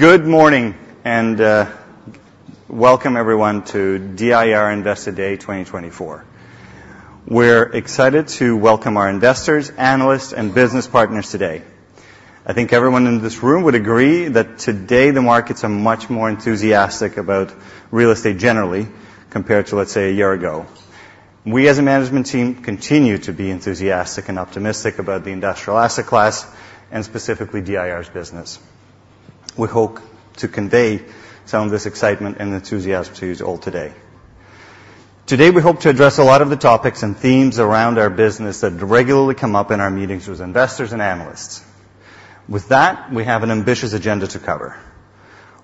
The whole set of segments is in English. Good morning, and welcome everyone to DIR Investor Day 2024. We're excited to welcome our investors, analysts, and business partners today. I think everyone in this room would agree that today, the markets are much more enthusiastic about real estate generally, compared to, let's say, a year ago. We, as a management team, continue to be enthusiastic and optimistic about the industrial asset class, and specifically DIR's business. We hope to convey some of this excitement and enthusiasm to you all today. Today, we hope to address a lot of the topics and themes around our business that regularly come up in our meetings with investors and analysts. With that, we have an ambitious agenda to cover.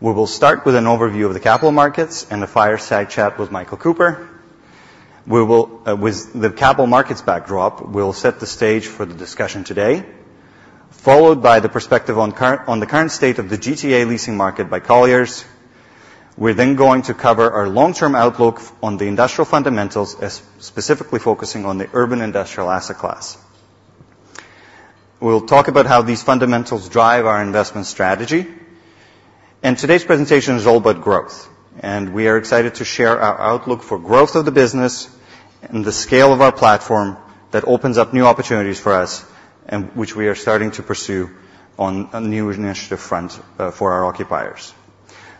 We will start with an overview of the capital markets and the fireside chat with Michael Cooper. We will, with the capital markets backdrop, we'll set the stage for the discussion today, followed by the perspective on the current state of the GTA leasing market by Colliers. We're then going to cover our long-term outlook on the industrial fundamentals, as specifically focusing on the urban industrial asset class. We'll talk about how these fundamentals drive our investment strategy. and today's presentation is all about growth, and we are excited to share our outlook for growth of the business and the scale of our platform that opens up new opportunities for us, and which we are starting to pursue on a new initiative front, for our occupiers.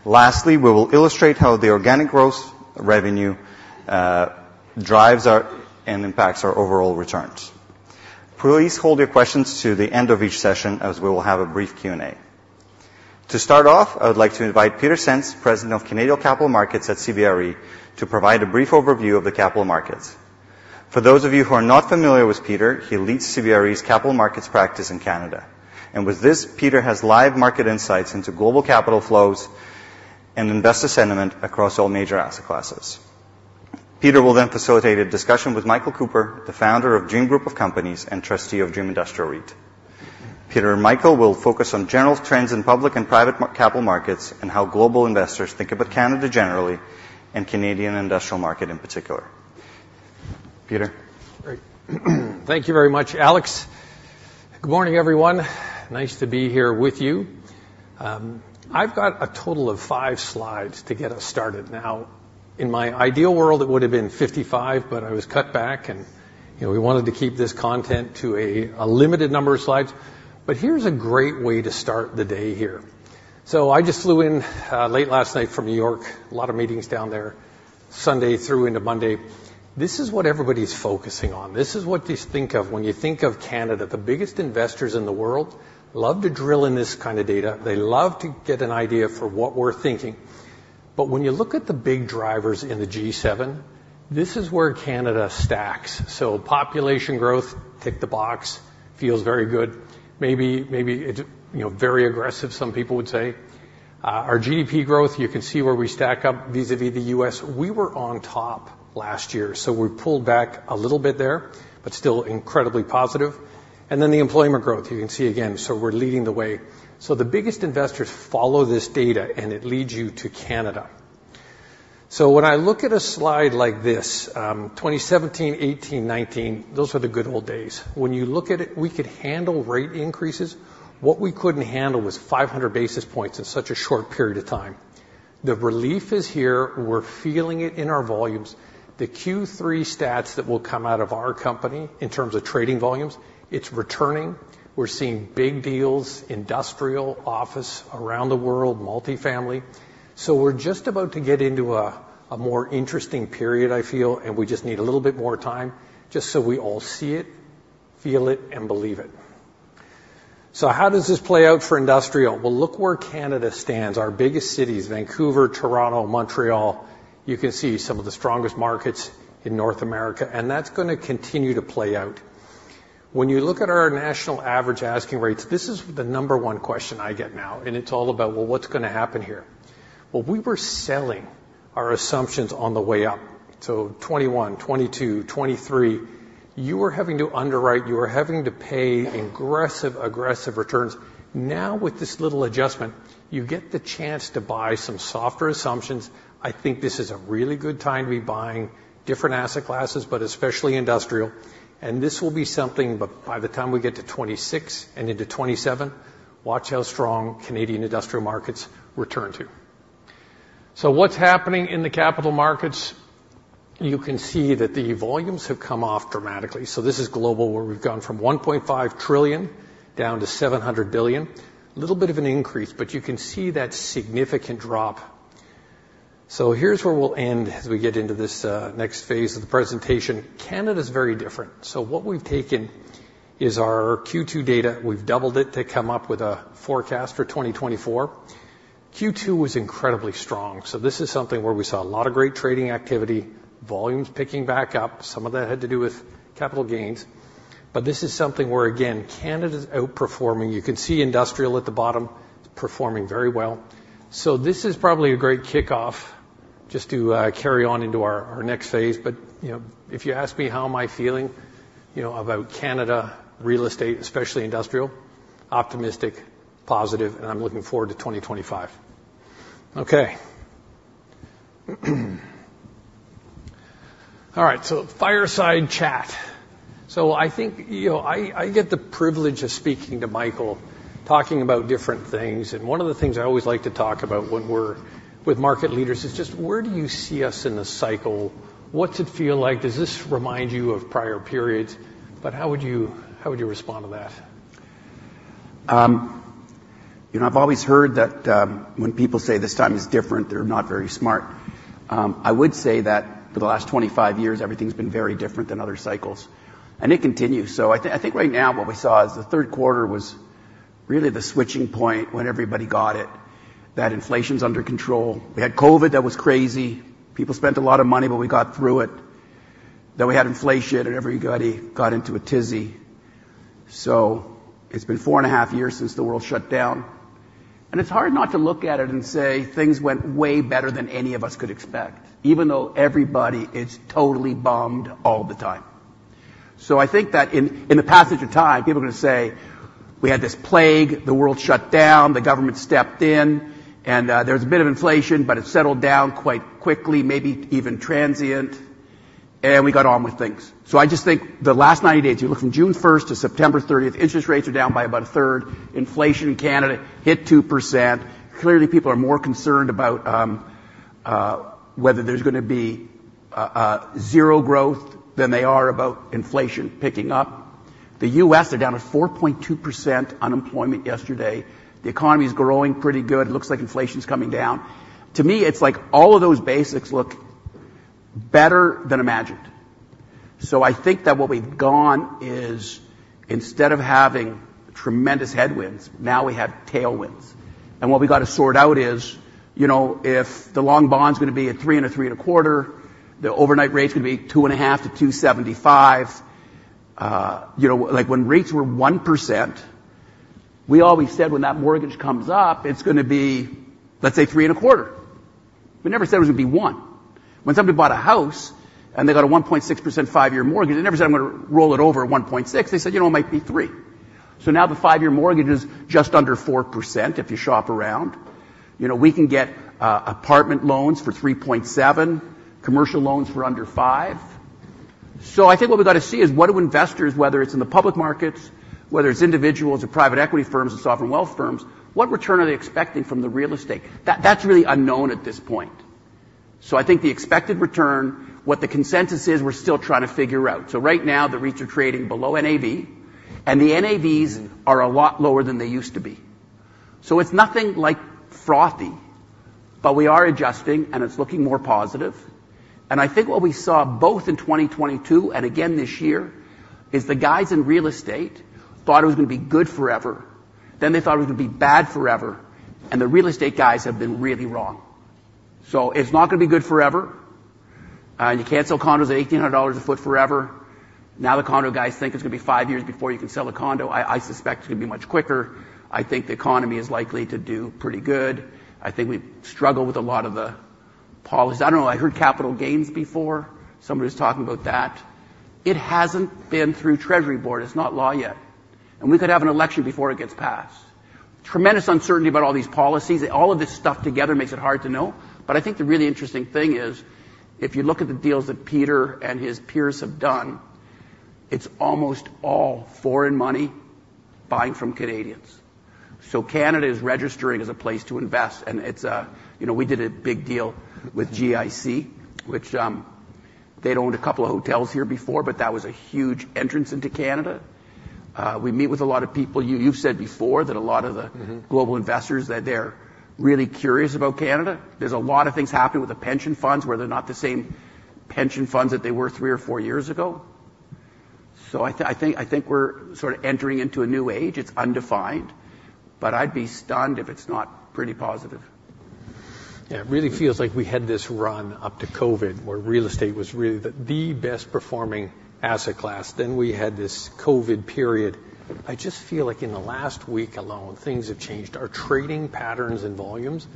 Lastly, we will illustrate how the organic growth revenue drives our, and impacts our overall returns. Please hold your questions to the end of each session, as we will have a brief Q&A. To start off, I would like to invite Peter Senst, President of Canadian Capital Markets at CBRE, to provide a brief overview of the capital markets. For those of you who are not familiar with Peter, he leads CBRE's capital markets practice in Canada. With this, Peter has live market insights into global capital flows and investor sentiment across all major asset classes. Peter will then facilitate a discussion with Michael Cooper, the founder of Dream Group of Companies and trustee of Dream Industrial REIT. Peter and Michael will focus on general trends in public and private markets, capital markets, and how global investors think about Canada generally, and Canadian industrial market in particular. Peter? Great. Thank you very much, Alex. Good morning, everyone. Nice to be here with you. I've got a total of five slides to get us started. Now, in my ideal world, it would have been 55, but I was cut back and, you know, we wanted to keep this content to a limited number of slides. But here's a great way to start the day here. So I just flew in late last night from New York. A lot of meetings down there, Sunday through into Monday. This is what everybody's focusing on. This is what you think of when you think of Canada. The biggest investors in the world love to drill in this kind of data. They love to get an idea for what we're thinking. But when you look at the big drivers in the G7, this is where Canada stacks. So population growth, tick the box. Feels very good. Maybe, it, you know, very aggressive, some people would say. Our GDP growth, you can see where we stack up vis-à-vis the US We were on top last year, so we pulled back a little bit there, but still incredibly positive. And then the employment growth, you can see again, so we're leading the way. So the biggest investors follow this data, and it leads you to Canada. So when I look at a slide like this, 2017, 2018, 2019, those are the good old days. When you look at it, we could handle rate increases. What we couldn't handle was 500 basis points in such a short period of time. The relief is here. We're feeling it in our volumes. The Q3 stats that will come out of our company in terms of trading volumes, it's returning. We're seeing big deals, industrial, office, around the world, multifamily. So we're just about to get into a more interesting period, I feel, and we just need a little bit more time just so we all see it, feel it, and believe it. So how does this play out for industrial? Well, look where Canada stands, our biggest cities, Vancouver, Toronto, Montreal. You can see some of the strongest markets in North America, and that's going to continue to play out. When you look at our national average asking rates, this is the number one question I get now, and it's all about: Well, what's going to happen here? Well, we were selling our assumptions on the way up, so 2021, 2022, 2023. You were having to underwrite, you were having to pay aggressive, aggressive returns. Now, with this little adjustment, you get the chance to buy some softer assumptions. I think this is a really good time to be buying different asset classes, but especially industrial. And this will be something by the time we get to 2026 and into 2027, watch how strong Canadian industrial markets return to. So what's happening in the capital markets? You can see that the volumes have come off dramatically. So this is global, where we've gone from $1.5 trillion down to $700 billion. Little bit of an increase, but you can see that significant drop. So here's where we'll end as we get into this next phase of the presentation. Canada is very different. So what we've taken is our Q2 data. We've doubled it to come up with a forecast for 2024. Q2 was incredibly strong. So this is something where we saw a lot of great trading activity, volumes picking back up. Some of that had to do with capital gains, but this is something where, again, Canada's outperforming. You can see industrial at the bottom, performing very well. So this is probably a great kickoff just to carry on into our next phase. But, you know, if you ask me, how am I feeling, you know, about Canada real estate, especially industrial, optimistic, positive, and I'm looking forward to 2025. Okay. All right, so fireside chat. I think, you know, I, I get the privilege of speaking to Michael, talking about different things, and one of the things I always like to talk about when we're with market leaders is just where do you see us in the cycle? What's it feel like? Does this remind you of prior periods? But how would you, how would you respond to that? You know, I've always heard that when people say this time is different, they're not very smart. I would say that for the last twenty-five years, everything's been very different than other cycles, and it continues. So I think right now what we saw is the third quarter was really the switching point when everybody got it, that inflation's under control. We had COVID. That was crazy. People spent a lot of money, but we got through it. Then we had inflation, and everybody got into a tizzy. So it's been four and a half years since the world shut down, and it's hard not to look at it and say, things went way better than any of us could expect, even though everybody is totally bummed all the time. So I think that in the passage of time, people are going to say, "We had this plague, the world shut down, the government stepped in, and there was a bit of inflation, but it settled down quite quickly, maybe even transient, and we got on with things." So I just think the last 90 days, you look from 1 June to 13 September, interest rates are down by about a third. Inflation in Canada hit 2%. Clearly, people are more concerned about whether there's going to be a zero growth than they are about inflation picking up. The US are down to 4.2% unemployment yesterday. The economy is growing pretty good. It looks like inflation's coming down. To me, it's like all of those basics look better than imagined. So I think that what we've gone is, instead of having tremendous headwinds, now we have tailwinds, and what we've got to sort out is, you know, if the long bond's going to be at 3% and 3.25%, the overnight rate's going to be 2.5% to 2.75%. You know, like, when rates were 1%, we always said when that mortgage comes up, it's going to be, let's say, 3.25%. We never said it was going to be 1%. When somebody bought a house, and they got a 1.6% five-year mortgage, they never said, "I'm going to roll it over at 1.6." They said, "You know, it might be 3%." So now the five-year mortgage is just under 4% if you shop around. You know, we can get apartment loans for 3.7, commercial loans for under 5. So I think what we've got to see is what do investors, whether it's in the public markets, whether it's individuals or private equity firms and sovereign wealth firms, what return are they expecting from the real estate? That, that's really unknown at this point. So I think the expected return, what the consensus is, we're still trying to figure out. So right now, the REITs are trading below NAV, and the NAVs are a lot lower than they used to be. So it's nothing like frothy, but we are adjusting, and it's looking more positive. And I think what we saw both in 2022 and again this year is the guys in real estate thought it was going to be good forever, then they thought it was going to be bad forever, and the real estate guys have been really wrong. So it's not going to be good forever, and you can't sell condos at $1,800 a foot forever. Now, the condo guys think it's going to be five years before you can sell a condo. I, I suspect it's going to be much quicker. I think the economy is likely to do pretty good. I think we struggle with a lot of the policies. I don't know, I heard capital gains before. Somebody was talking about that. It hasn't been through Treasury Board. It's not law yet, and we could have an election before it gets passed. Tremendous uncertainty about all these policies. All of this stuff together makes it hard to know. But I think the really interesting thing is, if you look at the deals that Peter and his peers have done, it's almost all foreign money buying from Canadians. So Canada is registering as a place to invest, and it's a. You know, we did a big deal with GIC, which, they'd owned a couple of hotels here before, but that was a huge entrance into Canada. We meet with a lot of people. You, you've said before that a lot of the- Mm-hmm. Global investors, that they're really curious about Canada. There's a lot of things happening with the pension funds, where they're not the same pension funds that they were three or four years ago. So I think we're sort of entering into a new age. It's undefined, but I'd be stunned if it's not pretty positive. Yeah, it really feels like we had this run up to COVID, where real estate was really the best performing asset class. Then we had this COVID period. I just feel like in the last week alone, things have changed. Our trading patterns and volumes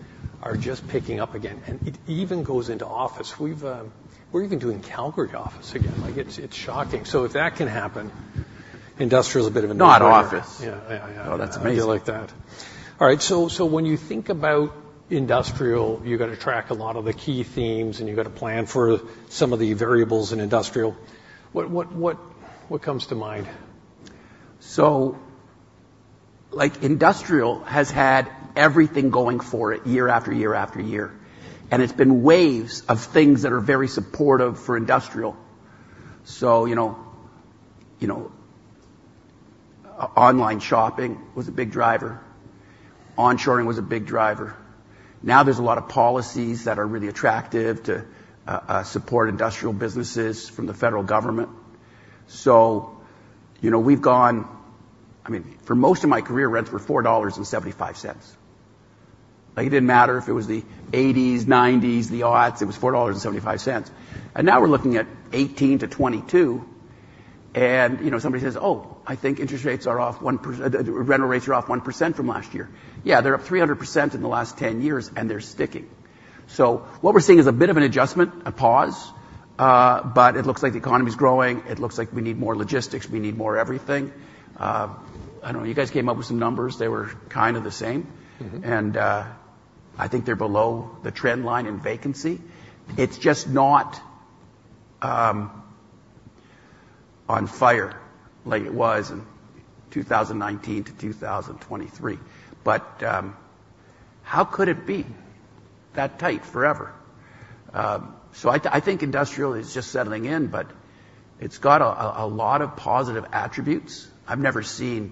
are just picking up again, and it even goes into office. We've... We're even doing Calgary office again. Like, it's, it's shocking. So if that can happen, industrial is a bit of an- Not office. Yeah, yeah, yeah. Oh, that's amazing. I feel like that. All right, so when you think about industrial, you've got to track a lot of the key themes, and you've got to plan for some of the variables in industrial. What comes to mind? So, like, industrial has had everything going for it year after year after year, and it's been waves of things that are very supportive for industrial. So, you know, you know, online shopping was a big driver. Onshoring was a big driver. Now, there's a lot of policies that are really attractive to support industrial businesses from the federal government. So, you know, we've gone. I mean, for most of my career, rents were $4.75. Like, it didn't matter if it was the eighties, nineties, the aughts, it was $4.75. And now we're looking at 18 to 22, and, you know, somebody says, "Oh, I think interest rates are off 1%. Rental rates are off 1% from last year." Yeah, they're up 300% in the last 10 years, and they're sticking. So what we're seeing is a bit of an adjustment, a pause, but it looks like the economy's growing. It looks like we need more logistics. We need more everything. I don't know, you guys came up with some numbers. They were kind of the same. Mm-hmm. I think they're below the trend line in vacancy. It's just not on fire like it was in 2019 to 2023. How could it be that tight forever? I think industrial is just settling in, but it's got a lot of positive attributes. I've never seen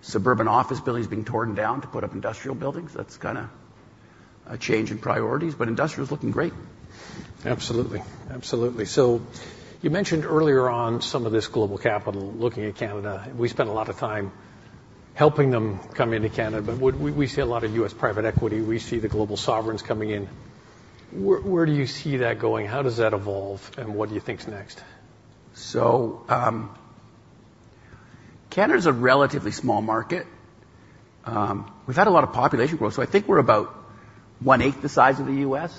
suburban office buildings being torn down to put up industrial buildings. That's kind of a change in priorities, but industrial is looking great. Absolutely. Absolutely. So you mentioned earlier on some of this global capital looking at Canada. We spent a lot of time helping them come into Canada, but we see a lot of US private equity. We see the global sovereigns coming in. Where do you see that going? How does that evolve, and what do you think is next? Canada is a relatively small market. We've had a lot of population growth, so I think we're about one-eighth the size of the US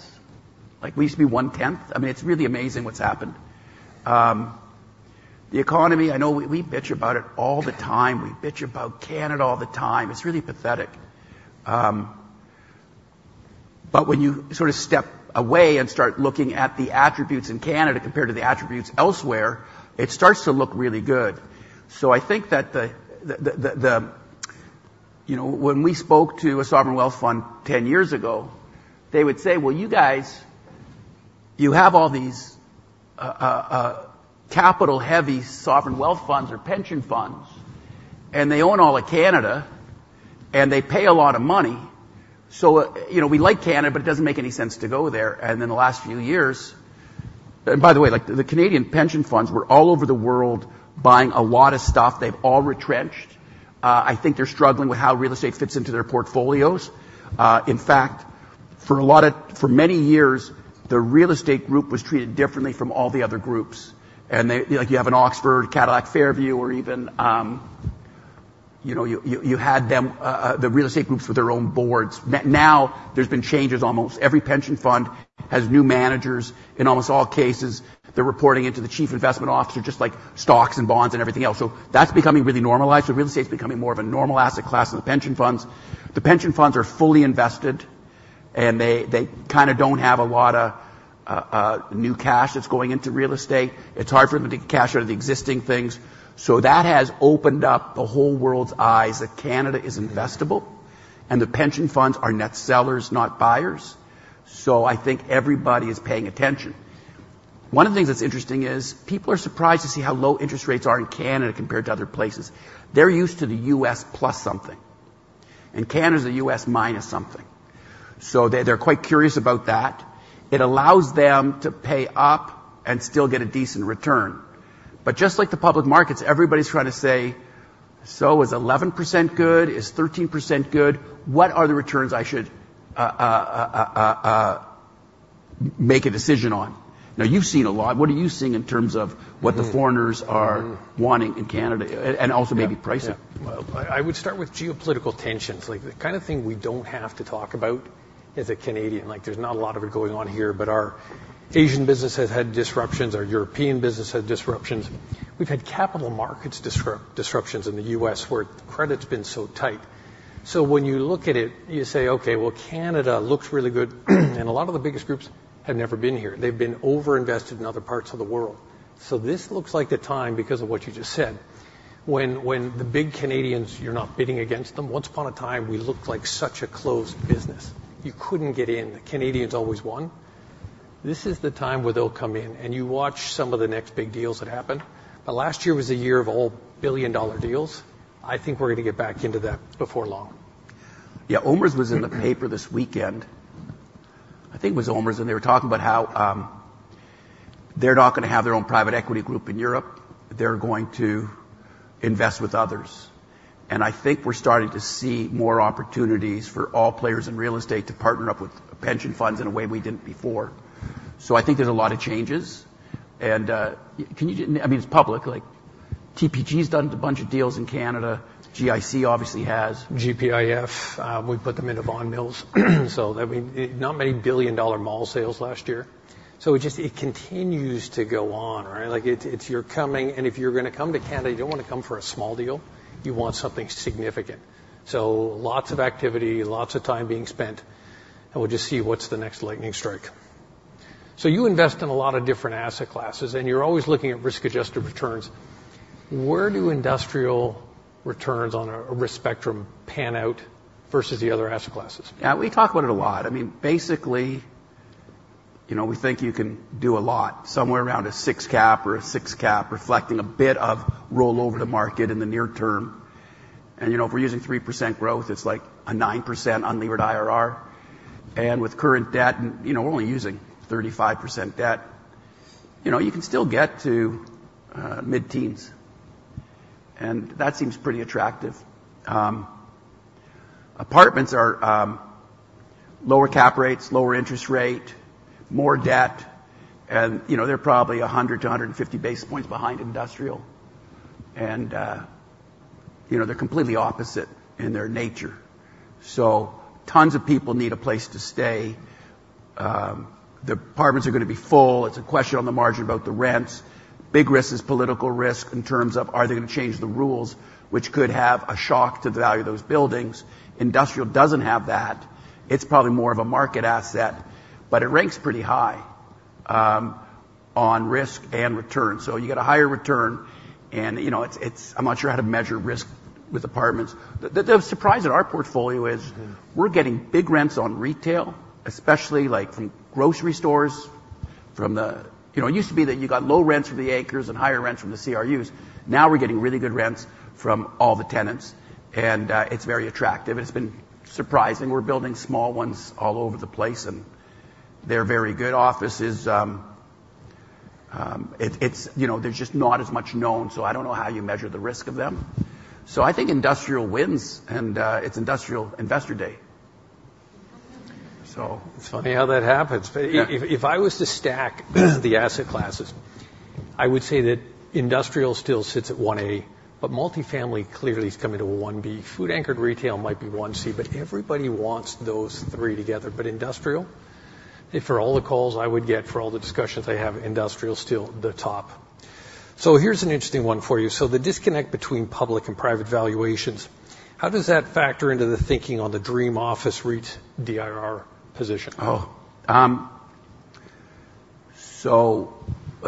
Like, we used to be one-tenth. I mean, it's really amazing what's happened. The economy, I know we bitch about it all the time. We bitch about Canada all the time. It's really pathetic, but when you sort of step away and start looking at the attributes in Canada compared to the attributes elsewhere, it starts to look really good, so I think that the... You know, when we spoke to a sovereign wealth fund 10 years ago, they would say, "Well, you guys, you have all these, capital-heavy sovereign wealth funds or pension funds, and they own all of Canada, and they pay a lot of money. So, you know, we like Canada, but it doesn't make any sense to go there." And in the last few years. By the way, like, the Canadian pension funds were all over the world, buying a lot of stuff. They've all retrenched. I think they're struggling with how real estate fits into their portfolios. In fact, for many years, the real estate group was treated differently from all the other groups. And they, like, you have an Oxford, Cadillac Fairview, or even, you know, you had them, the real estate groups with their own boards. Now, there's been changes. Almost every pension fund has new managers. In almost all cases, they're reporting it to the chief investment officer, just like stocks and bonds and everything else, so that's becoming really normalized. Real estate's becoming more of a normal asset class in the pension funds. The pension funds are fully invested, and they kind of don't have a lot of new cash that's going into real estate. It's hard for them to take cash out of the existing things. That has opened up the whole world's eyes that Canada is investable, and the pension funds are net sellers, not buyers. I think everybody is paying attention. One of the things that's interesting is people are surprised to see how low interest rates are in Canada compared to other places. They're used to the US plus something, and Canada is a US minus something. They're quite curious about that. It allows them to pay up and still get a decent return. But just like the public markets, everybody's trying to say, "So is 11% good? Is 13% good? What are the returns I should make a decision on?" Now, you've seen a lot. What are you seeing in terms of what the foreigners are wanting in Canada, and also maybe pricing? Yeah. Well, I would start with geopolitical tensions. Like, the kind of thing we don't have to talk about as a Canadian, like, there's not a lot of it going on here, but our Asian business has had disruptions, our European business had disruptions. We've had capital markets disruptions in the US, where credit's been so tight. So when you look at it, you say, "Okay, well, Canada looks really good." And a lot of the biggest groups have never been here. They've been over-invested in other parts of the world. So this looks like the time, because of what you just said, when the big Canadians, you're not bidding against them. Once upon a time, we looked like such a closed business. You couldn't get in. The Canadians always won. This is the time where they'll come in, and you watch some of the next big deals that happen. But last year was a year of all billion-dollar deals. I think we're going to get back into that before long. Yeah, OMERS was in the paper this weekend. I think it was OMERS, and they were talking about how they're not going to have their own private equity group in Europe. They're going to invest with others, and I think we're starting to see more opportunities for all players in real estate to partner up with pension funds in a way we didn't before, so I think there's a lot of changes, and can you... I mean, it's public. Like, TPG's done a bunch of deals in Canada. GIC obviously has. GPIF, we put them into Vaughan Mills, so, I mean, not many billion-dollar mall sales last year. So it just, it continues to go on, right? Like, it's, it's you're coming, and if you're going to come to Canada, you don't wanna come for a small deal. You want something significant. So lots of activity, lots of time being spent, and we'll just see what's the next lightning strike. So you invest in a lot of different asset classes, and you're always looking at risk-adjusted returns. Where do industrial returns on a risk spectrum pan out versus the other asset classes? Yeah, we talk about it a lot. I mean, basically, you know, we think you can do a lot, somewhere around a six cap or a six cap, reflecting a bit of roll over the market in the near term. And, you know, if we're using 3% growth, it's like a 9% unlevered IRR. And with current debt, you know, we're only using 35% debt. You know, you can still get to mid-teens, and that seems pretty attractive. Apartments are lower cap rates, lower interest rate, more debt, and, you know, they're probably 100 to 150 basis points behind industrial. And, you know, they're completely opposite in their nature. So tons of people need a place to stay. The apartments are going to be full. It's a question on the margin about the rents. Big risk is political risk in terms of are they going to change the rules, which could have a shock to the value of those buildings? Industrial doesn't have that. It's probably more of a market asset, but it ranks pretty high on risk and return. So you get a higher return, and, you know, it's. I'm not sure how to measure risk with apartments. The surprise in our portfolio is we're getting big rents on retail, especially, like, from grocery stores, from the. You know, it used to be that you got low rents from the anchors and higher rents from the CRUs. Now we're getting really good rents from all the tenants, and it's very attractive, and it's been surprising. We're building small ones all over the place, and they're very good offices. It's, you know, there's just not as much known, so I don't know how you measure the risk of them. So I think industrial wins, and it's industrial investor day. It's funny how that happens. Yeah. If I was to stack the asset classes, I would say that industrial still sits at one A, but multifamily clearly is coming to a one B. Food-anchored retail might be one C, but everybody wants those three together. But industrial, if for all the calls I would get, for all the discussions I have, industrial is still the top. So here's an interesting one for you. So the disconnect between public and private valuations, how does that factor into the thinking on the Dream Office REIT DIR position? A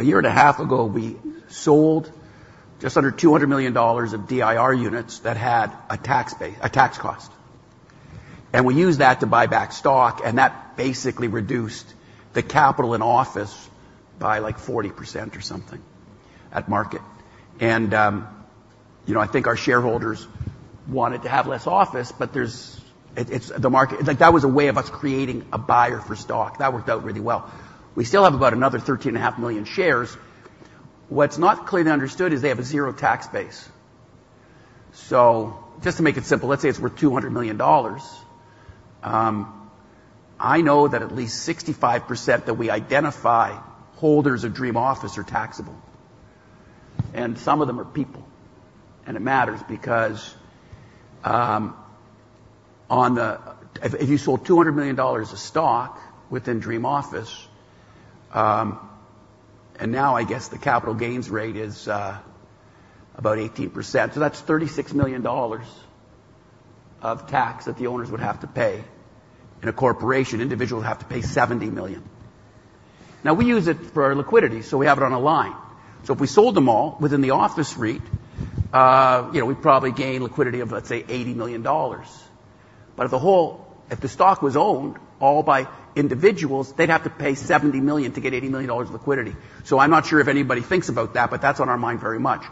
year and a half ago, we sold just under 200 million dollars of DIR units that had a tax cost, and we used that to buy back stock, and that basically reduced the capital in office by, like, 40% or something at market. You know, I think our shareholders wanted to have less office, but it's the market. Like, that was a way of us creating a buyer for stock. That worked out really well. We still have about another 13.5 million shares. What's not clearly understood is they have a zero tax basis. So just to make it simple, let's say it's worth 200 million dollars. I know that at least 65% that we identify holders of Dream Office are taxable, and some of them are people. It matters because if you sold $200 million of stock within Dream Office, and now I guess the capital gains rate is about 18%. So that's $36 million of tax that the owners would have to pay. In a corporation, individual would have to pay $70 million. Now, we use it for our liquidity, so we have it on a line. So if we sold them all within the office REIT, you know, we'd probably gain liquidity of, let's say, $80 million. But if the stock was owned all by individuals, they'd have to pay $70 million to get $80 million liquidity. So I'm not sure if anybody thinks about that, but that's on our mind very much.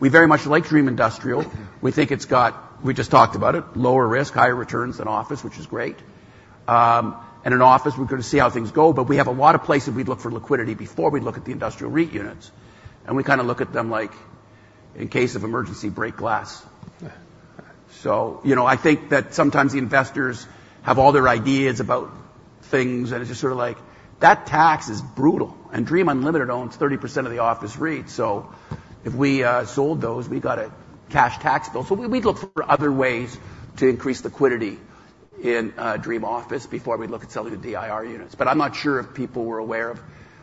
We very much like Dream Industrial. We think it's got, we just talked about it, lower risk, higher returns than office, which is great, and in office, we're going to see how things go, but we have a lot of places we'd look for liquidity before we'd look at the industrial REIT units, and we kind of look at them, like, in case of emergency, break glass. Yeah. So, you know, I think that sometimes the investors have all their ideas about things, and it's just sort of like, that tax is brutal, and Dream Unlimited owns 30% of the office REIT. So if we sold those, we got a cash tax bill. So we would look for other ways to increase liquidity in Dream Office before we'd look at selling the DIR units. But I'm not sure if people were aware of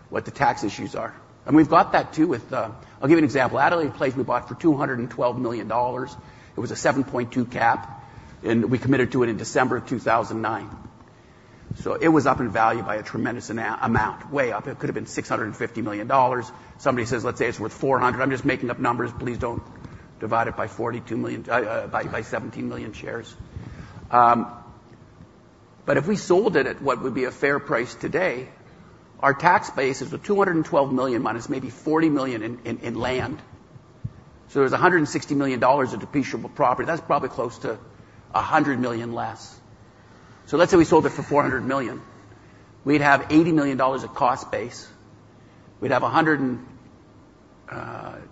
what the tax issues are. And we've got that, too, with... I'll give you an example. Adelaide Place we bought for 212 million dollars. It was a 7.2 cap, and we committed to it in December of 2009. So it was up in value by a tremendous amount, way up. It could have been 650 million dollars. Somebody says, "Let's say it's worth four hundred." I'm just making up numbers. Please don't divide it by 42 million, by 17 million shares. But if we sold it at what would be a fair price today, our tax base is the $212 million, minus maybe $40 million in land. So there's $160 million of depreciable property. That's probably close to $100 million less. So let's say we sold it for $400 million. We'd have $80 million of cost base. We'd have a hundred and, two hundred.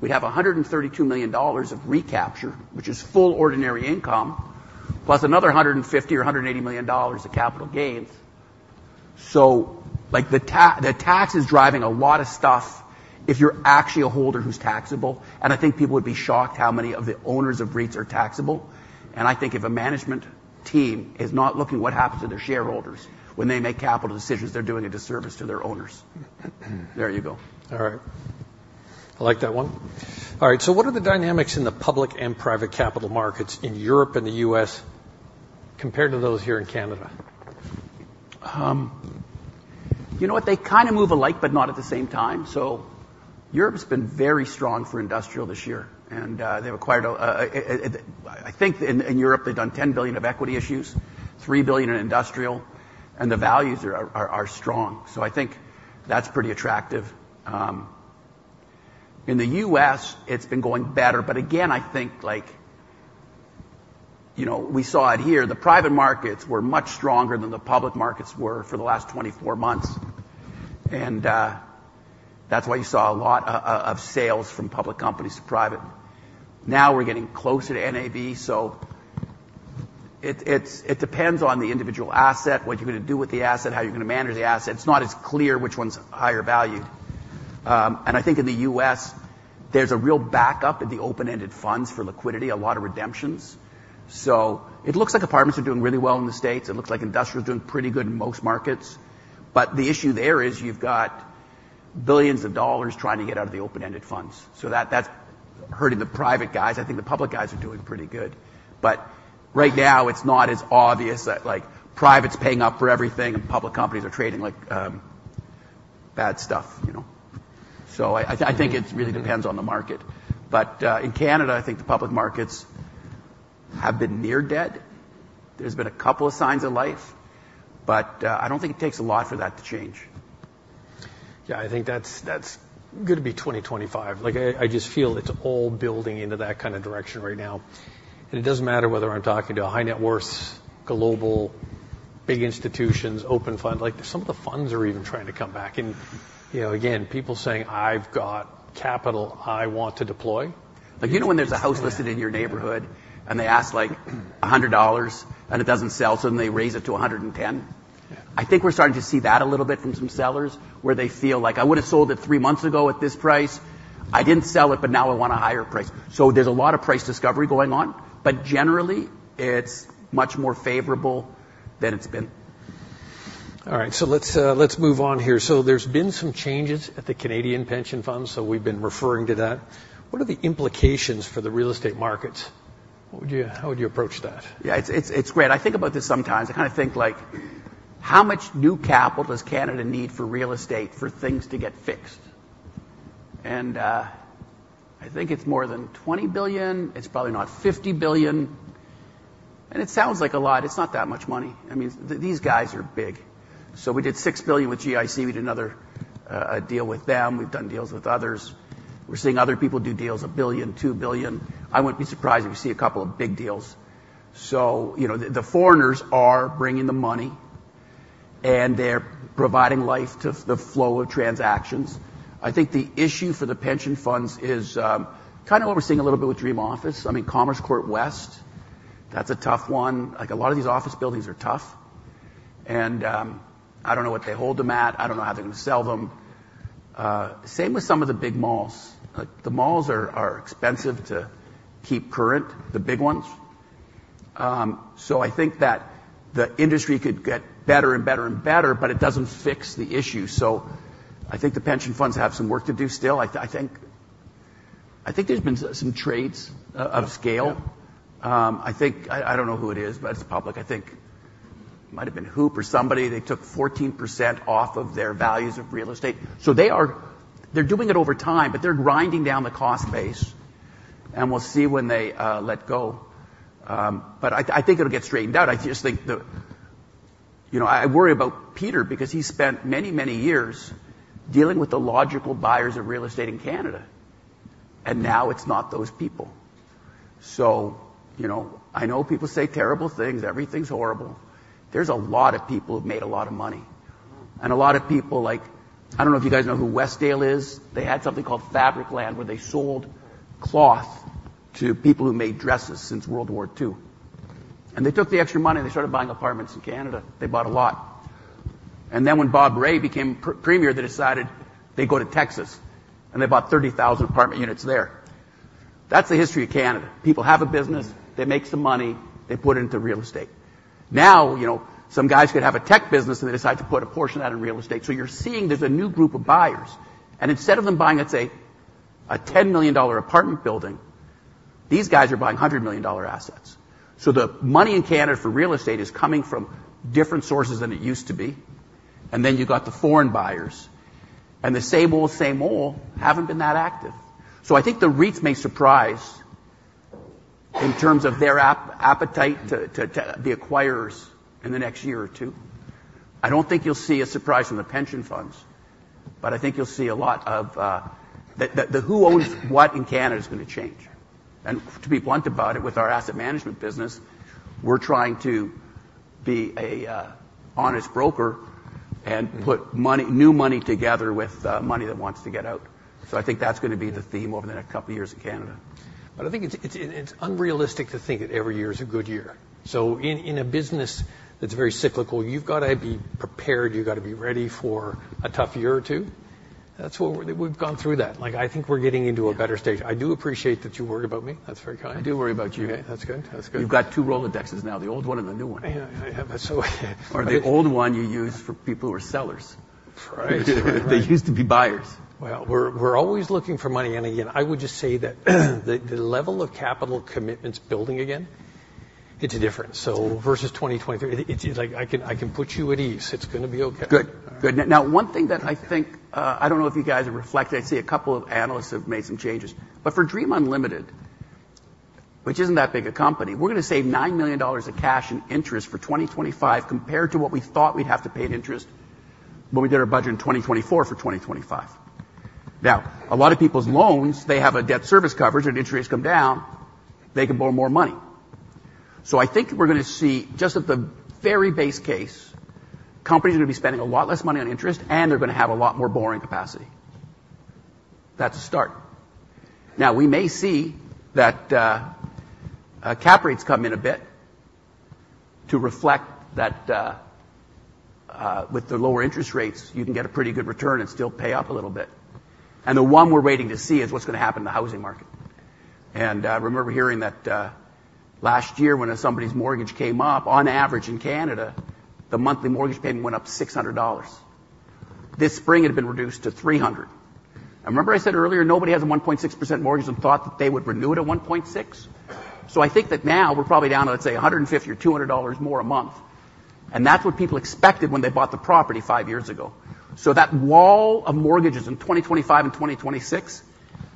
We'd have $132 million of recapture, which is full ordinary income, plus another $150 or $180 million of capital gains. So, like, the tax is driving a lot of stuff if you're actually a holder who's taxable, and I think people would be shocked how many of the owners of REITs are taxable. And I think if a management team is not looking at what happens to their shareholders when they make capital decisions, they're doing a disservice to their owners. There you go. All right. I like that one. All right, so what are the dynamics in the public and private capital markets in Europe and the US compared to those here in Canada? You know what? They kind of move alike, but not at the same time. So Europe's been very strong for industrial this year, and they've acquired, I think in Europe, they've done 10 billion of equity issues, 3 billion in industrial, and the values are strong. So I think that's pretty attractive. In the US, it's been going better, but again, I think, like, you know, we saw it here, the private markets were much stronger than the public markets were for the last 24 months. And that's why you saw a lot of sales from public companies to private. Now we're getting closer to NAV, so it depends on the individual asset, what you're going to do with the asset, how you're going to manage the asset. It's not as clear which one's higher value. And I think in the US, there's a real backup in the open-ended funds for liquidity, a lot of redemptions. So it looks like apartments are doing really well in the States. It looks like industrial is doing pretty good in most markets. But the issue there is you've got billions of dollars trying to get out of the open-ended funds, so that, that's hurting the private guys. I think the public guys are doing pretty good. But right now, it's not as obvious that, like, private's paying up for everything, and public companies are trading like, bad stuff, you know? So I think it really depends on the market. But, in Canada, I think the public markets have been near dead. There's been a couple of signs of life, but, I don't think it takes a lot for that to change. Yeah, I think that's going to be 2025. Like, I just feel it's all building into that kind of direction right now. And it doesn't matter whether I'm talking to a high-net-worth global, big institutions, open fund. Like, some of the funds are even trying to come back. And, you know, again, people saying, "I've got capital I want to deploy. Like, you know when there's a house listed in your neighborhood, and they ask, like, a hundred dollars, and it doesn't sell, so then they raise it to a hundred and ten? Yeah. I think we're starting to see that a little bit from some sellers, where they feel like, "I would have sold it three months ago at this price. I didn't sell it, but now I want a higher price." So there's a lot of price discovery going on, but generally, it's much more favorable than it's been. All right, so let's move on here. So there's been some changes at the Canadian pension funds, so we've been referring to that. What are the implications for the real estate markets? What would you? How would you approach that? Yeah, it's great. I think about this sometimes. I kind of think, like, how much new capital does Canada need for real estate for things to get fixed? And I think it's more than $20 billion. It's probably not $50 billion, and it sounds like a lot. It's not that much money. I mean, these guys are big. So we did $6 billion with GIC. We did another deal with them. We've done deals with others. We're seeing other people do deals, a billion, 2 billion. I wouldn't be surprised if we see a couple of big deals. So, you know, the foreigners are bringing the money, and they're providing life to the flow of transactions. I think the issue for the pension funds is kind of what we're seeing a little bit with Dream Office. I mean, Commerce Court West, that's a tough one. Like, a lot of these office buildings are tough, and I don't know what they hold them at. I don't know how they're going to sell them. Same with some of the big malls. Like, the malls are expensive to keep current, the big ones. So I think that the industry could get better and better and better, but it doesn't fix the issue. So I think the pension funds have some work to do still. I think there's been some trades of scale. I don't know who it is, but it's public. I think it might have been HOOPP or somebody. They took 14% off of their values of real estate. They are. They're doing it over time, but they're grinding down the cost base, and we'll see when they let go. But I think it'll get straightened out. I just think. You know, I worry about Peter because he spent many, many years dealing with the logical buyers of real estate in Canada, and now it's not those people. So, you know, I know people say terrible things, everything's horrible. There's a lot of people who've made a lot of money, and a lot of people, like. I don't know if you guys know who Westdale is. They had something called Fabricland, where they sold cloth to people who made dresses since World War II. And they took the extra money, and they started buying apartments in Canada. They bought a lot. And then, when Bob Rae became premier, they decided they'd go to Texas, and they bought 30,000 apartment units there. That's the history of Canada. People have a business, they make some money, they put it into real estate. Now, you know, some guys could have a tech business, and they decide to put a portion of that in real estate. So you're seeing there's a new group of buyers, and instead of them buying, let's say, a $10 million apartment building, these guys are buying $100 million assets. So the money in Canada for real estate is coming from different sources than it used to be, and then you've got the foreign buyers, and the same old, same old haven't been that active. So I think the REITs may surprise in terms of their appetite to be acquirers in the next year or two. I don't think you'll see a surprise from the pension funds, but I think you'll see a lot of... The who owns what in Canada is going to change. And to be blunt about it, with our asset management business, we're trying to be a honest broker and put new money together with money that wants to get out. So I think that's going to be the theme over the next couple of years in Canada. But I think it's unrealistic to think that every year is a good year. So in a business that's very cyclical, you've got to be prepared, you've got to be ready for a tough year or two. That's what... We've gone through that. Like, I think we're getting into a better stage. I do appreciate that you worry about me. That's very kind. I do worry about you. That's good. That's good. You've got two Rolodexes now, the old one and the new one. Yeah, so- Or the old one you use for people who are sellers. Right. They used to be buyers. We're always looking for money. Again, I would just say that the level of capital commitments building again, it's different. Versus 2023, it's like I can put you at ease. It's going to be okay. Good. Good. Now, one thing that I think, I don't know if you guys have reflected. I see a couple of analysts have made some changes. But for Dream Unlimited, which isn't that big a company, we're going to save $9 million of cash in interest for 2025 compared to what we thought we'd have to pay in interest when we did our budget in 2024 for 2025. Now, a lot of people's loans, they have a debt service coverage, and interest rates come down, they can borrow more money. So I think we're going to see, just at the very base case, companies are going to be spending a lot less money on interest, and they're going to have a lot more borrowing capacity. That's a start. Now, we may see that cap rates come in a bit. to reflect that, with the lower interest rates, you can get a pretty good return and still pay up a little bit. And the one we're waiting to see is what's going to happen in the housing market. And I remember hearing that, last year, when somebody's mortgage came up, on average in Canada, the monthly mortgage payment went up 600 dollars. This spring, it had been reduced to 300. And remember I said earlier, nobody has a 1.6% mortgage and thought that they would renew it at 1.6%? So I think that now we're probably down to, let's say, 150 or 200 dollars more a month, and that's what people expected when they bought the property five years ago. So that wall of mortgages in 2025 and 2026,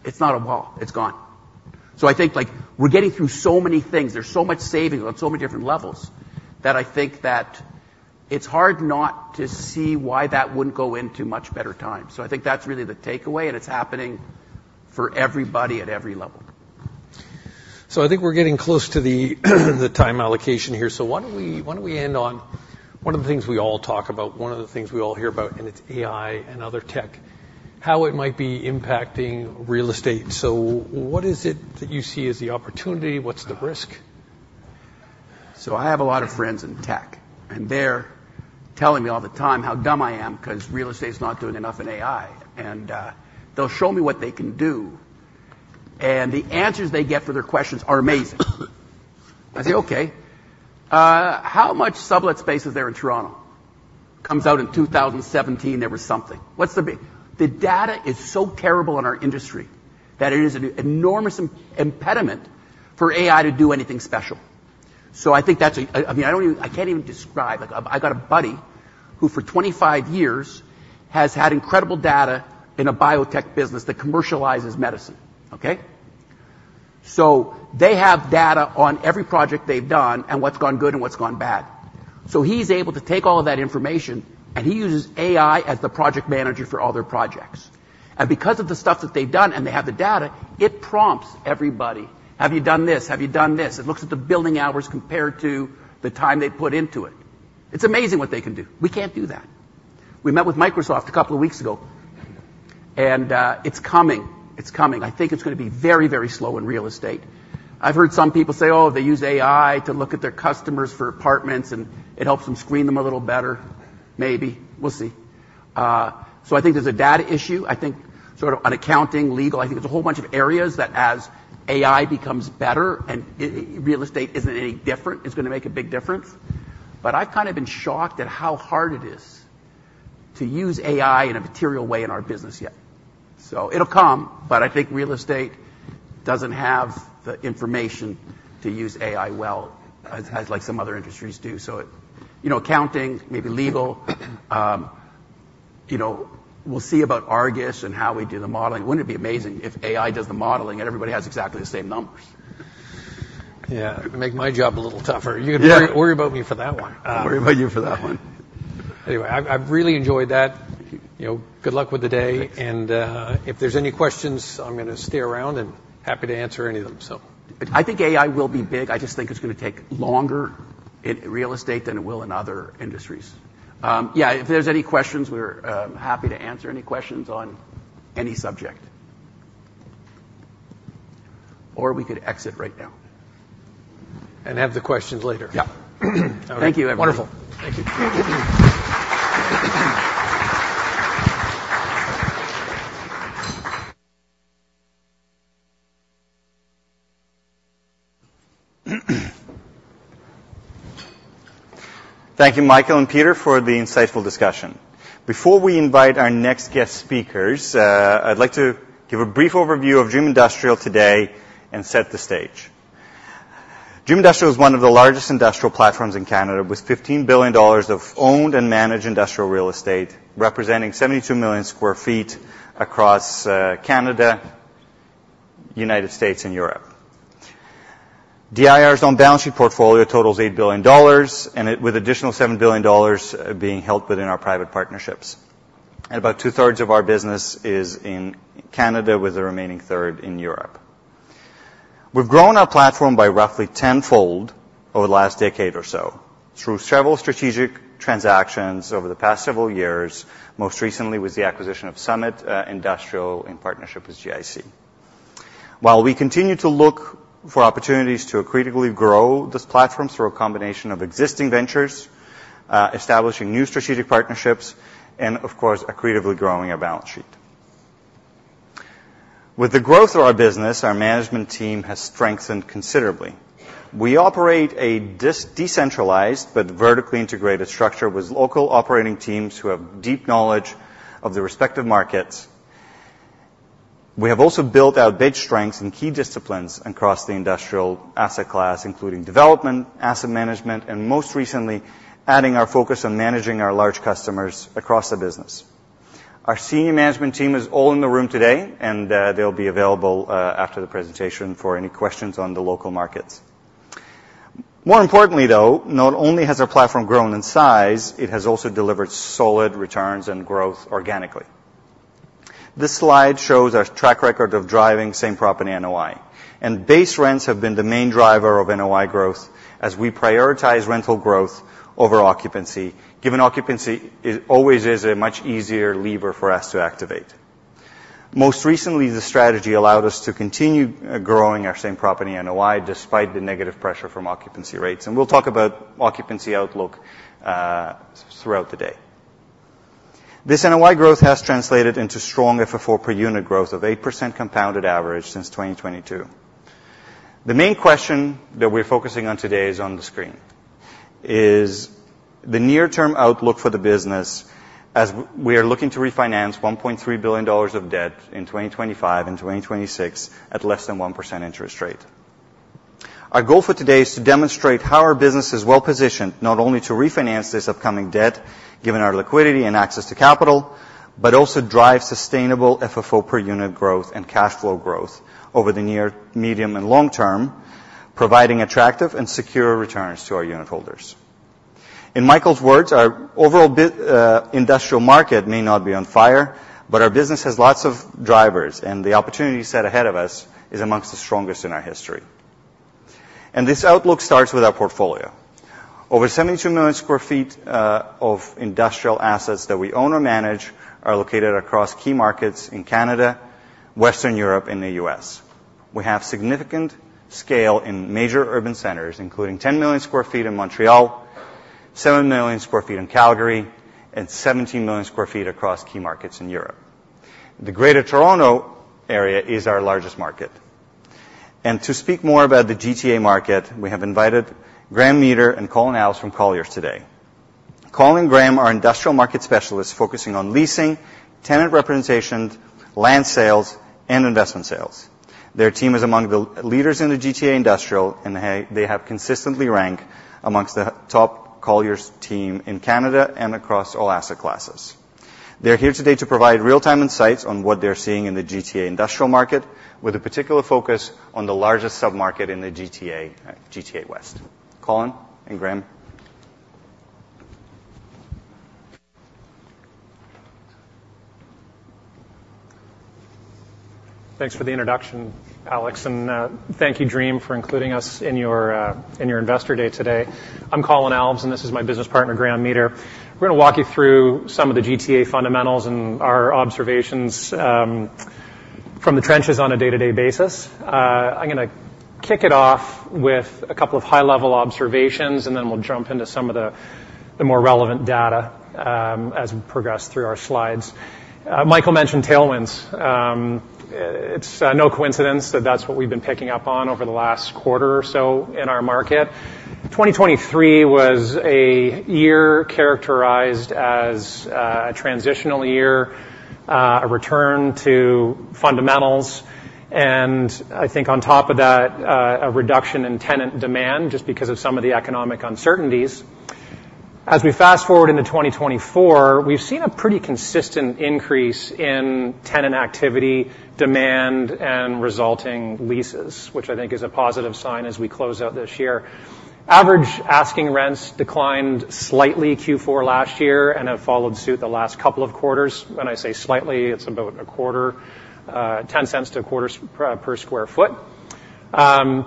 it's not a wall, it's gone. So I think, like, we're getting through so many things. There's so much savings on so many different levels, that I think that it's hard not to see why that wouldn't go into much better times. So I think that's really the takeaway, and it's happening for everybody at every level. I think we're getting close to the time allocation here. Why don't we end on one of the things we all talk about, one of the things we all hear about, and it's AI and other tech, how it might be impacting real estate. What is it that you see as the opportunity? What's the risk? So I have a lot of friends in tech, and they're telling me all the time how dumb I am 'cause real estate is not doing enough in AI. And they'll show me what they can do, and the answers they get for their questions are amazing. I say, "Okay, how much sublet space is there in Toronto?" Comes out in two thousand and seventeen, there was something. What's the big. The data is so terrible in our industry that it is an enormous impediment for AI to do anything special. So I think that's a. I mean, I don't even. I can't even describe. Like, I've got a buddy, who for 25 years has had incredible data in a biotech business that commercializes medicine, okay? So they have data on every project they've done and what's gone good and what's gone bad. He’s able to take all of that information, and he uses AI as the project manager for all their projects. And because of the stuff that they’ve done, and they have the data, it prompts everybody, “Have you done this? Have you done this?” It looks at the billing hours compared to the time they put into it. It’s amazing what they can do. We can’t do that. We met with Microsoft a couple of weeks ago, and it’s coming, it’s coming. I think it’s going to be very, very slow in real estate. I’ve heard some people say, “Oh, they use AI to look at their customers for apartments, and it helps them screen them a little better.” Maybe. We’ll see. I think there’s a data issue. I think sort of on accounting, legal. I think there's a whole bunch of areas that as AI becomes better, and real estate isn't any different, it's going to make a big difference. But I've kind of been shocked at how hard it is to use AI in a material way in our business yet. So it'll come, but I think real estate doesn't have the information to use AI well, as like some other industries do. So, you know, accounting, maybe legal, you know, we'll see about Argus and how we do the modeling. Wouldn't it be amazing if AI does the modeling, and everybody has exactly the same numbers? Yeah. It'd make my job a little tougher. Yeah. You can worry about me for that one. Worry about you for that one. Anyway, I've really enjoyed that. You know, good luck with the day. Thanks. If there's any questions, I'm going to stay around and happy to answer any of them, so... I think AI will be big. I just think it's going to take longer in real estate than it will in other industries. Yeah, if there's any questions, we're happy to answer any questions on any subject. Or we could exit right now. Have the questions later. Yeah. Thank you, everyone. Wonderful. Thank you. Thank you, Michael and Peter, for the insightful discussion. Before we invite our next guest speakers, I'd like to give a brief overview of Dream Industrial today and set the stage. Dream Industrial is one of the largest industrial platforms in Canada, with 15 billion dollars of owned and managed industrial real estate, representing 72 million sq ft across Canada, United States, and Europe. DIR's own balance sheet portfolio totals 8 billion dollars, and with additional 7 billion dollars being held within our private partnerships. About two-thirds of our business is in Canada, with the remaining third in Europe. We've grown our platform by roughly tenfold over the last decade or so through several strategic transactions over the past several years. Most recently was the acquisition of Summit Industrial, in partnership with GIC. While we continue to look for opportunities to accretively grow this platform through a combination of existing ventures, establishing new strategic partnerships and, of course, accretively growing our balance sheet. With the growth of our business, our management team has strengthened considerably. We operate a decentralized but vertically integrated structure, with local operating teams who have deep knowledge of the respective markets. We have also built out big strengths in key disciplines across the industrial asset class, including development, asset management, and most recently, adding our focus on managing our large customers across the business. Our senior management team is all in the room today, and they'll be available after the presentation for any questions on the local markets. More importantly, though, not only has our platform grown in size, it has also delivered solid returns and growth organically. This slide shows our track record of driving same-property NOI, and base rents have been the main driver of NOI growth as we prioritize rental growth over occupancy, given occupancy is always a much easier lever for us to activate. Most recently, the strategy allowed us to continue growing our same property NOI despite the negative pressure from occupancy rates, and we'll talk about occupancy outlook throughout the day. This NOI growth has translated into strong FFO per unit growth of 8% compounded average since 2022. The main question that we're focusing on today is on the screen, is the near-term outlook for the business as we are looking to refinance $1.3 billion of debt in 2025 and 2026 at less than 1% interest rate. Our goal for today is to demonstrate how our business is well-positioned, not only to refinance this upcoming debt, given our liquidity and access to capital, but also drive sustainable FFO per unit growth and cash flow growth over the near, medium, and long term, providing attractive and secure returns to our unitholders. In Michael's words, our overall industrial market may not be on fire, but our business has lots of drivers, and the opportunity set ahead of us is amongst the strongest in our history. And this outlook starts with our portfolio. Over 72 million sq ft of industrial assets that we own or manage are located across key markets in Canada, Western Europe, and the US We have significant scale in major urban centers, including 10 million sq ft in Montreal, 7 million sq ft in Calgary, and 17 million sq ft across key markets in Europe. The Greater Toronto Area is our largest market, and to speak more about the GTA market, we have invited Graham Meeder and Colin Alves from Colliers today. Colin and Graham are industrial market specialists focusing on leasing, tenant representation, land sales, and investment sales. Their team is among the leaders in the GTA industrial, and they have consistently ranked among the top Colliers team in Canada and across all asset classes. They're here today to provide real-time insights on what they're seeing in the GTA industrial market, with a particular focus on the largest submarket in the GTA, GTA West. Colin and Graham? Thanks for the introduction, Alex, and thank you, Dream, for including us in your investor day today. I'm Colin Alves, and this is my business partner, Graham Meeder. We're going to walk you through some of the GTA fundamentals and our observations from the trenches on a day-to-day basis. I'm going to kick it off with a couple of high-level observations, and then we'll jump into some of the more relevant data as we progress through our slides. Michael mentioned tailwinds. It's no coincidence that that's what we've been picking up on over the last quarter or so in our market. 2023 was a year characterized as a transitional year, a return to fundamentals, and I think on top of that, a reduction in tenant demand just because of some of the economic uncertainties. As we fast forward into 2024, we've seen a pretty consistent increase in tenant activity, demand, and resulting leases, which I think is a positive sign as we close out this year. Average asking rents declined slightly Q4 last year and have followed suit the last couple of quarters. When I say slightly, it's about 0.10-0.25 per sq ft.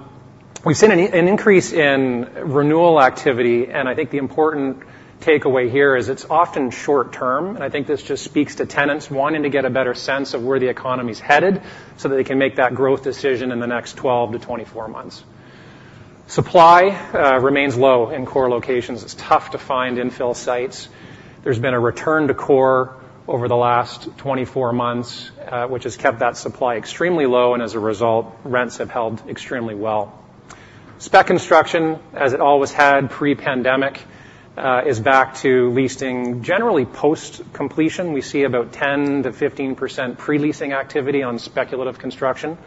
We've seen an increase in renewal activity, and I think the important takeaway here is it's often short term, and I think this just speaks to tenants wanting to get a better sense of where the economy is headed so that they can make that growth decision in the next 12 to 24 months. Supply remains low in core locations. It's tough to find infill sites. There's been a return to core over the last twenty-four months, which has kept that supply extremely low, and as a result, rents have held extremely well. Spec construction, as it always had pre-pandemic, is back to leasing. Generally, post-completion, we see about 10% to 15% pre-leasing activity on speculative construction.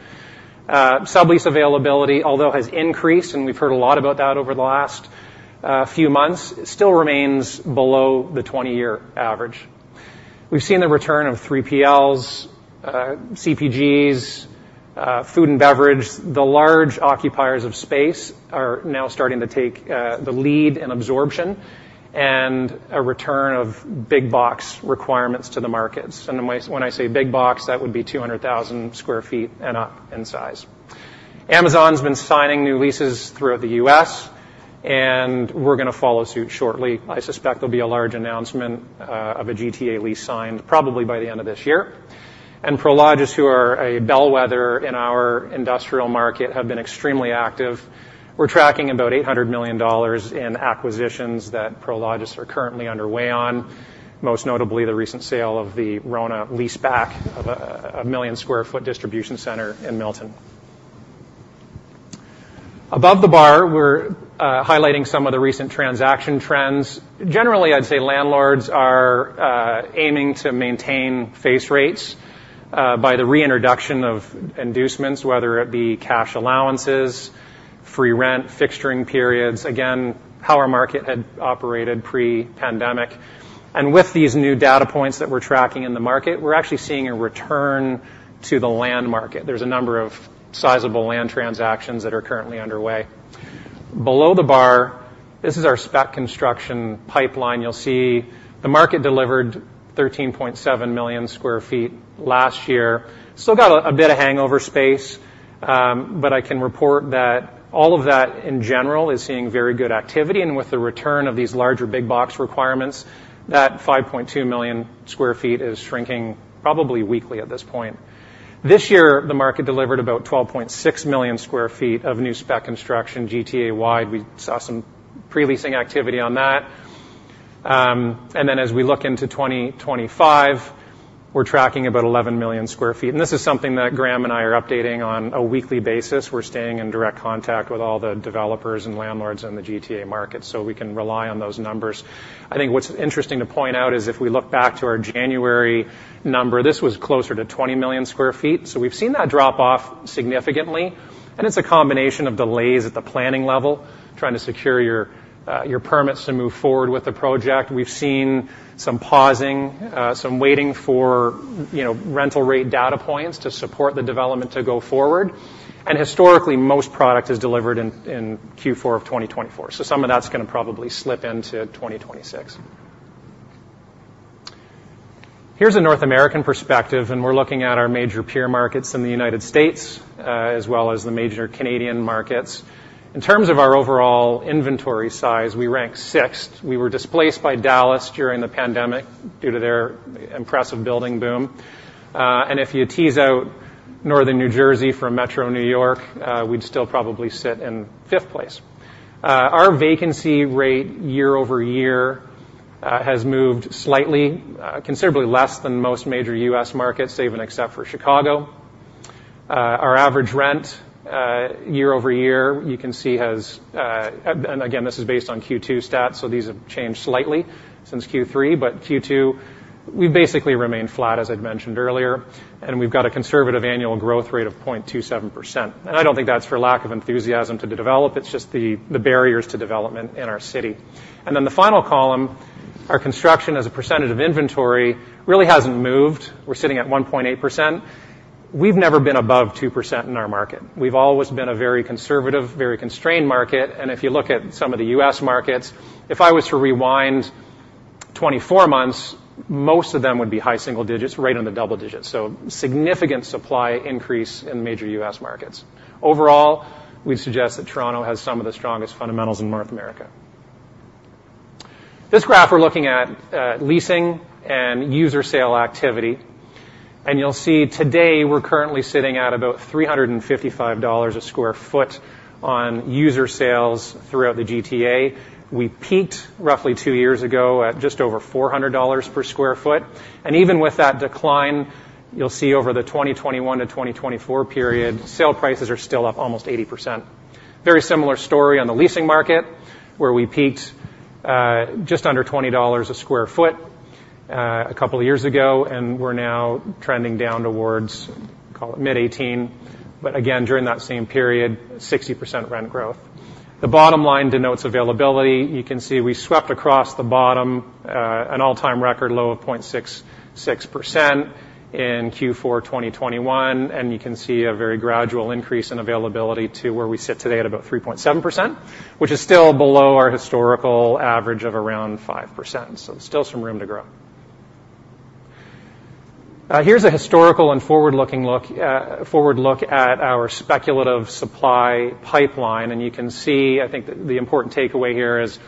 Sublease availability, although, has increased, and we've heard a lot about that over the last, few months, still remains below the 20-year average. We've seen the return of 3PLs, CPGs, food and beverage. The large occupiers of space are now starting to take, the lead in absorption and a return of big-box requirements to the markets. And when I say big-box, that would be 200,000 sq ft and up in size. Amazon's been signing new leases throughout the US, and we're going to follow suit shortly. I suspect there'll be a large announcement of a GTA lease signed probably by the end of this year. And Prologis, who are a bellwether in our industrial market, have been extremely active. We're tracking about $800 million in acquisitions that Prologis are currently underway on, most notably the recent sale of the RONA leaseback of a million sq ft distribution center in Milton. Above the bar, we're highlighting some of the recent transaction trends. Generally, I'd say landlords are aiming to maintain face rates by the reintroduction of inducements, whether it be cash allowances, free rent, fixturing periods. Again, how our market had operated pre-pandemic. And with these new data points that we're tracking in the market, we're actually seeing a return to the land market. There's a number of sizable land transactions that are currently underway. Below the bar, this is our spec construction pipeline. You'll see the market delivered 13.7 million sq ft last year. Still got a bit of hangover space. But I can report that all of that, in general, is seeing very good activity, and with the return of these larger big box requirements, that 5.2 million sq ft is shrinking probably weekly at this point. This year, the market delivered about 12.6 million sq ft of new spec construction, GTA-wide. We saw some pre-leasing activity on that. And then as we look into 2025, we're tracking about 11 million sq ft. And this is something that Graham and I are updating on a weekly basis. We're staying in direct contact with all the developers and landlords in the GTA market, so we can rely on those numbers. I think what's interesting to point out is if we look back to our January number, this was closer to 20 million sq ft. So we've seen that drop off significantly, and it's a combination of delays at the planning level, trying to secure your permits to move forward with the project. We've seen some pausing, some waiting for, you know, rental rate data points to support the development to go forward. And historically, most product is delivered in Q4 of 2024. So some of that's going to probably slip into 2026. Here's a North American perspective, and we're looking at our major peer markets in the United States, as well as the major Canadian markets. In terms of our overall inventory size, we rank sixth. We were displaced by Dallas during the pandemic due to their impressive building boom. And if you tease out Northern New Jersey from Metro New York, we'd still probably sit in fifth place. Our vacancy rate year over year has moved slightly, considerably less than most major US markets, even except for Chicago. Our average rent year over year, you can see, has... And again, this is based on Q2 stats, so these have changed slightly since Q3. But Q2, we've basically remained flat, as I'd mentioned earlier, and we've got a conservative annual growth rate of 0.27%. And I don't think that's for lack of enthusiasm to develop, it's just the barriers to development in our city. And then the final column, our construction as a percentage of inventory, really hasn't moved. We're sitting at 1.8%. We've never been above 2% in our market. We've always been a very conservative, very constrained market, and if you look at some of the US markets, if I was to rewind 24 months, most of them would be high single digits, right on the double digits. So significant supply increase in major US markets. Overall, we suggest that Toronto has some of the strongest fundamentals in North America. This graph, we're looking at, leasing and user sale activity. And you'll see today, we're currently sitting at about 355 dollars a sq ft on user sales throughout the GTA. We peaked roughly two years ago at just over 400 dollars per sq ft. And even with that decline, you'll see over the 2021 to 2024 period, sale prices are still up almost 80%. Very similar story on the leasing market, where we peaked, just under $20 a sq ft, a couple of years ago, and we're now trending down towards, call it mid-$18. But again, during that same period, 60% rent growth. The bottom line denotes availability. You can see we swept across the bottom, an all-time record low of 0.66% in Q4 2021, and you can see a very gradual increase in availability to where we sit today at about 3.7%, which is still below our historical average of around 5%. So still some room to grow. Here's a historical and forward-looking look, forward look at our speculative supply pipeline, and you can see... I think the important takeaway here is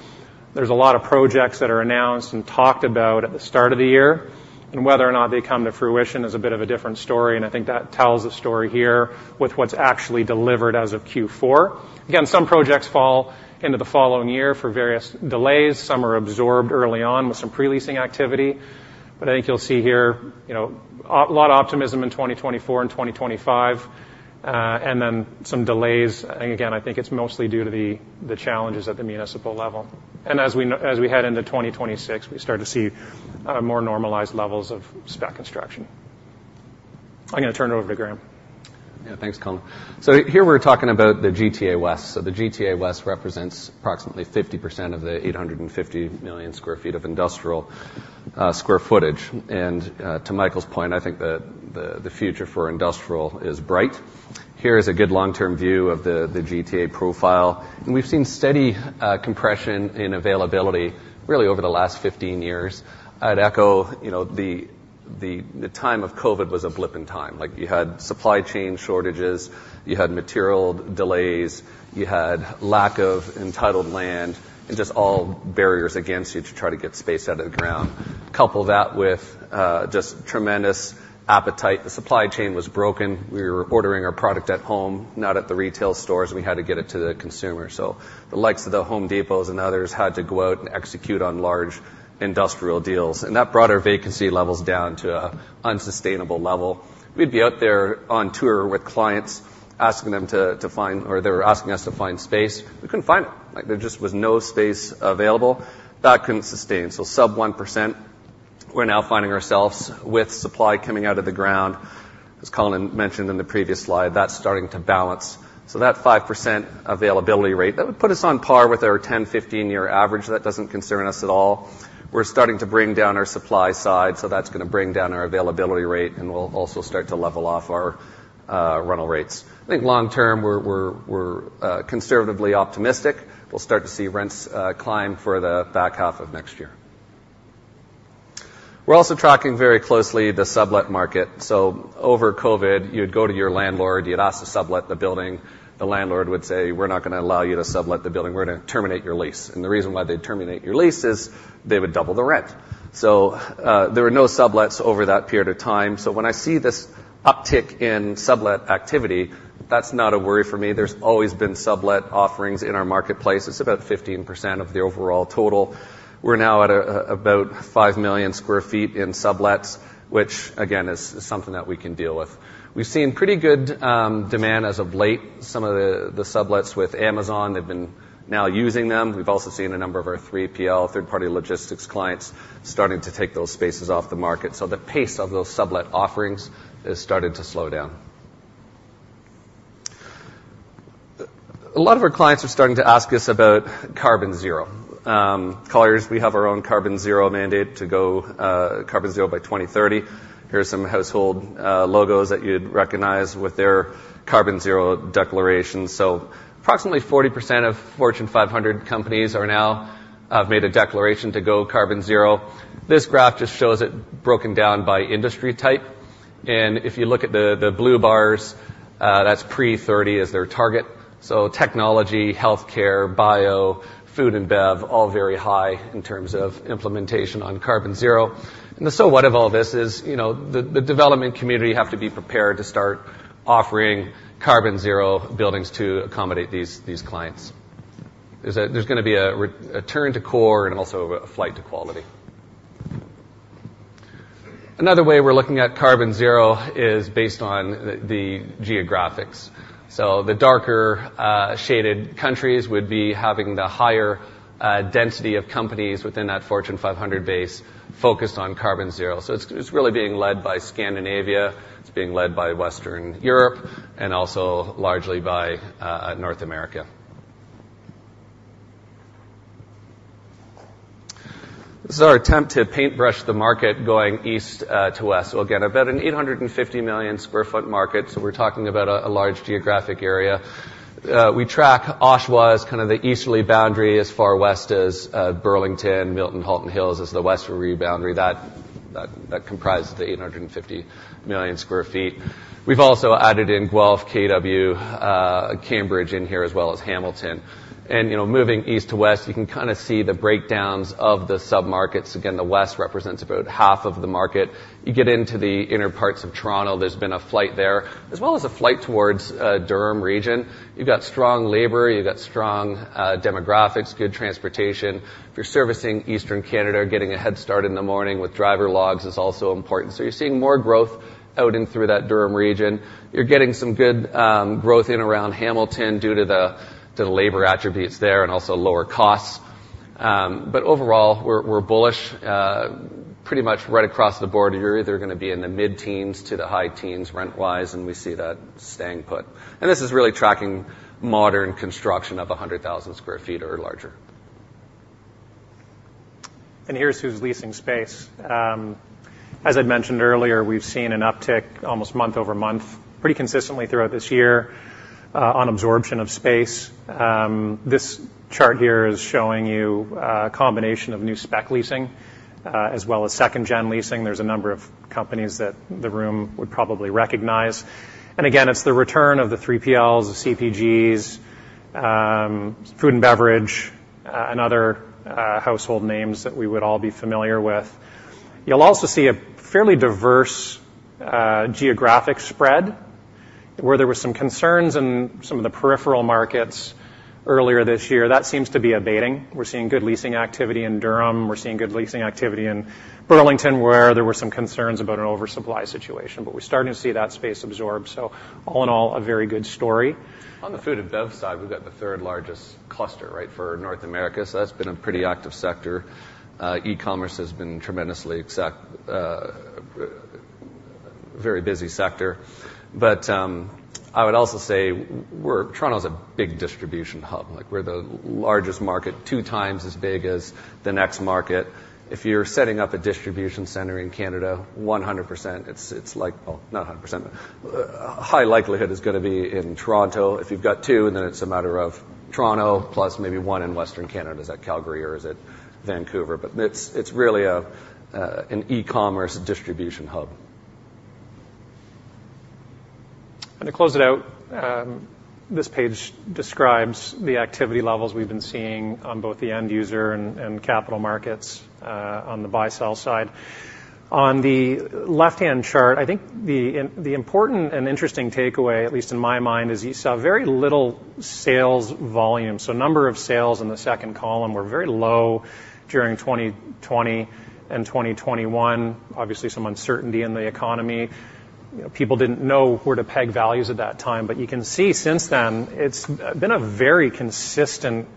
there's a lot of projects that are announced and talked about at the start of the year, and whether or not they come to fruition is a bit of a different story, and I think that tells a story here with what's actually delivered as of Q4. Again, some projects fall into the following year for various delays. Some are absorbed early on with some pre-leasing activity. But I think you'll see here, you know, a lot of optimism in 2024 and 2025, and then some delays. And again, I think it's mostly due to the challenges at the municipal level. And as we head into 2026, we start to see more normalized levels of spec construction. I'm going to turn it over to Graham. Yeah, thanks, Colin. So here we're talking about the GTA West. So the GTA West represents approximately 50% of the 850 million sq ft of industrial square footage. And to Michael's point, I think the future for industrial is bright. Here is a good long-term view of the GTA profile, and we've seen steady compression in availability really over the last 15 years. I'd echo you know the time of COVID was a blip in time. Like, you had supply chain shortages, you had material delays, you had lack of entitled land, and just all barriers against you to try to get space out of the ground. Couple that with just tremendous appetite. The supply chain was broken. We were ordering our product at home, not at the retail stores, and we had to get it to the consumer. So the likes of the Home Depots and others had to go out and execute on large industrial deals, and that brought our vacancy levels down to an unsustainable level. We'd be out there on tour with clients, asking them to find... or they were asking us to find space. We couldn't find it. Like, there just was no space available. That couldn't sustain. So sub 1%, we're now finding ourselves with supply coming out of the ground. As Colin mentioned in the previous slide, that's starting to balance. So that 5% availability rate, that would put us on par with our 10 to 15 year average. That doesn't concern us at all. We're starting to bring down our supply side, so that's going to bring down our availability rate, and we'll also start to level off our rental rates. I think long term, we're conservatively optimistic. We'll start to see rents climb for the back half of next year. We're also tracking very closely the sublet market. So over COVID, you'd go to your landlord, you'd ask to sublet the building. The landlord would say, "We're not going to allow you to sublet the building. We're going to terminate your lease." And the reason why they'd terminate your lease is they would double the rent. So there were no sublets over that period of time. So when I see this uptick in sublet activity, that's not a worry for me. There's always been sublet offerings in our marketplace. It's about 15% of the overall total. We're now at about 5 million sq ft in sublets, which, again, is something that we can deal with. We've seen pretty good demand as of late. Some of the sublets with Amazon, they've been now using them. We've also seen a number of our 3PL, third-party logistics clients, starting to take those spaces off the market. So the pace of those sublet offerings has started to slow down. A lot of our clients are starting to ask us about carbon zero. Colliers, we have our own carbon zero mandate to go carbon zero by twenty thirty. Here are some household logos that you'd recognize with their carbon zero declaration. Approximately 40% of Fortune 500 companies are now have made a declaration to go carbon zero. This graph just shows it broken down by industry type, and if you look at the blue bars, that's pre-2030 is their target. So technology, healthcare, bio, food and bev, all very high in terms of implementation on carbon zero. And the so what of all this is, you know, the development community have to be prepared to start offering carbon zero buildings to accommodate these clients. There's going to be a return to core and also a flight to quality. Another way we're looking at carbon zero is based on the geographies. So the darker shaded countries would be having the higher density of companies within that Fortune 500 base focused on carbon zero. So it's really being led by Scandinavia, it's being led by Western Europe, and also largely by North America. This is our attempt to paintbrush the market going east to west. So again, about an 850 million sq ft market, so we're talking about a large geographic area. We track Oshawa as kind of the easterly boundary, as far west as Burlington, Milton, Halton Hills as the westerly boundary, that comprises the 850 million sq ft. We've also added in Guelph, KW, Cambridge in here, as well as Hamilton. And, you know, moving east to west, you can kind of see the breakdowns of the submarkets. Again, the west represents about half of the market. You get into the inner parts of Toronto, there's been a flight there, as well as a flight towards Durham Region. You've got strong labor, you've got strong demographics, good transportation. If you're servicing Eastern Canada, getting a head start in the morning with driver logs is also important. So you're seeing more growth out in through that Durham Region. You're getting some good growth in around Hamilton due to the labor attributes there and also lower costs. But overall, we're bullish. Pretty much right across the board, you're either going to be in the mid-teens to the high teens rent-wise, and we see that staying put. This is really tracking modern construction of 100,000 sq ft or larger. And here's who's leasing space. As I'd mentioned earlier, we've seen an uptick almost month over month, pretty consistently throughout this year, on absorption of space. This chart here is showing you, a combination of new spec leasing, as well as second-gen leasing. There's a number of companies that the room would probably recognize. And again, it's the return of the 3PLs, the CPGs, food and beverage, and other, household names that we would all be familiar with. You'll also see a fairly diverse, geographic spread, where there were some concerns in some of the peripheral markets earlier this year. That seems to be abating. We're seeing good leasing activity in Durham. We're seeing good leasing activity in Burlington, where there were some concerns about an oversupply situation. But we're starting to see that space absorbed, so all in all, a very good story. On the food and bev side, we've got the third largest cluster, right, for North America, so that's been a pretty active sector. E-commerce has been tremendously active, very busy sector, but I would also say Toronto is a big distribution hub. Like, we're the largest market, two times as big as the next market. If you're setting up a distribution center in Canada, 100%, it's like, well, not 100%, but high likelihood is going to be in Toronto. If you've got two, then it's a matter of Toronto, plus maybe one in Western Canada. Is that Calgary or is it Vancouver, but it's really a, an e-commerce distribution hub. To close it out, this page describes the activity levels we've been seeing on both the end user and capital markets on the buy/sell side. On the left-hand chart, I think the important and interesting takeaway, at least in my mind, is you saw very little sales volume. So number of sales in the second column were very low during 2020 and 2021. Obviously, some uncertainty in the economy. You know, people didn't know where to peg values at that time, but you can see since then, it's been a very consistent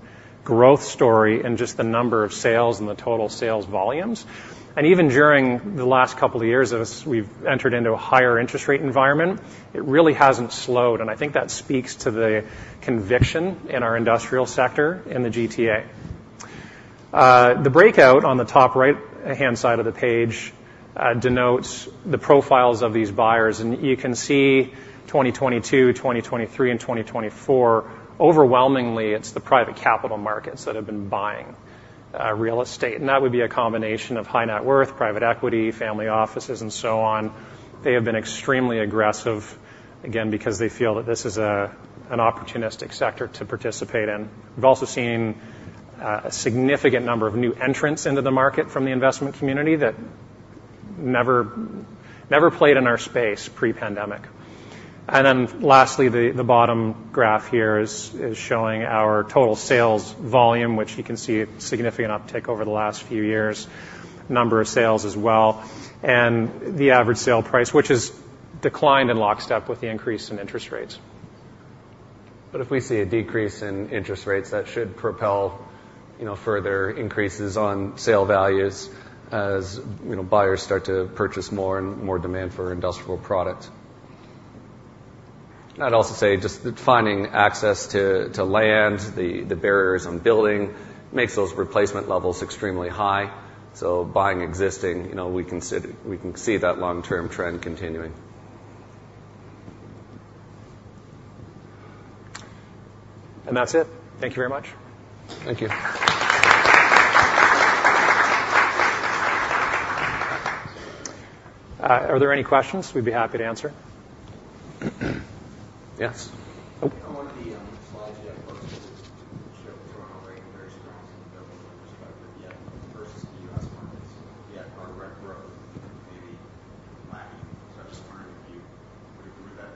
growth story in just the number of sales and the total sales volumes, and even during the last couple of years as we've entered into a higher interest rate environment, it really hasn't slowed, and I think that speaks to the conviction in our industrial sector in the GTA. The breakout on the top right-hand side of the page denotes the profiles of these buyers, and you can see 2022, 2023, and 2024, overwhelmingly, it's the private capital markets that have been buying real estate, and that would be a combination of high net worth, private equity, family offices, and so on. They have been extremely aggressive, again, because they feel that this is an opportunistic sector to participate in. We've also seen a significant number of new entrants into the market from the investment community that never played in our space pre-pandemic. Lastly, the bottom graph here is showing our total sales volume, which you can see a significant uptick over the last few years, number of sales as well, and the average sale price, which has declined in lockstep with the increase in interest rates. But if we see a decrease in interest rates, that should propel, you know, further increases on sale values as, you know, buyers start to purchase more and more demand for industrial product. I'd also say just the finding access to land, the barriers on building makes those replacement levels extremely high. So buying existing, you know, we can see that long-term trend continuing. That's it. Thank you very much. Thank you. Are there any questions? We'd be happy to answer. Yes. On one of the slides you had showed Toronto rating very strong from a developer perspective, yet versus the US markets, yet our rent growth may be lacking. So I'm just wondering if you would agree with that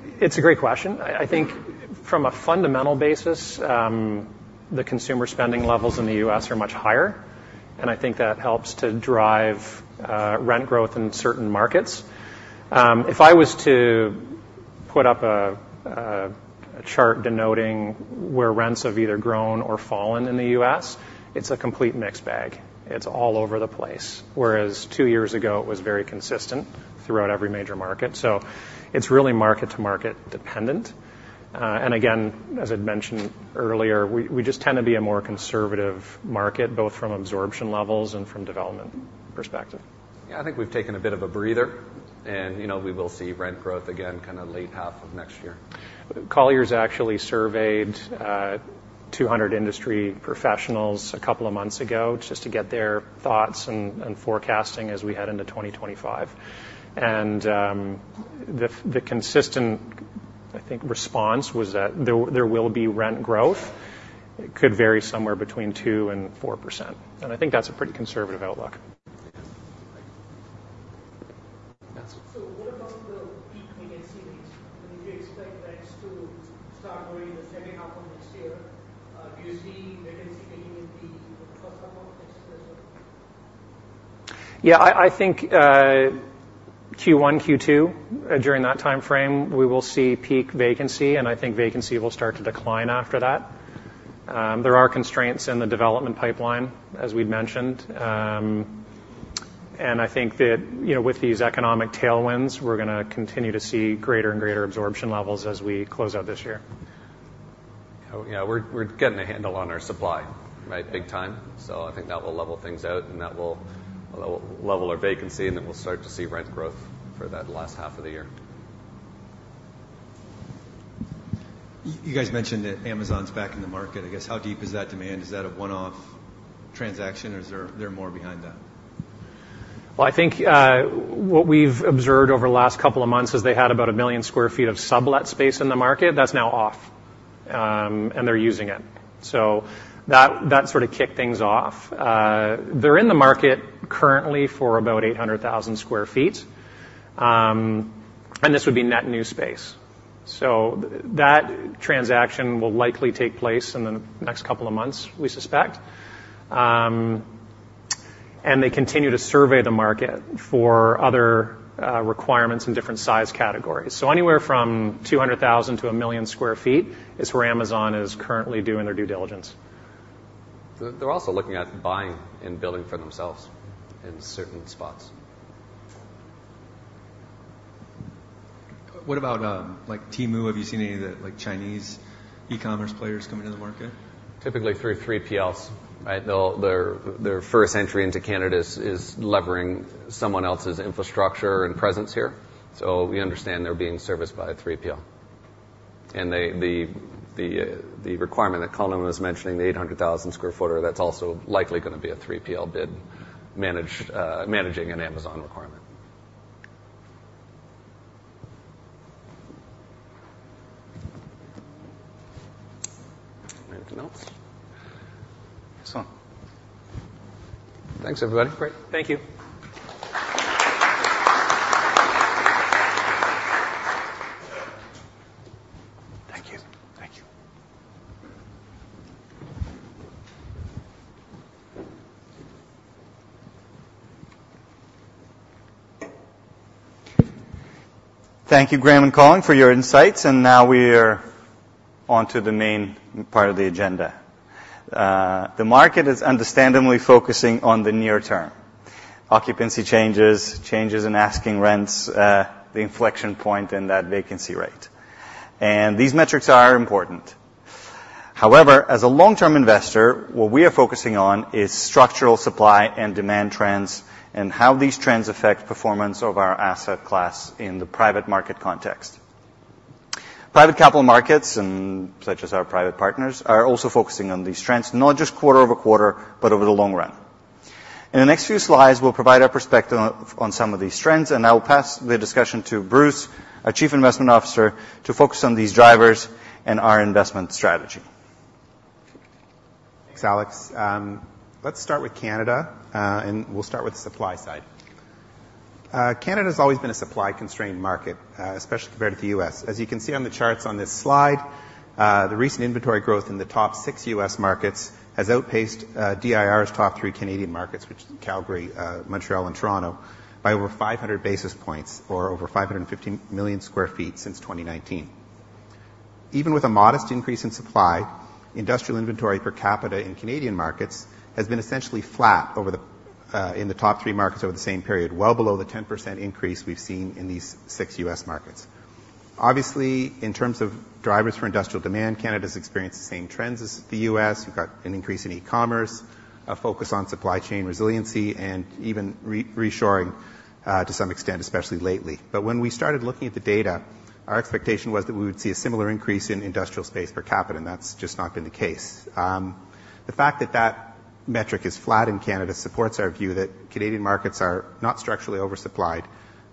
dynamic? It's a great question. I think from a fundamental basis, the consumer spending levels in the US are much higher, and I think that helps to drive rent growth in certain markets. If I was to put up a chart denoting where rents have either grown or fallen in the US, it's a complete mixed bag. It's all over the place, whereas two years ago, it was very consistent throughout every major market. So it's really market-to-market dependent. And again, as I'd mentioned earlier, we just tend to be a more conservative market, both from absorption levels and from development perspective. Yeah, I think we've taken a bit of a breather, and, you know, we will see rent growth again, kind of late half of next year. Colliers actually surveyed 200 industry professionals a couple of months ago, just to get their thoughts and forecasting as we head into 2025. The consistent, I think, response was that there will be rent growth. It could vary somewhere between 2% and 4%, and I think that's a pretty conservative outlook. Yes. What about the peak vacancy rates? Do you expect rents to start growing in the second half of next year? Do you see vacancy getting in the first half of next year as well? Yeah, I think, Q1, Q2, during that time frame, we will see peak vacancy, and I think vacancy will start to decline after that. There are constraints in the development pipeline, as we've mentioned, and I think that, you know, with these economic tailwinds, we're going to continue to see greater and greater absorption levels as we close out this year. Yeah, we're getting a handle on our supply, right? Big time. So I think that will level things out, and that will level our vacancy, and then we'll start to see rent growth for that last half of the year. You guys mentioned that Amazon's back in the market. I guess, how deep is that demand? Is that a one-off transaction, or is there more behind that? I think what we've observed over the last couple of months is they had about 1 million sq ft of sublet space in the market. That's now off, and they're using it. So that sort of kicked things off. They're in the market currently for about 800,000 sq ft, and this would be net new space. So that transaction will likely take place in the next couple of months, we suspect. And they continue to survey the market for other requirements in different size categories. So anywhere from 200,000 to 1 million sq ft is where Amazon is currently doing their due diligence. They're also looking at buying and building for themselves in certain spots. What about, like, Temu? Have you seen any of the, like, Chinese e-commerce players coming to the market? Typically through 3PLs, right? Their first entry into Canada is levering someone else's infrastructure and presence here. So we understand they're being serviced by a 3PL. And the requirement that Colin was mentioning, the 800,000 sq ft-er, that's also likely going to be a 3PL bid managing an Amazon requirement. Anything else? Excellent. Thanks, everybody. Great. Thank you. Thank you. Thank you. Thank you, Graham and Colin, for your insights, and now we are on to the main part of the agenda. The market is understandably focusing on the near term. Occupancy changes, changes in asking rents, the inflection point in that vacancy rate. These metrics are important. However, as a long-term investor, what we are focusing on is structural supply and demand trends, and how these trends affect performance of our asset class in the private market context. Private capital markets and such as our private partners are also focusing on these trends, not just quarter over quarter, but over the long run. In the next few slides, we'll provide our perspective on some of these trends, and I'll pass the discussion to Bruce, our Chief Investment Officer, to focus on these drivers and our investment strategy. Thanks, Alex. Let's start with Canada, and we'll start with the supply side. Canada's always been a supply-constrained market, especially compared to the US As you can see on the charts on this slide, the recent inventory growth in the top six US markets has outpaced DIR's top three Canadian markets, which is Calgary, Montreal, and Toronto, by over 500 basis points or over 550 million sq ft since 2019. Even with a modest increase in supply, industrial inventory per capita in Canadian markets has been essentially flat in the top three markets over the same period, well below the 10% increase we've seen in these six US markets. Obviously, in terms of drivers for industrial demand, Canada's experienced the same trends as the US We've got an increase in e-commerce, a focus on supply chain resiliency, and even reshoring, to some extent, especially lately. But when we started looking at the data, our expectation was that we would see a similar increase in industrial space per capita, and that's just not been the case. The fact that that metric is flat in Canada supports our view that Canadian markets are not structurally oversupplied.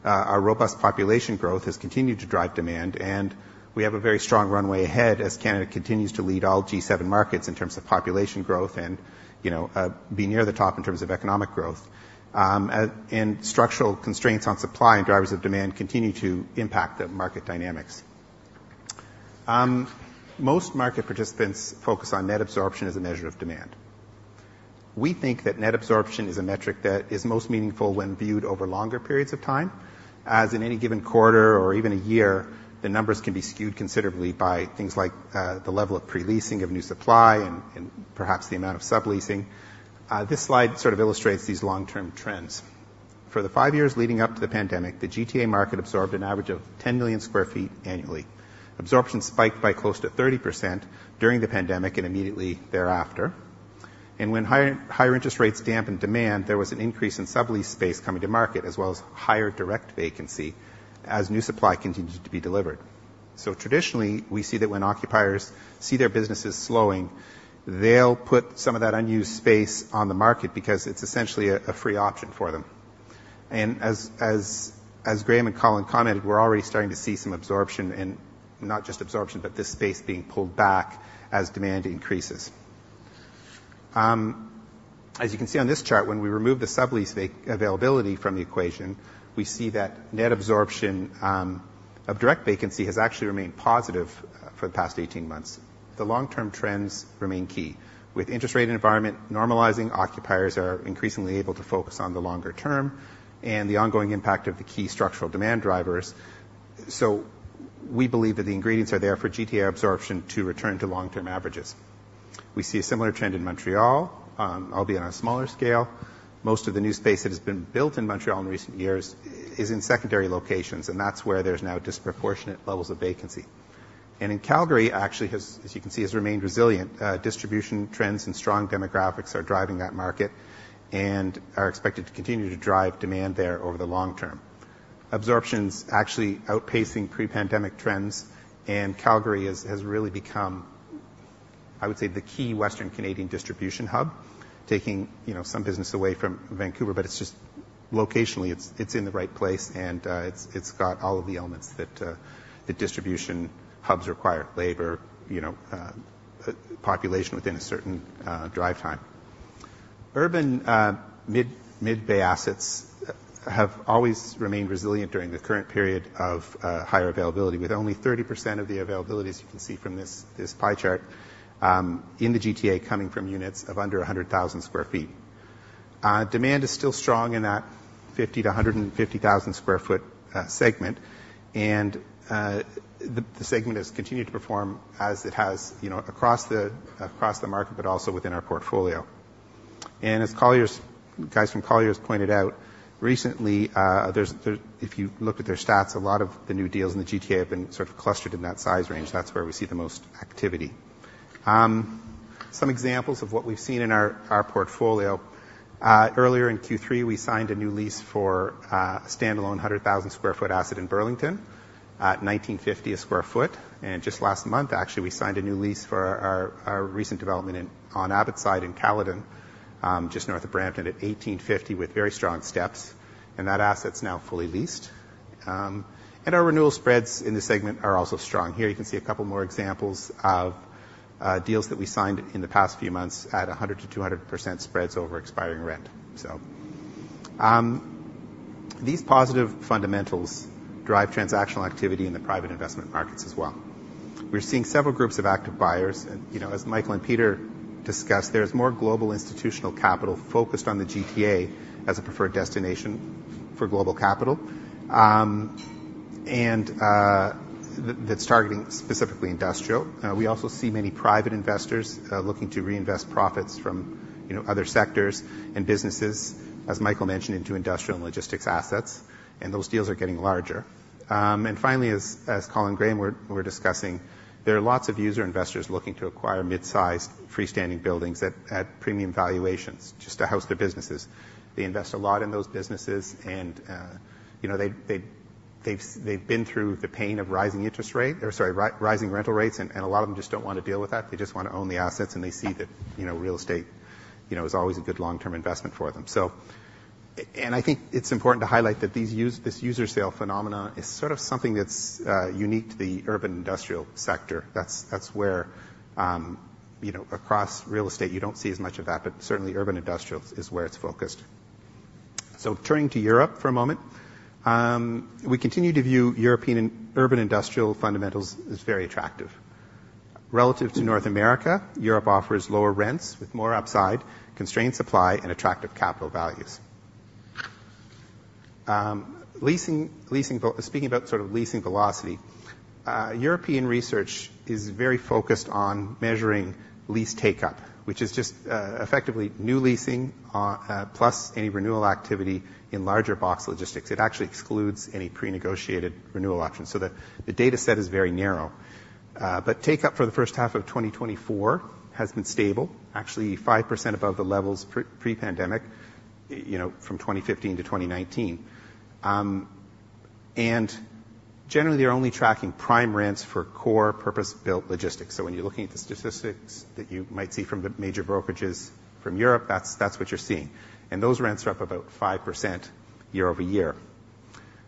Our robust population growth has continued to drive demand, and we have a very strong runway ahead as Canada continues to lead all G7 markets in terms of population growth and, you know, be near the top in terms of economic growth. And structural constraints on supply and drivers of demand continue to impact the market dynamics. Most market participants focus on net absorption as a measure of demand. We think that net absorption is a metric that is most meaningful when viewed over longer periods of time, as in any given quarter or even a year, the numbers can be skewed considerably by things like the level of pre-leasing of new supply and perhaps the amount of subleasing. This slide sort of illustrates these long-term trends. For the five years leading up to the pandemic, the GTA market absorbed an average of 10 million sq ft annually. Absorption spiked by close to 30% during the pandemic and immediately thereafter. When higher interest rates dampened demand, there was an increase in sublease space coming to market, as well as higher direct vacancy as new supply continued to be delivered. So traditionally, we see that when occupiers see their businesses slowing, they'll put some of that unused space on the market because it's essentially a free option for them. And as Graham and Colin commented, we're already starting to see some absorption and not just absorption, but this space being pulled back as demand increases. As you can see on this chart, when we remove the sublease vacancy availability from the equation, we see that net absorption of direct vacancy has actually remained positive for the past 18 months. The long-term trends remain key. With interest rate environment normalizing, occupiers are increasingly able to focus on the longer term and the ongoing impact of the key structural demand drivers. So we believe that the ingredients are there for GTA absorption to return to long-term averages. We see a similar trend in Montreal, albeit on a smaller scale. Most of the new space that has been built in Montreal in recent years is in secondary locations, and that's where there's now disproportionate levels of vacancy. And in Calgary, actually, as you can see, has remained resilient. Distribution trends and strong demographics are driving that market and are expected to continue to drive demand there over the long term. Absorption's actually outpacing pre-pandemic trends, and Calgary has really become, I would say, the key Western Canadian distribution hub, taking, you know, some business away from Vancouver, but it's just locationally, it's in the right place, and it's got all of the elements that the distribution hubs require: labor, you know, population within a certain drive time. Urban mid-bay assets have always remained resilient during the current period of higher availability, with only 30% of the availability, as you can see from this pie chart in the GTA, coming from units of under 100,000 sq ft. Demand is still strong in that 50 to 150,000 sq ft segment, and the segment has continued to perform as it has, you know, across the market, but also within our portfolio. And as Colliers guys from Colliers pointed out recently, there's if you look at their stats, a lot of the new deals in the GTA have been sort of clustered in that size range. That's where we see the most activity. Some examples of what we've seen in our portfolio. Earlier in Q3, we signed a new lease for a standalone 100,000 sq ft asset in Burlington at 19.50 a sq ft. And just last month, actually, we signed a new lease for our recent development on Abbotside in Caledon, just north of Brampton, at 18.50, with very strong steps, and that asset's now fully leased. And our renewal spreads in this segment are also strong. Here you can see a couple more examples of deals that we signed in the past few months at 100% to 200% spreads over expiring rent. So these positive fundamentals drive transactional activity in the private investment markets as well. We're seeing several groups of active buyers and, you know, as Michael and Peter discussed, there's more global institutional capital focused on the GTA as a preferred destination for global capital. And that's targeting specifically industrial. We also see many private investors looking to reinvest profits from, you know, other sectors and businesses, as Michael mentioned, into industrial and logistics assets, and those deals are getting larger. And finally, as Colin and Graham were discussing, there are lots of user investors looking to acquire midsized freestanding buildings at premium valuations just to house their businesses. They invest a lot in those businesses, and, you know, they've been through the pain of rising interest rates or sorry, rising rental rates, and a lot of them just don't want to deal with that. They just want to own the assets, and they see that, you know, real estate, you know, is always a good long-term investment for them. So, and I think it's important to highlight that these user, this user sale phenomena is sort of something that's unique to the urban industrial sector. That's where, you know, across real estate, you don't see as much of that, but certainly urban industrial is where it's focused. So turning to Europe for a moment, we continue to view European and urban industrial fundamentals as very attractive. Relative to North America, Europe offers lower rents with more upside, constrained supply, and attractive capital values. Leasing velocity. Speaking about sort of leasing velocity, European research is very focused on measuring lease take-up, which is just, effectively new leasing, plus any renewal activity in larger box logistics. It actually excludes any pre-negotiated renewal options, so the dataset is very narrow, but take-up for the first half of 2024 has been stable, actually 5% above the levels pre-pandemic, you know, from 2015 to 2019, and generally, they're only tracking prime rents for core purpose-built logistics. So when you're looking at the statistics that you might see from the major brokerages from Europe, that's what you're seeing, and those rents are up about 5% year-over-year,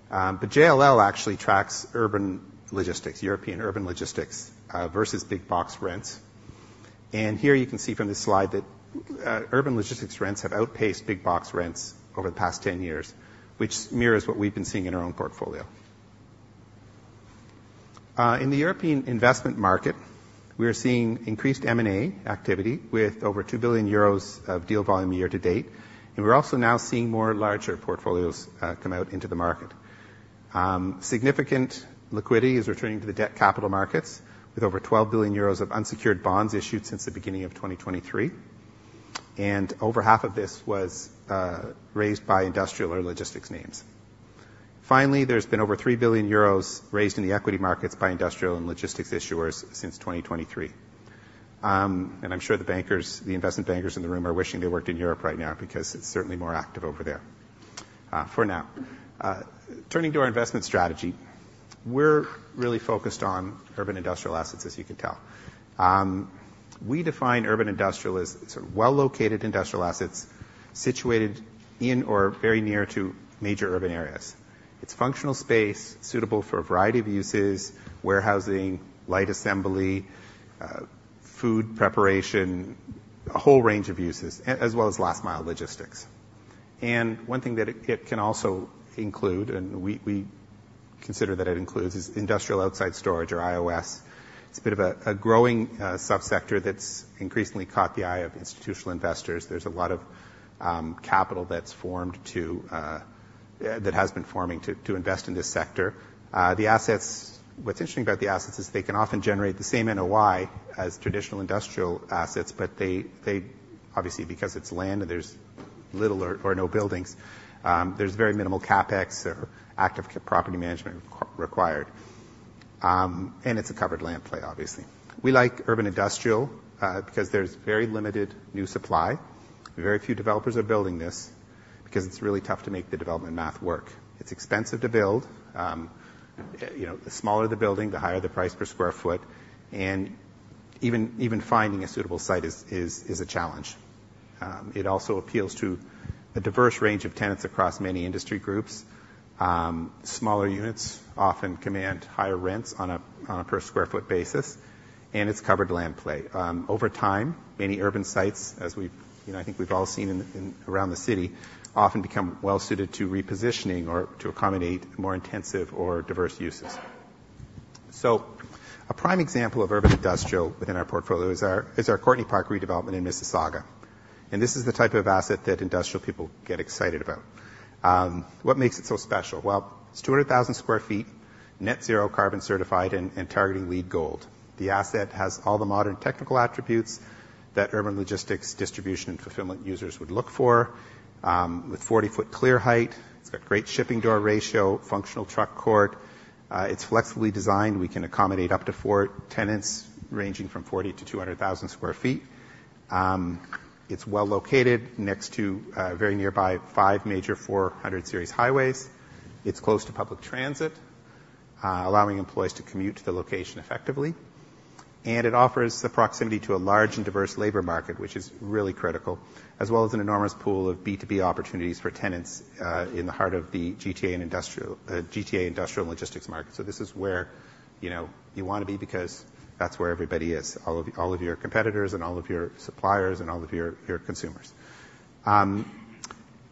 but JLL actually tracks urban logistics, European urban logistics versus big box rents, and here you can see from this slide that urban logistics rents have outpaced big box rents over the past 10 years, which mirrors what we've been seeing in our own portfolio. In the European investment market, we are seeing increased M&A activity with over 2 billion euros of deal volume year to date, and we're also now seeing more larger portfolios come out into the market. Significant liquidity is returning to the debt capital markets, with over 12 billion euros of unsecured bonds issued since the beginning of 2023, and over half of this was raised by industrial or logistics names. Finally, there's been over 3 billion euros raised in the equity markets by industrial and logistics issuers since 2023, and I'm sure the bankers, the investment bankers in the room are wishing they worked in Europe right now because it's certainly more active over there for now. Turning to our investment strategy, we're really focused on urban industrial assets, as you can tell. We define urban industrial as sort of well-located industrial assets situated in or very near to major urban areas. It's functional space suitable for a variety of uses, warehousing, light assembly, food preparation, a whole range of uses, as well as last-mile logistics, and one thing that it can also include, and we consider that it includes, is industrial outside storage, or IOS. It's a bit of a growing subsector that's increasingly caught the eye of institutional investors. There's a lot of capital that has been forming to invest in this sector. The assets. What's interesting about the assets is they can often generate the same NOI as traditional industrial assets, but they obviously, because it's land and there's little or no buildings, there's very minimal CapEx or active property management required, and it's a covered land play, obviously. We like urban industrial because there's very limited new supply. Very few developers are building this because it's really tough to make the development math work. It's expensive to build. You know, the smaller the building, the higher the price per sq ft, and even finding a suitable site is a challenge. It also appeals to a diverse range of tenants across many industry groups. Smaller units often command higher rents on a per sq ft basis, and it's covered land play. Over time, many urban sites, as we've, you know, I think we've all seen in around the city, often become well suited to repositioning or to accommodate more intensive or diverse uses, so a prime example of urban industrial within our portfolio is our Courtneypark redevelopment in Mississauga, and this is the type of asset that industrial people get excited about. What makes it so special? Well, it's 200,000 sq ft, net zero carbon certified and targeting LEED Gold. The asset has all the modern technical attributes that urban logistics, distribution, and fulfillment users would look for. With 40-foot clear height, it's got great shipping door ratio, functional truck court. It's flexibly designed. We can accommodate up to four tenants, ranging from 40 to 200,000 sq ft. It's well located next to very nearby five major four hundred series highways. It's close to public transit, allowing employees to commute to the location effectively. It offers the proximity to a large and diverse labor market, which is really critical, as well as an enormous pool of B2B opportunities for tenants in the heart of the GTA and industrial GTA industrial logistics market. This is where, you know, you want to be because that's where everybody is, all of your competitors and all of your suppliers and all of your consumers.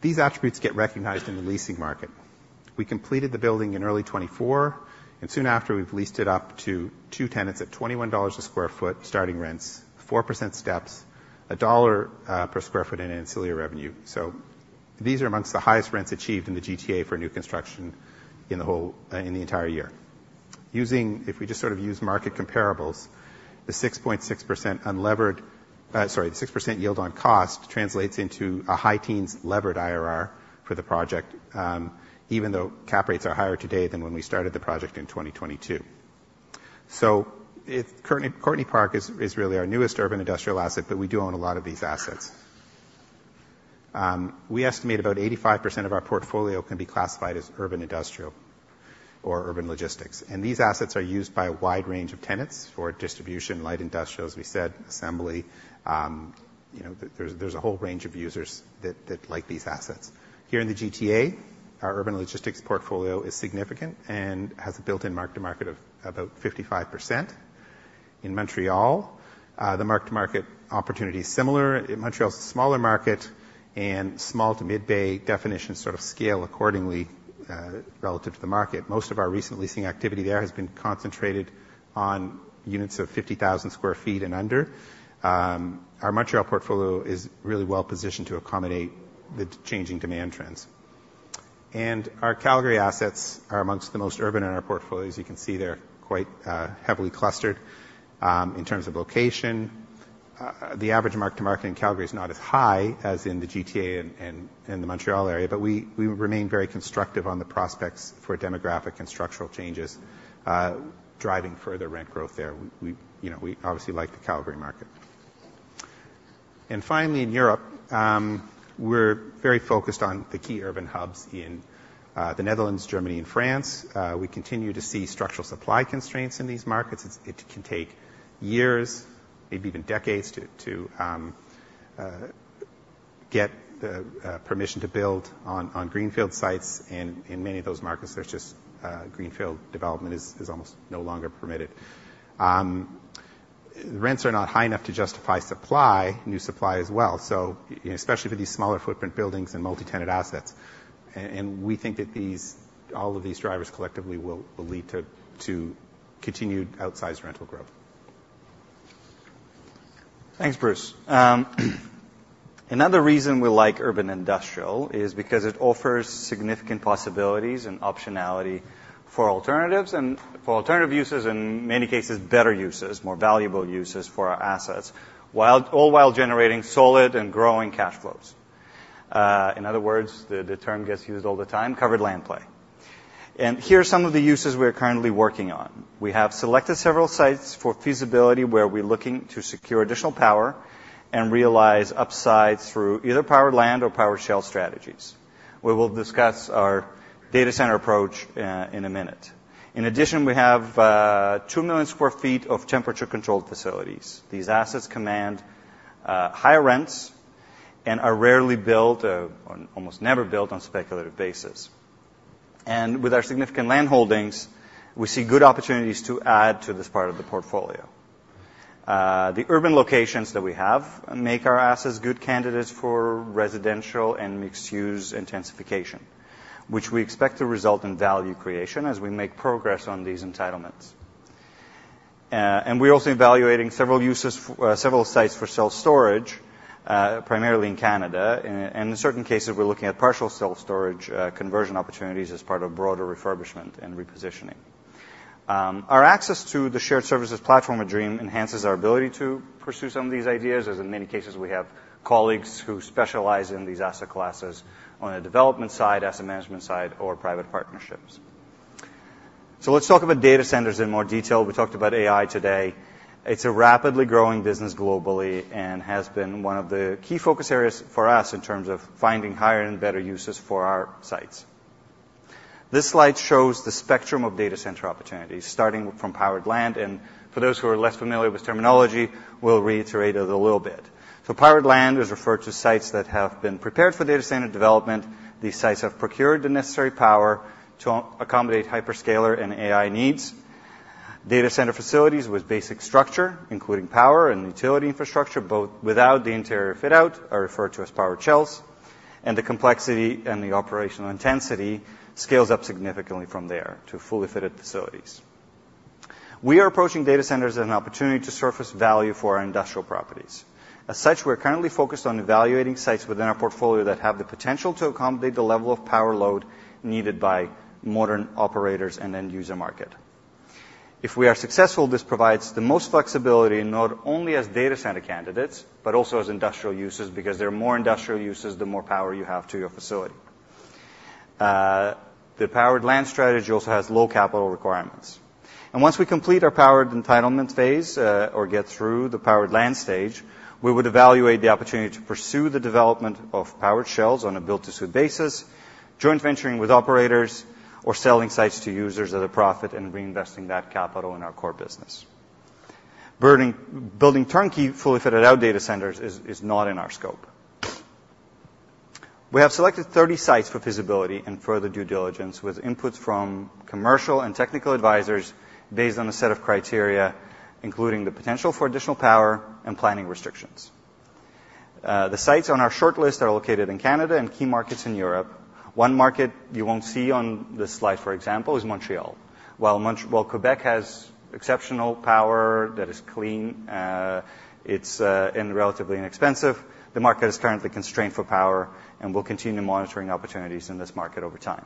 These attributes get recognized in the leasing market. We completed the building in early 2024, and soon after, we've leased it up to two tenants at $21 a sq ft starting rents, 4% steps, $1 per sq ft in ancillary revenue. These are among the highest rents achieved in the GTA for new construction in the whole, in the entire year. If we just sort of use market comparables, the 6.6% unlevered, the 6% yield on cost translates into a high teens levered IRR for the project, even though cap rates are higher today than when we started the project in 2022. Courtneypark is really our newest urban industrial asset, but we do own a lot of these assets. We estimate about 85% of our portfolio can be classified as urban industrial or urban logistics, and these assets are used by a wide range of tenants for distribution, light industrial, as we said, assembly. You know, there's a whole range of users that like these assets. Here in the GTA, our urban logistics portfolio is significant and has a built-in mark-to-market of about 55%. In Montreal, the mark-to-market opportunity is similar. Montreal is a smaller market, and small to mid-bay definitions sort of scale accordingly relative to the market. Most of our recent leasing activity there has been concentrated on units of 50,000 sq ft and under. Our Montreal portfolio is really well positioned to accommodate the changing demand trends. Our Calgary assets are amongst the most urban in our portfolio. As you can see, they're quite heavily clustered in terms of location. The average mark-to-market in Calgary is not as high as in the GTA and the Montreal area, but we remain very constructive on the prospects for demographic and structural changes driving further rent growth there. You know, we obviously like the Calgary market. And finally, in Europe, we're very focused on the key urban hubs in the Netherlands, Germany, and France. We continue to see structural supply constraints in these markets. It can take years, maybe even decades, to get the permission to build on greenfield sites. In many of those markets, there's just greenfield development is almost no longer permitted. Rents are not high enough to justify supply, new supply as well, so especially for these smaller footprint buildings and multi-tenant assets. And we think that these, all of these drivers collectively will lead to continued outsized rental growth. Thanks, Bruce. Another reason we like urban industrial is because it offers significant possibilities and optionality for alternatives and for alternative uses, in many cases, better uses, more valuable uses for our assets, while all while generating solid and growing cash flows. In other words, the term gets used all the time, covered land play. And here are some of the uses we are currently working on. We have selected several sites for feasibility, where we're looking to secure additional power and realize upsides through either powered land or powered shell strategies. We will discuss our data center approach in a minute. In addition, we have 2 million sq ft of temperature-controlled facilities. These assets command higher rents and are rarely built or almost never built on a speculative basis. With our significant land holdings, we see good opportunities to add to this part of the portfolio. The urban locations that we have make our assets good candidates for residential and mixed-use intensification, which we expect to result in value creation as we make progress on these entitlements. We're also evaluating several sites for self-storage, primarily in Canada. In certain cases, we're looking at partial self-storage conversion opportunities as part of broader refurbishment and repositioning. Our access to the shared services platform, Dream, enhances our ability to pursue some of these ideas, as in many cases we have colleagues who specialize in these asset classes on the development side, asset management side, or private partnerships. Let's talk about data centers in more detail. We talked about AI today. It's a rapidly growing business globally and has been one of the key focus areas for us in terms of finding higher and better uses for our sites. This slide shows the spectrum of data center opportunities, starting from powered land, and for those who are less familiar with terminology, we'll reiterate it a little bit. So powered land is referred to sites that have been prepared for data center development. These sites have procured the necessary power to accommodate hyperscaler and AI needs. Data center facilities with basic structure, including power and utility infrastructure, both without the interior fit-out, are referred to as powered shells, and the complexity and the operational intensity scales up significantly from there to fully fitted facilities. We are approaching data centers as an opportunity to surface value for our industrial properties. As such, we're currently focused on evaluating sites within our portfolio that have the potential to accommodate the level of power load needed by modern operators and end-user market. If we are successful, this provides the most flexibility, not only as data center candidates, but also as industrial users, because there are more industrial users the more power you have to your facility. The powered land strategy also has low capital requirements. And once we complete our powered entitlement phase, or get through the powered land stage, we would evaluate the opportunity to pursue the development of powered shells on a build-to-suit basis, joint venturing with operators, or selling sites to users at a profit and reinvesting that capital in our core business. Building turnkey, fully fitted out data centers is not in our scope. We have selected thirty sites for feasibility and further due diligence with inputs from commercial and technical advisors based on a set of criteria, including the potential for additional power and planning restrictions. The sites on our shortlist are located in Canada and key markets in Europe. One market you won't see on this slide, for example, is Montreal. While Quebec has exceptional power that is clean and relatively inexpensive, the market is currently constrained for power, and we'll continue monitoring opportunities in this market over time.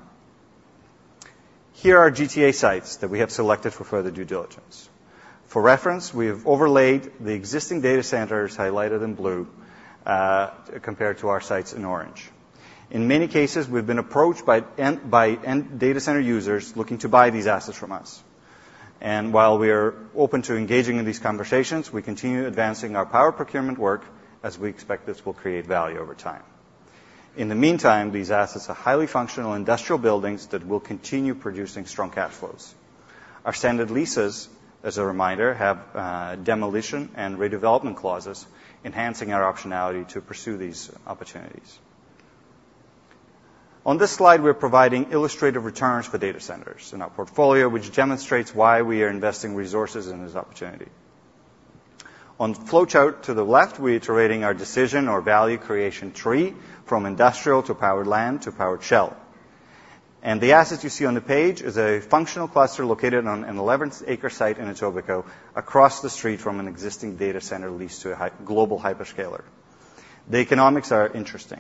Here are our GTA sites that we have selected for further due diligence. For reference, we have overlaid the existing data centers highlighted in blue compared to our sites in orange. In many cases, we've been approached by end data center users looking to buy these assets from us. While we are open to engaging in these conversations, we continue advancing our power procurement work as we expect this will create value over time. In the meantime, these assets are highly functional industrial buildings that will continue producing strong cash flows. Our standard leases, as a reminder, have demolition and redevelopment clauses, enhancing our optionality to pursue these opportunities. On this slide, we're providing illustrative returns for data centers in our portfolio, which demonstrates why we are investing resources in this opportunity. On the flowchart to the left, we are iterating our decision or value creation tree from industrial to powered land to powered shell. And the assets you see on the page is a functional cluster located on a 11-acre site in Etobicoke, across the street from an existing data center leased to a high global hyperscaler. The economics are interesting.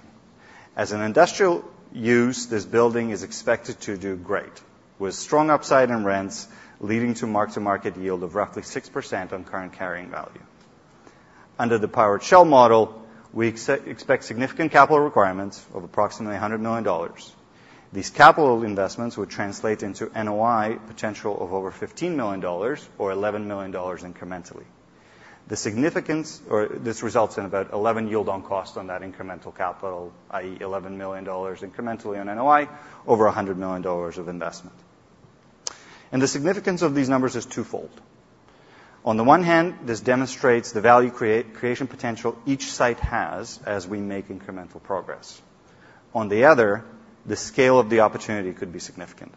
As an industrial use, this building is expected to do great, with strong upside in rents leading to mark-to-market yield of roughly 6% on current carrying value. Under the powered shell model, we expect significant capital requirements of approximately $100 million. These capital investments would translate into NOI potential of over $15 million or $11 million incrementally. The significance or this results in about 11% yield on cost on that incremental capital, i.e., $11 million incrementally on NOI, over $100 million of investment. The significance of these numbers is twofold. On the one hand, this demonstrates the value creation potential each site has as we make incremental progress. On the other, the scale of the opportunity could be significant.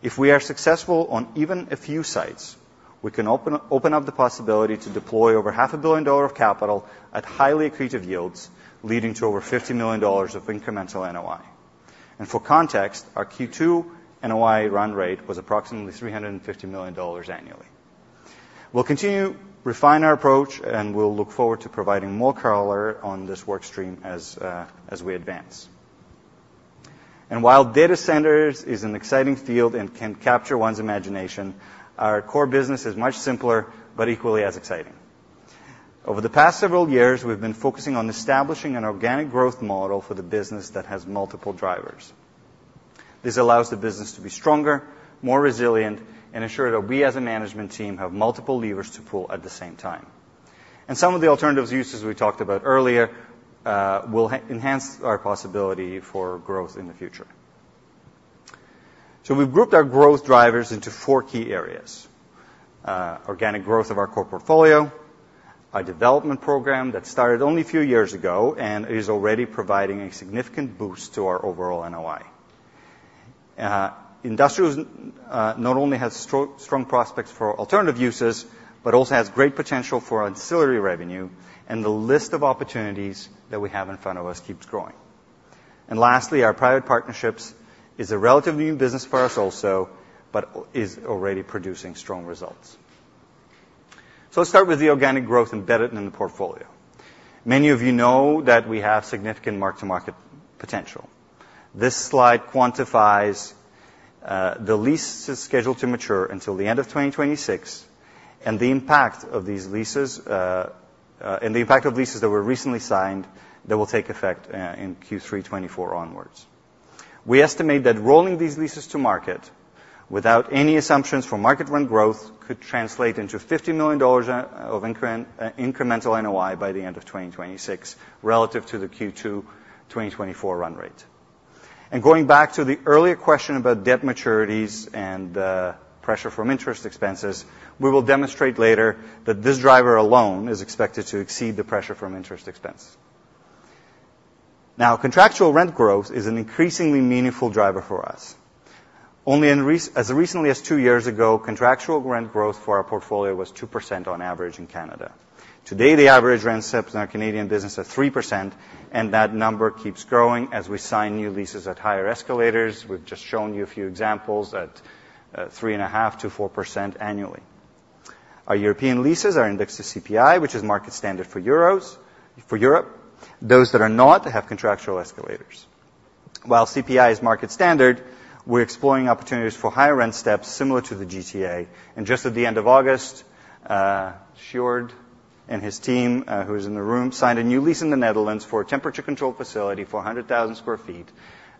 If we are successful on even a few sites, we can open up the possibility to deploy over $500 million of capital at highly accretive yields, leading to over $50 million of incremental NOI. For context, our Q2 NOI run rate was approximately $350 million annually. We'll continue to refine our approach, and we'll look forward to providing more color on this work stream as, as we advance. While data centers is an exciting field and can capture one's imagination, our core business is much simpler, but equally as exciting. Over the past several years, we've been focusing on establishing an organic growth model for the business that has multiple drivers. This allows the business to be stronger, more resilient, and ensure that we, as a management team, have multiple levers to pull at the same time. And some of the alternative uses we talked about earlier will enhance our possibility for growth in the future. So we've grouped our growth drivers into four key areas: organic growth of our core portfolio, our development program that started only a few years ago and is already providing a significant boost to our overall NOI. Industrials not only has strong prospects for alternative uses, but also has great potential for ancillary revenue, and the list of opportunities that we have in front of us keeps growing. And lastly, our private partnerships is a relatively new business for us also, but is already producing strong results. So let's start with the organic growth embedded in the portfolio. Many of you know that we have significant mark-to-market potential. This slide quantifies the leases scheduled to mature until the end of twenty twenty-six, and the impact of these leases, and the impact of leases that were recently signed that will take effect in Q3 twenty-four onwards. We estimate that rolling these leases to market without any assumptions for market rent growth could translate into $50 million of incremental NOI by the end of twenty twenty-six, relative to the Q2 2024 run rate. Going back to the earlier question about debt maturities and pressure from interest expenses, we will demonstrate later that this driver alone is expected to exceed the pressure from interest expense. Now, contractual rent growth is an increasingly meaningful driver for us. Only as recently as two years ago, contractual rent growth for our portfolio was 2% on average in Canada. Today, the average rent steps in our Canadian business are 3%, and that number keeps growing as we sign new leases at higher escalators. We've just shown you a few examples at 3.5% to 4% annually. Our European leases are indexed to CPI, which is market standard for Europe. Those that are not have contractual escalators. While CPI is market standard, we're exploring opportunities for higher rent steps similar to the GTA. And just at the end of August, Sjoerd and his team, who is in the room, signed a new lease in the Netherlands for a temperature-controlled facility, 400,000 sq ft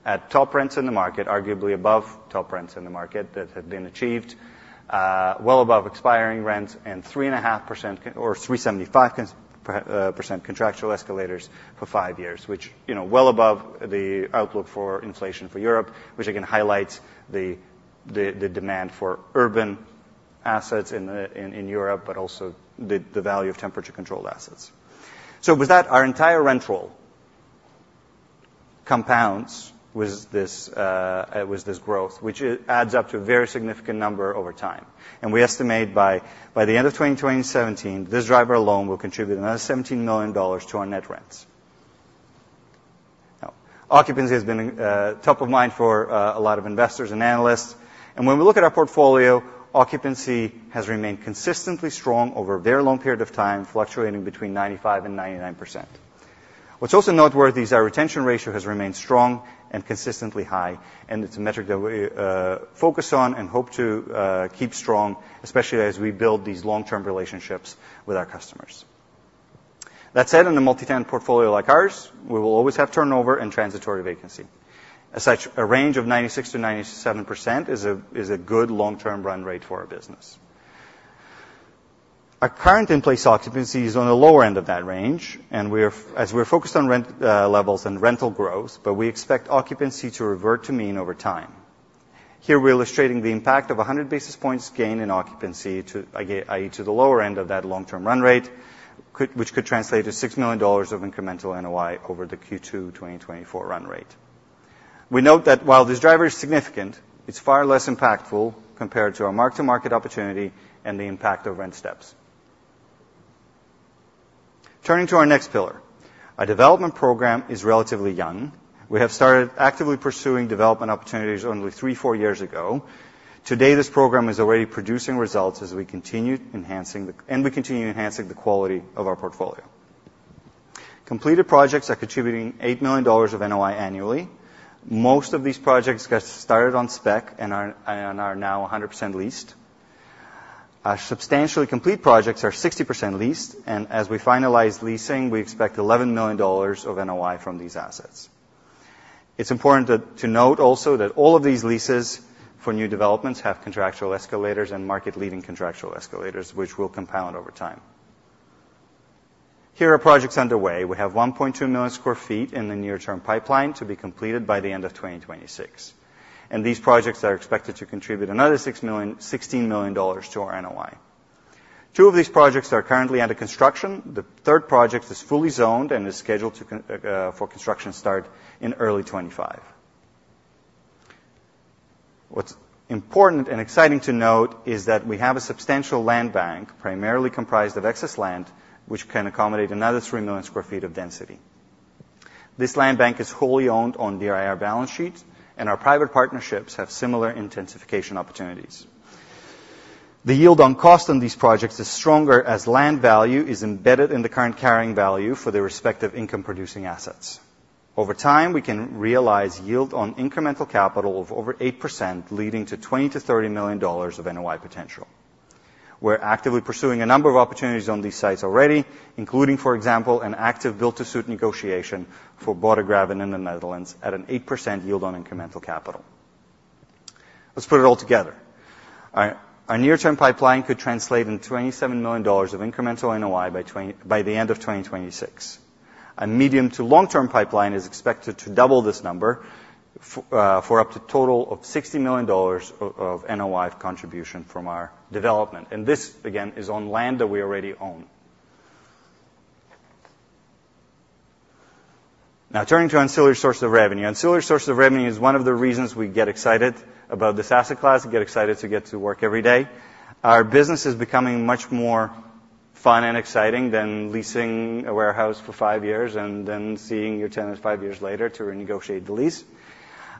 at top rents in the market, arguably above top rents in the market that had been achieved, well above expiring rents and 3.5% or 3.75% contractual escalators for five years, which, you know, well above the outlook for inflation for Europe, which again highlights the demand for urban assets in Europe, but also the value of temperature-controlled assets. So with that, our entire rental compounds with this growth, which adds up to a very significant number over time. We estimate by the end of 2017, this driver alone will contribute another $17 million to our net rents. Now, occupancy has been top of mind for a lot of investors and analysts, and when we look at our portfolio, occupancy has remained consistently strong over a very long period of time, fluctuating between 95% and 99%. What's also noteworthy is our retention ratio has remained strong and consistently high, and it's a metric that we focus on and hope to keep strong, especially as we build these long-term relationships with our customers. That said, in a multi-tenant portfolio like ours, we will always have turnover and transitory vacancy. As such, a range of 96% to 97% is a good long-term run rate for our business. Our current in-place occupancy is on the lower end of that range, and as we're focused on rent levels and rental growth, but we expect occupancy to revert to mean over time. Here, we're illustrating the impact of 100 basis points gain in occupancy, i.e., to the lower end of that long-term run rate, which could translate to 6 million dollars of incremental NOI over the Q2 2024 run rate. We note that while this driver is significant, it's far less impactful compared to our mark-to-market opportunity and the impact of rent steps. Turning to our next pillar. Our development program is relatively young. We have started actively pursuing development opportunities only three, four years ago. Today, this program is already producing results as we continue enhancing the quality of our portfolio. Completed projects are contributing $8 million of NOI annually. Most of these projects got started on spec and are now 100% leased. Our substantially complete projects are 60% leased, and as we finalize leasing, we expect $11 million of NOI from these assets. It's important to note also that all of these leases for new developments have contractual escalators and market-leading contractual escalators, which will compound over time. Here are projects underway. We have 1.2 million sq ft in the near-term pipeline, to be completed by the end of 2026, and these projects are expected to contribute another sixteen million dollars to our NOI. Two of these projects are currently under construction. The third project is fully zoned and is scheduled for construction start in early 2025. What's important and exciting to note is that we have a substantial land bank, primarily comprised of excess land, which can accommodate another 3 million sq ft of density. This land bank is wholly owned on DIR balance sheet, and our private partnerships have similar intensification opportunities. The yield on cost on these projects is stronger, as land value is embedded in the current carrying value for the respective income-producing assets. Over time, we can realize yield on incremental capital of over 8%, leading to $20 to 30 million of NOI potential. We're actively pursuing a number of opportunities on these sites already, including, for example, an active build-to-suit negotiation for Bodegraven in the Netherlands at an 8% yield on incremental capital. Let's put it all together. Our near-term pipeline could translate into 27 million dollars of incremental NOI by the end of 2026. A medium to long-term pipeline is expected to double this number for up to a total of 60 million dollars of NOI contribution from our development, and this, again, is on land that we already own. Now, turning to ancillary sources of revenue. Ancillary sources of revenue is one of the reasons we get excited about this asset class and get excited to get to work every day. Our business is becoming much more fun and exciting than leasing a warehouse for five years and then seeing your tenants five years later to renegotiate the lease,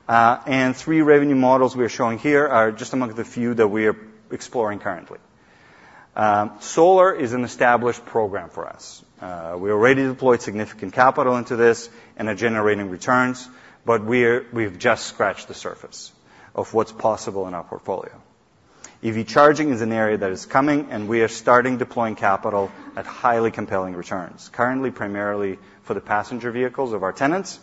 and three revenue models we are showing here are just among the few that we are exploring currently. Solar is an established program for us. We already deployed significant capital into this and are generating returns, but we've just scratched the surface of what's possible in our portfolio. EV charging is an area that is coming, and we are starting deploying capital at highly compelling returns. Currently, primarily for the passenger vehicles of our tenants.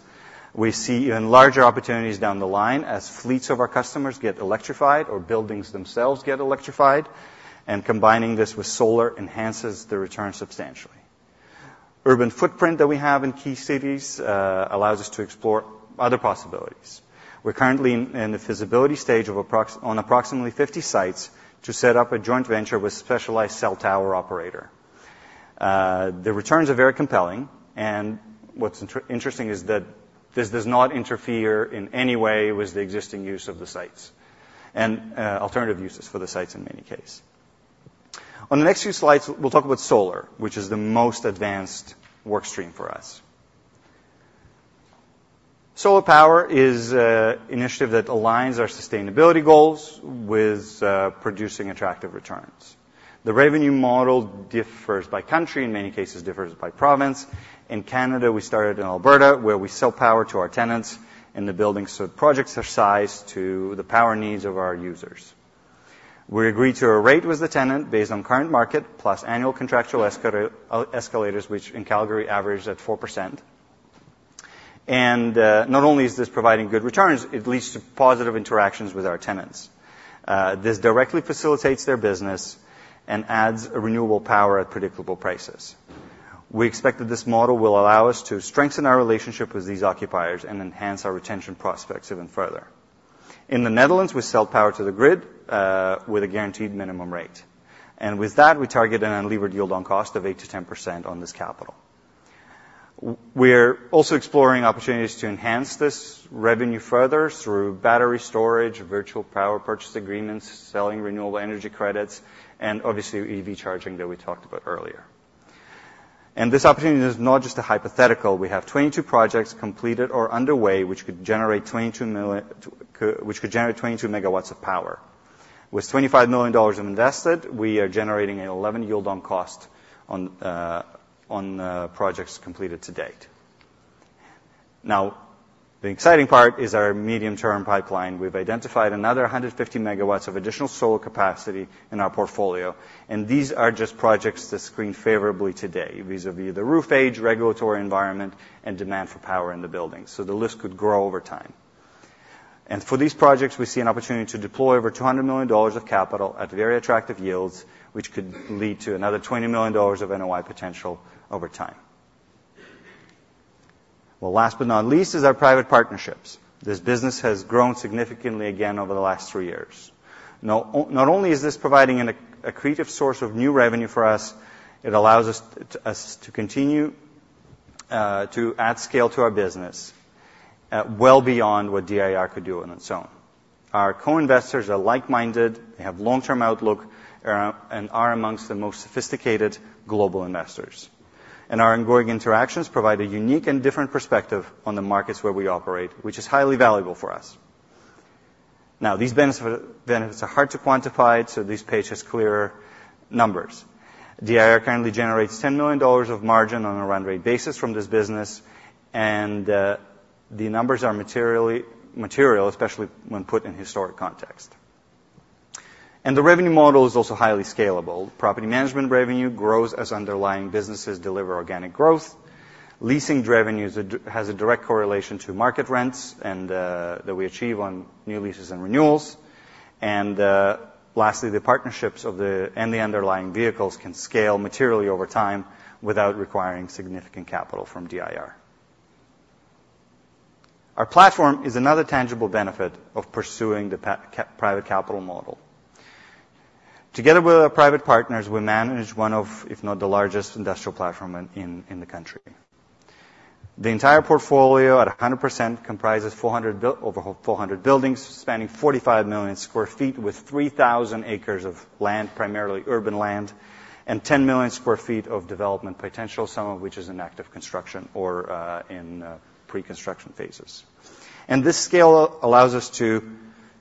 We see even larger opportunities down the line as fleets of our customers get electrified or buildings themselves get electrified, and combining this with solar enhances the return substantially. Urban footprint that we have in key cities allows us to explore other possibilities. We're currently in the feasibility stage on approximately 50 sites to set up a joint venture with specialized cell tower operator. The returns are very compelling, and what's interesting is that this does not interfere in any way with the existing use of the sites and alternative uses for the sites in many cases. On the next few slides, we'll talk about solar, which is the most advanced work stream for us. Solar power is an initiative that aligns our sustainability goals with producing attractive returns. The revenue model differs by country, in many cases, differs by province. In Canada, we started in Alberta, where we sell power to our tenants in the buildings, so projects are sized to the power needs of our users. We agree to a rate with the tenant based on current market plus annual contractual escalators, which in Calgary average 4%. And not only is this providing good returns, it leads to positive interactions with our tenants. This directly facilitates their business and adds a renewable power at predictable prices. We expect that this model will allow us to strengthen our relationship with these occupiers and enhance our retention prospects even further. In the Netherlands, we sell power to the grid, with a guaranteed minimum rate. And with that, we target an unlevered yield on cost of 8 to 10% on this capital. We're also exploring opportunities to enhance this revenue further through battery storage, virtual power purchase agreements, selling renewable energy credits, and obviously, EV charging that we talked about earlier. And this opportunity is not just a hypothetical. We have 22 projects completed or underway, which could generate 22 megawatts of power. With 25 million dollars invested, we are generating an 11% yield on cost on projects completed to date. Now, the exciting part is our medium-term pipeline. We've identified another 150 megawatts of additional solar capacity in our portfolio, and these are just projects that screen favorably today, vis-à-vis the roof age, regulatory environment, and demand for power in the building, so the list could grow over time. For these projects, we see an opportunity to deploy over $200 million of capital at very attractive yields, which could lead to another $20 million of NOI potential over time. Last but not least is our private partnerships. This business has grown significantly again over the last three years. Now, not only is this providing an accretive source of new revenue for us, it allows us to continue to add scale to our business well beyond what DIR could do on its own. Our co-investors are like-minded, they have long-term outlook, and are among the most sophisticated global investors. And our ongoing interactions provide a unique and different perspective on the markets where we operate, which is highly valuable for us. Now, these benefits are hard to quantify, so this page has clearer numbers. DIR currently generates 10 million dollars of margin on a run rate basis from this business, and the numbers are material, especially when put in historic context. And the revenue model is also highly scalable. Property management revenue grows as underlying businesses deliver organic growth. Leasing revenues has a direct correlation to market rents, and that we achieve on new leases and renewals. And lastly, the partnerships and the underlying vehicles can scale materially over time without requiring significant capital from DIR. Our platform is another tangible benefit of pursuing the private capital model. Together with our private partners, we manage one of, if not the largest, industrial platform in the country. The entire portfolio, at 100%, comprises over 400 buildings, spanning 45 million sq ft, with 3,000 acres of land, primarily urban land, and 10 million sq ft of development potential, some of which is in active construction or in pre-construction phases. This scale allows us to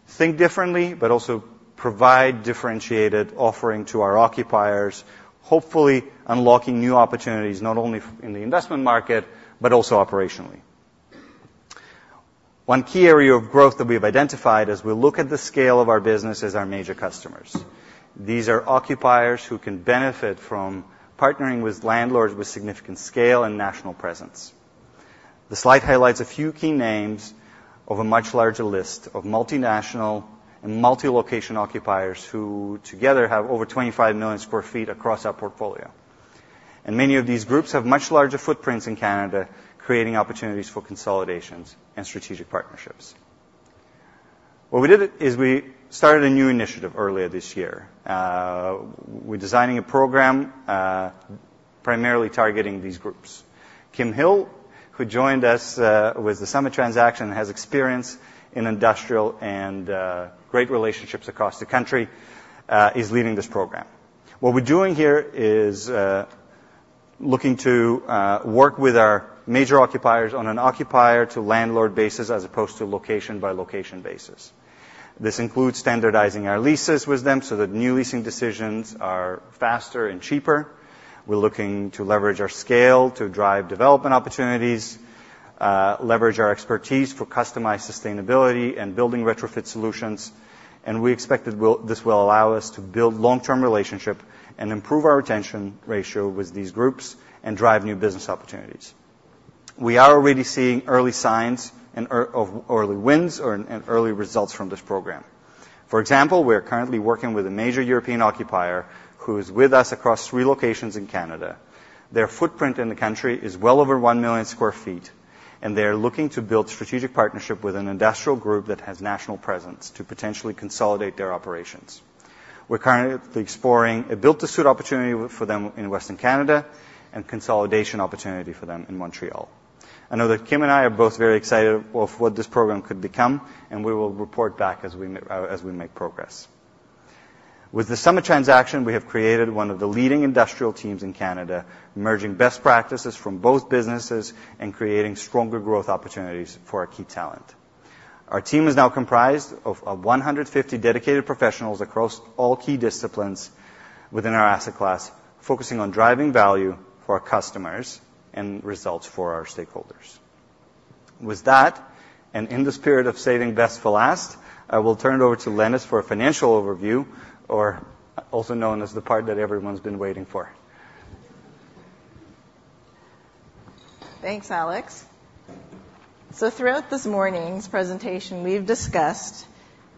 think differently, but also provide differentiated offering to our occupiers, hopefully unlocking new opportunities, not only in the investment market, but also operationally. One key area of growth that we have identified as we look at the scale of our business is our major customers. These are occupiers who can benefit from partnering with landlords with significant scale and national presence. The slide highlights a few key names of a much larger list of multinational and multi-location occupiers, who together, have over 25 million sq ft across our portfolio. And many of these groups have much larger footprints in Canada, creating opportunities for consolidations and strategic partnerships. What we did is we started a new initiative earlier this year. We're designing a program, primarily targeting these groups. Kim Hill, who joined us, with the Summit transaction, has experience in industrial and great relationships across the country, is leading this program. What we're doing here is, looking to, work with our major occupiers on an occupier-to-landlord basis, as opposed to location-by-location basis. This includes standardizing our leases with them, so that new leasing decisions are faster and cheaper. We're looking to leverage our scale to drive development opportunities, leverage our expertise for customized sustainability and building retrofit solutions, and we expect this will allow us to build long-term relationship and improve our retention ratio with these groups and drive new business opportunities. We are already seeing early signs and early wins and early results from this program. For example, we are currently working with a major European occupier who is with us across three locations in Canada. Their footprint in the country is well over one million sq ft, and they are looking to build strategic partnership with an industrial group that has national presence to potentially consolidate their operations. We're currently exploring a build-to-suit opportunity for them in Western Canada, and consolidation opportunity for them in Montreal. I know that Kim and I are both very excited of what this program could become, and we will report back as we make progress. With the Summit transaction, we have created one of the leading industrial teams in Canada, merging best practices from both businesses and creating stronger growth opportunities for our key talent. Our team is now comprised of 150 dedicated professionals across all key disciplines within our asset class, focusing on driving value for our customers and results for our stakeholders. With that, and in the spirit of saving the best for last, I will turn it over to Lenis for a financial overview, or also known as the part that everyone's been waiting for. Thanks, Alex. So throughout this morning's presentation, we've discussed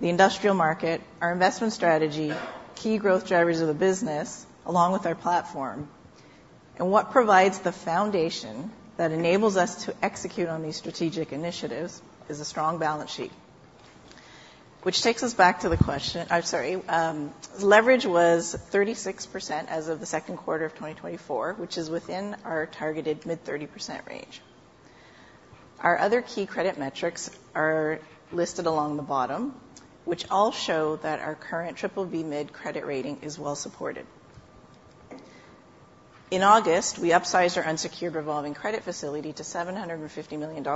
the industrial market, our investment strategy, key growth drivers of the business, along with our platform. What provides the foundation that enables us to execute on these strategic initiatives is a strong balance sheet. Which takes us back to the question... I'm sorry. Leverage was 36% as of the second quarter of 2024, which is within our targeted mid-30% range. Our other key credit metrics are listed along the bottom, which all show that our current BBB mid credit rating is well supported. In August, we upsized our unsecured revolving credit facility to $750 million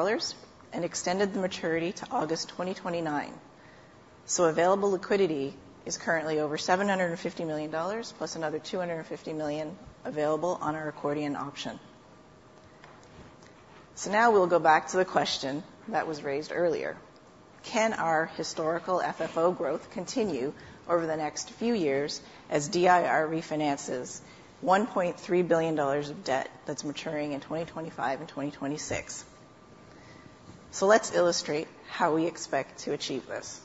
and extended the maturity to August 2029. Available liquidity is currently over $750 million, plus another $250 million available on our accordion option. So now we'll go back to the question that was raised earlier: Can our historical FFO growth continue over the next few years as DIR refinances 1.3 billion dollars of debt that's maturing in 2025 and 2026? So let's illustrate how we expect to achieve this.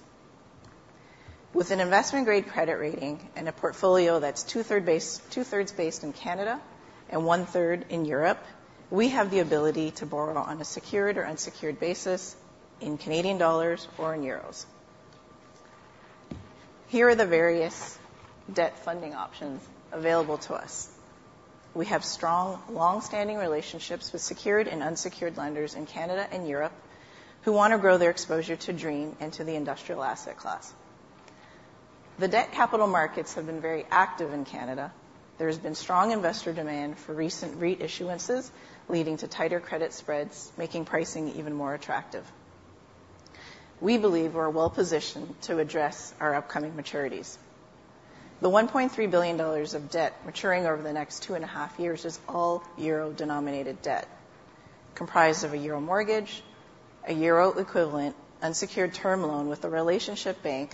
With an investment-grade credit rating and a portfolio that's two-thirds based in Canada and one-third in Europe, we have the ability to borrow on a secured or unsecured basis in Canadian dollars or in euros. Here are the various debt funding options available to us. We have strong, long-standing relationships with secured and unsecured lenders in Canada and Europe who want to grow their exposure to Dream and to the industrial asset class. The debt capital markets have been very active in Canada. There has been strong investor demand for recent re-issuances, leading to tighter credit spreads, making pricing even more attractive. We believe we're well positioned to address our upcoming maturities. The 1.3 billion dollars of debt maturing over the next two and a half years is all euro-denominated debt, comprised of a euro mortgage, a euro-equivalent unsecured term loan with a relationship bank,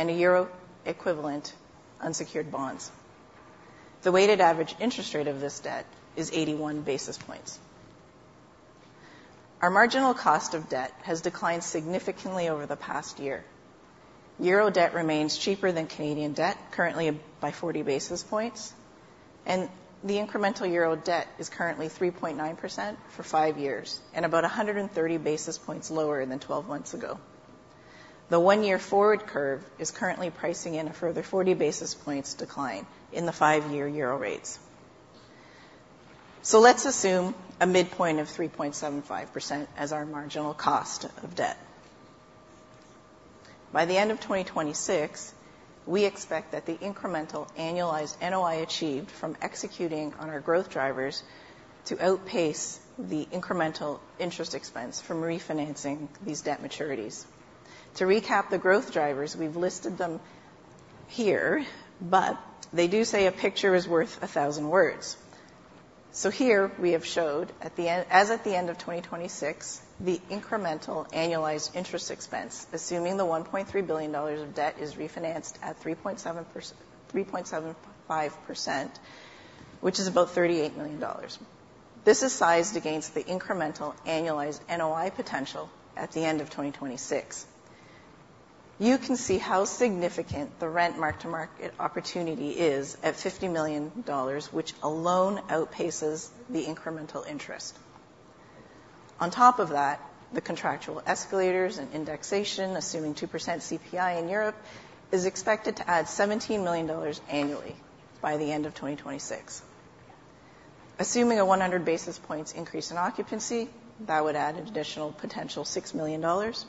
and a euro-equivalent unsecured bonds. The weighted average interest rate of this debt is 81 basis points. Our marginal cost of debt has declined significantly over the past year. Euro debt remains cheaper than Canadian debt, currently by 40 basis points, and the incremental euro debt is currently 3.9% for five years, and about 130 basis points lower than 12 months ago. The one-year forward curve is currently pricing in a further 40 basis points decline in the five-year euro rates. So let's assume a midpoint of 3.75% as our marginal cost of debt. By the end of 2026, we expect that the incremental annualized NOI achieved from executing on our growth drivers to outpace the incremental interest expense from refinancing these debt maturities. To recap the growth drivers, we've listed them here, but they do say a picture is worth a thousand words. So here we have shown, as at the end of 2026, the incremental annualized interest expense, assuming the 1.3 billion dollars of debt is refinanced at 3.75%, which is about 38 million dollars. This is sized against the incremental annualized NOI potential at the end of 2026. You can see how significant the rent mark-to-market opportunity is at 50 million dollars, which alone outpaces the incremental interest. On top of that, the contractual escalators and indexation, assuming 2% CPI in Europe, is expected to add 17 million dollars annually by the end of 2026. Assuming a 100 basis points increase in occupancy, that would add an additional potential 6 million dollars.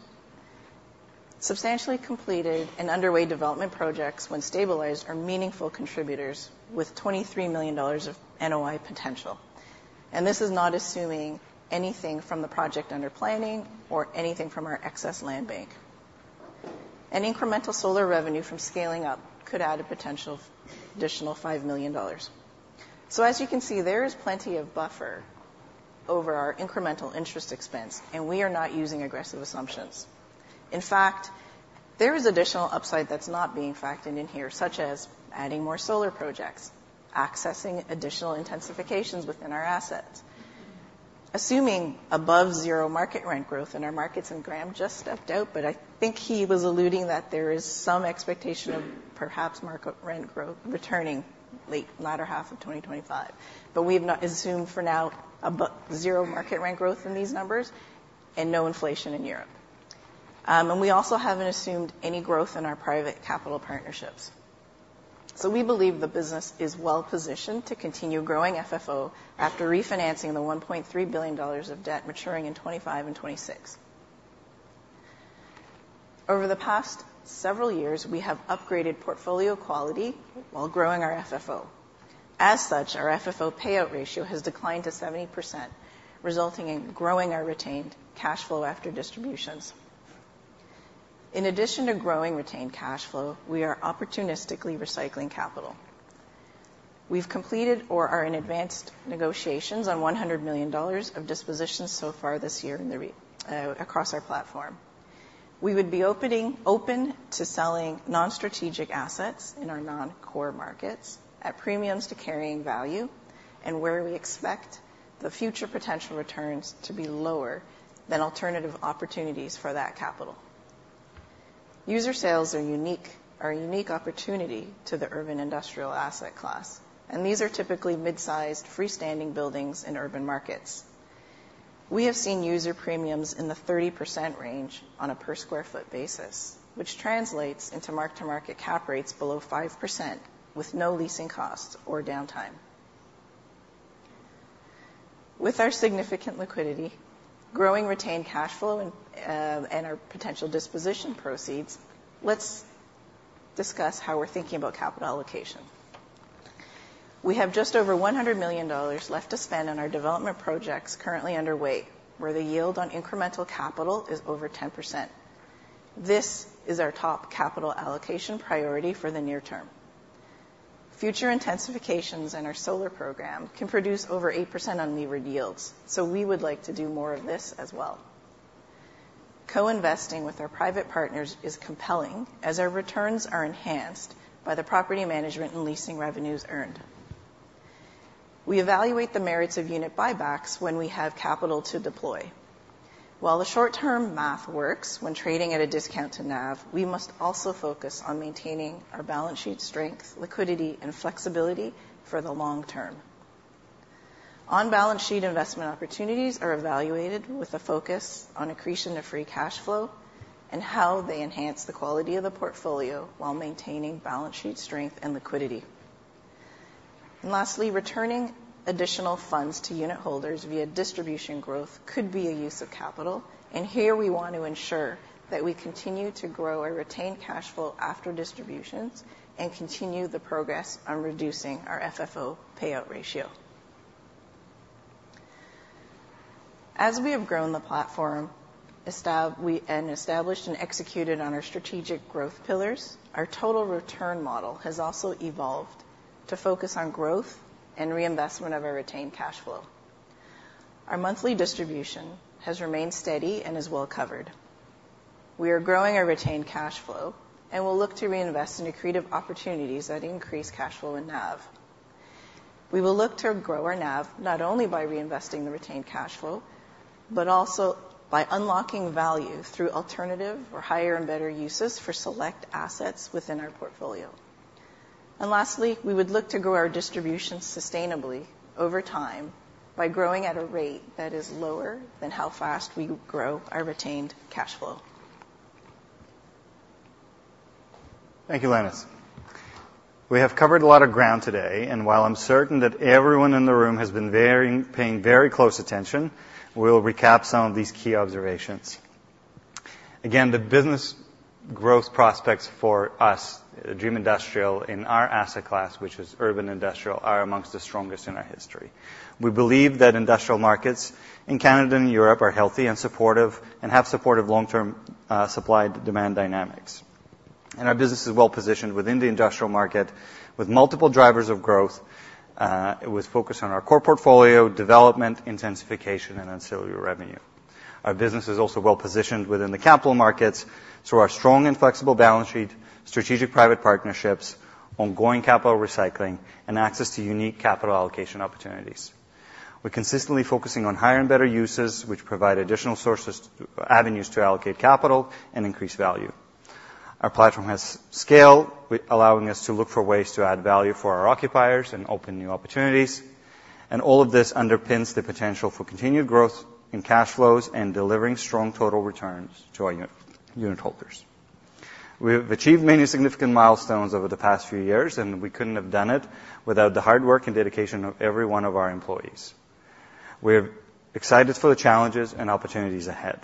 Substantially completed and underway development projects, when stabilized, are meaningful contributors with 23 million dollars of NOI potential. And this is not assuming anything from the project under planning or anything from our excess land bank. An incremental solar revenue from scaling up could add a potential additional 5 million dollars. So as you can see, there is plenty of buffer over our incremental interest expense, and we are not using aggressive assumptions. In fact, there is additional upside that's not being factored in here, such as adding more solar projects, accessing additional intensifications within our assets. Assuming above zero market rent growth in our markets, and Graham just stepped out, but I think he was alluding that there is some expectation of perhaps market rent growth returning latter half of 2025. But we've not assumed, for now, about zero market rent growth in these numbers and no inflation in Europe. And we also haven't assumed any growth in our private capital partnerships. So we believe the business is well positioned to continue growing FFO after refinancing the 1.3 billion dollars of debt maturing in 2025 and 2026. Over the past several years, we have upgraded portfolio quality while growing our FFO. As such, our FFO payout ratio has declined to 70%, resulting in growing our retained cash flow after distributions. In addition to growing retained cash flow, we are opportunistically recycling capital. We've completed or are in advanced negotiations on 100 million dollars of dispositions so far this year across our platform. We would be open to selling non-strategic assets in our non-core markets at premiums to carrying value and where we expect the future potential returns to be lower than alternative opportunities for that capital. User sales are a unique opportunity to the urban industrial asset class, and these are typically mid-sized, freestanding buildings in urban markets. We have seen user premiums in the 30% range on a per square foot basis, which translates into mark-to-market cap rates below 5%, with no leasing costs or downtime. With our significant liquidity, growing retained cash flow and our potential disposition proceeds, let's discuss how we're thinking about capital allocation. We have just over 100 million dollars left to spend on our development projects currently underway, where the yield on incremental capital is over 10%. This is our top capital allocation priority for the near term. Future intensifications in our solar program can produce over 8% unlevered yields, so we would like to do more of this as well. Co-investing with our private partners is compelling, as our returns are enhanced by the property management and leasing revenues earned. We evaluate the merits of unit buybacks when we have capital to deploy. While the short-term math works when trading at a discount to NAV, we must also focus on maintaining our balance sheet strength, liquidity, and flexibility for the long term. On-balance sheet investment opportunities are evaluated with a focus on accretion of free cash flow and how they enhance the quality of the portfolio while maintaining balance sheet strength and liquidity, and lastly, returning additional funds to unitholders via distribution growth could be a use of capital, and here we want to ensure that we continue to grow our retained cash flow after distributions and continue the progress on reducing our FFO payout ratio. As we have grown the platform, and established and executed on our strategic growth pillars, our total return model has also evolved to focus on growth and reinvestment of our retained cash flow. Our monthly distribution has remained steady and is well covered. We are growing our retained cash flow and will look to reinvest in accretive opportunities that increase cash flow and NAV. We will look to grow our NAV, not only by reinvesting the retained cash flow, but also by unlocking value through alternative or higher and better uses for select assets within our portfolio. And lastly, we would look to grow our distribution sustainably over time by growing at a rate that is lower than how fast we grow our retained cash flow. Thank you, Lenis. We have covered a lot of ground today, and while I'm certain that everyone in the room has been paying very close attention, we'll recap some of these key observations. Again, the business growth prospects for us, Dream Industrial, in our asset class, which is urban industrial, are amongst the strongest in our history. We believe that industrial markets in Canada and Europe are healthy and supportive, and have supportive long-term supply-demand dynamics. And our business is well positioned within the industrial market with multiple drivers of growth. It was focused on our core portfolio, development, intensification, and ancillary revenue. Our business is also well positioned within the capital markets through our strong and flexible balance sheet, strategic private partnerships, ongoing capital recycling, and access to unique capital allocation opportunities. We're consistently focusing on higher and better uses, which provide additional sources, avenues to allocate capital and increase value. Our platform has scale, allowing us to look for ways to add value for our occupiers and open new opportunities. And all of this underpins the potential for continued growth in cash flows and delivering strong total returns to our unit, unitholders. We have achieved many significant milestones over the past few years, and we couldn't have done it without the hard work and dedication of every one of our employees. We're excited for the challenges and opportunities ahead.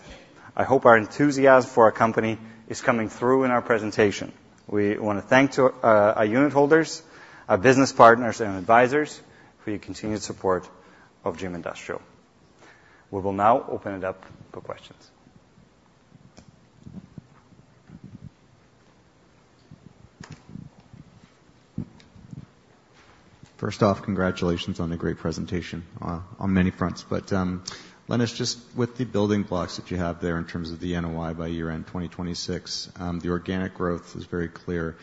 I hope our enthusiasm for our company is coming through in our presentation. We want to thank to our unitholders, our business partners, and advisors for your continued support of Dream Industrial. We will now open it up for questions. First off, congratulations on a great presentation on many fronts. But, Lenis, just with the building blocks that you have there in terms of the NOI by year-end 2026, the organic growth is very clear.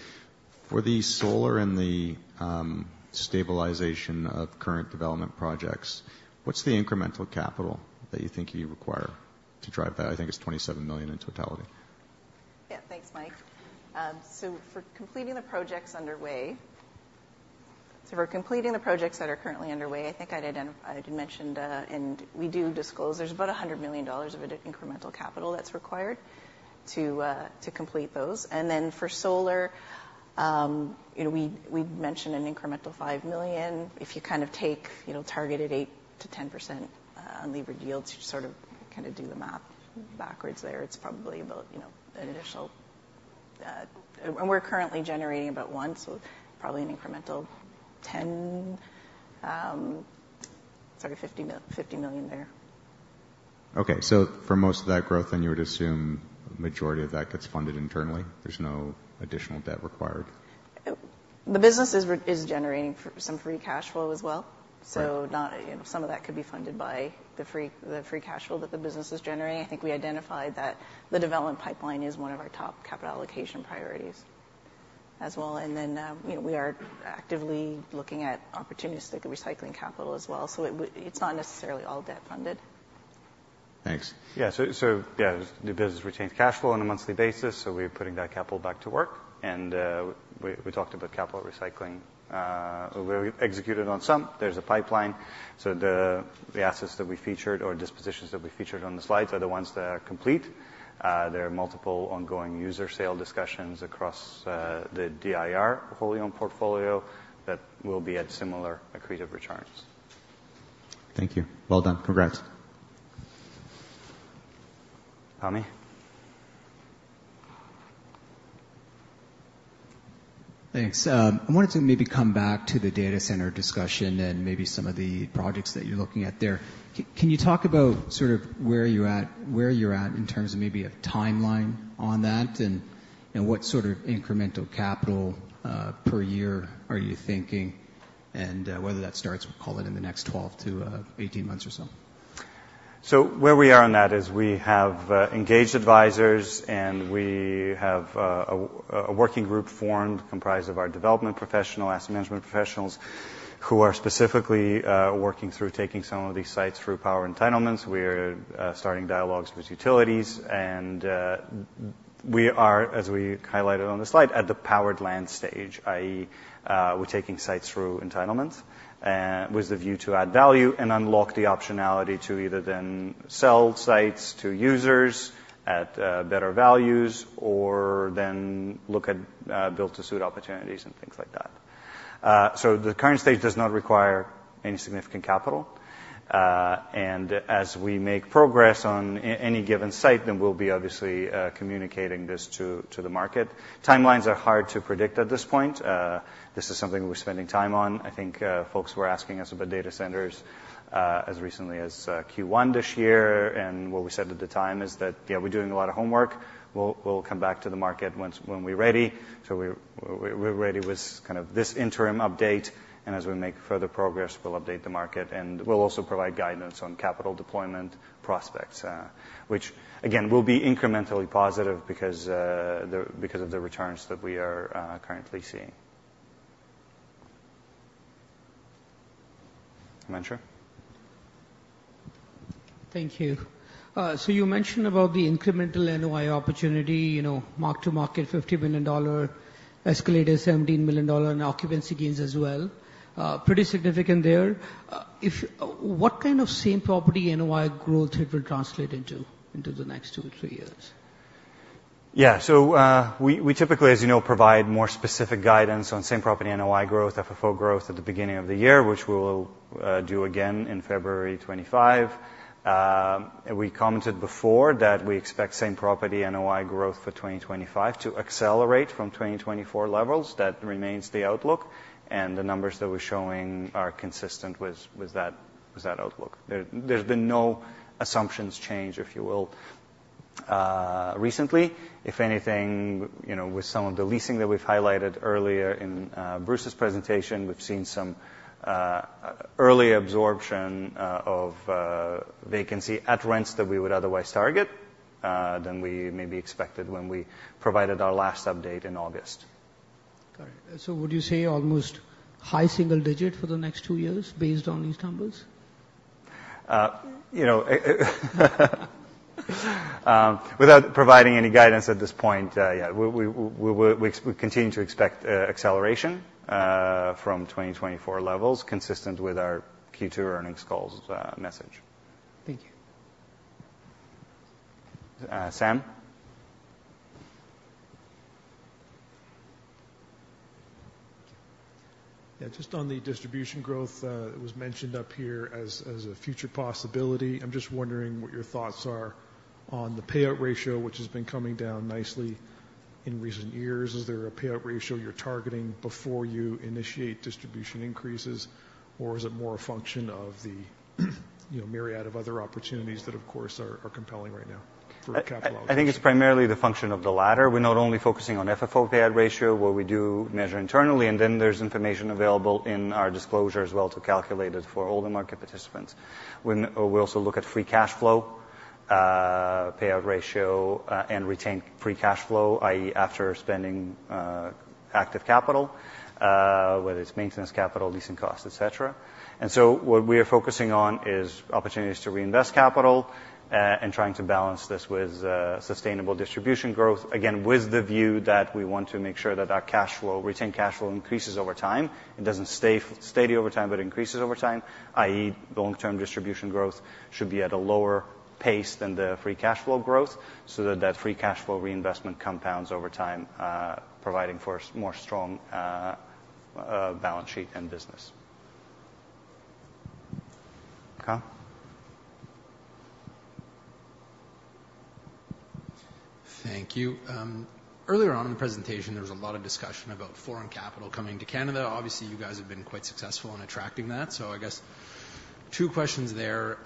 For the solar and the stabilization of current development projects, what's the incremental capital that you think you require to drive that? I think it's 27 million in totality. Yeah. Thanks, Mike. So for completing the projects that are currently underway, I had mentioned, and we do disclose there's about $100 million of incremental capital that's required to complete those. And then for solar, you know, we've mentioned an incremental $5 million. If you kind of take, you know, targeted 8% to 10% unlevered yields, you sort of kind of do the math backwards there. It's probably about, you know, an initial. And we're currently generating about $1 million, so probably an incremental ten, sorry, 50 million there. Okay. So for most of that growth then, you would assume majority of that gets funded internally? There's no additional debt required. The business is generating some free cash flow as well. Right. Not you know, some of that could be funded by the free cash flow that the business is generating. I think we identified that the development pipeline is one of our top capital allocation priorities as well. Then, you know, we are actively looking at opportunistic recycling capital as well. It's not necessarily all debt funded. Thanks. Yeah, so yeah, the business retains cash flow on a monthly basis, so we're putting that capital back to work, and we talked about capital recycling, where we executed on some. There's a pipeline. The assets that we featured or dispositions that we featured on the slides are the ones that are complete. There are multiple ongoing user sale discussions across the DIR wholly owned portfolio that will be at similar accretive returns. Thank you. Well done. Congrats!... Tommy? Thanks. I wanted to maybe come back to the data center discussion and maybe some of the projects that you're looking at there. Can you talk about sort of where you're at in terms of maybe a timeline on that, and what sort of incremental capital per year are you thinking, and whether that starts, we'll call it in the next 12 to18 months or so? So where we are on that is we have engaged advisors, and we have a working group formed, comprised of our development professional, asset management professionals, who are specifically working through taking some of these sites through power entitlements. We're starting dialogues with utilities, and we are, as we highlighted on the slide, at the powered land stage, i.e., we're taking sites through entitlements with the view to add value and unlock the optionality to either then sell sites to users at better values or then look at build-to-suit opportunities and things like that, so the current stage does not require any significant capital, and as we make progress on any given site, then we'll be obviously communicating this to the market. Timelines are hard to predict at this point. This is something we're spending time on. I think, folks were asking us about data centers, as recently as Q1 this year. And what we said at the time is that, yeah, we're doing a lot of homework. We'll come back to the market once when we're ready. So we're ready with kind of this interim update, and as we make further progress, we'll update the market, and we'll also provide guidance on capital deployment prospects, which, again, will be incrementally positive because of the returns that we are currently seeing. Mancha? Thank you. So you mentioned about the incremental NOI opportunity, you know, mark-to-market, $50 billion, escalated $17 million in occupancy gains as well. Pretty significant there. What kind of same property NOI growth it will translate into the next two to three years? Yeah. So, we typically, as you know, provide more specific guidance on same-property NOI growth, FFO growth, at the beginning of the year, which we'll do again in February 2025. We commented before that we expect same-property NOI growth for 2025 to accelerate from 2024 levels. That remains the outlook, and the numbers that we're showing are consistent with that outlook. There's been no assumptions change, if you will, recently. If anything, you know, with some of the leasing that we've highlighted earlier in Bruce's presentation, we've seen some early absorption of vacancy at rents that we would otherwise target than we maybe expected when we provided our last update in August. Got it. So would you say almost high single digit for the next two years based on these numbers? You know, without providing any guidance at this point, yeah, we continue to expect acceleration from 2024 levels, consistent with our Q2 earnings calls message. Thank you. Uh, Sam? Yeah, just on the distribution growth, it was mentioned up here as a future possibility. I'm just wondering what your thoughts are on the payout ratio, which has been coming down nicely in recent years. Is there a payout ratio you're targeting before you initiate distribution increases, or is it more a function of the, you know, myriad of other opportunities that, of course, are compelling right now for capital allocation? I think it's primarily the function of the latter. We're not only focusing on FFO payout ratio, what we do measure internally, and then there's information available in our disclosure as well, to calculate it for all the market participants. We also look at free cashflow payout ratio, and retain free cashflow, i.e., after spending active capital, whether it's maintenance capital, leasing costs, et cetera. And so what we are focusing on is opportunities to reinvest capital, and trying to balance this with sustainable distribution growth. Again, with the view that we want to make sure that our cashflow, retained cashflow, increases over time. It doesn't stay steady over time, but increases over time, i.e., the long-term distribution growth should be at a lower pace than the free cashflow growth, so that free cashflow reinvestment compounds over time, providing for more strong balance sheet and business. Kyle? Thank you. Earlier on in the presentation, there was a lot of discussion about foreign capital coming to Canada. Obviously, you guys have been quite successful in attracting that. So I guess two questions there.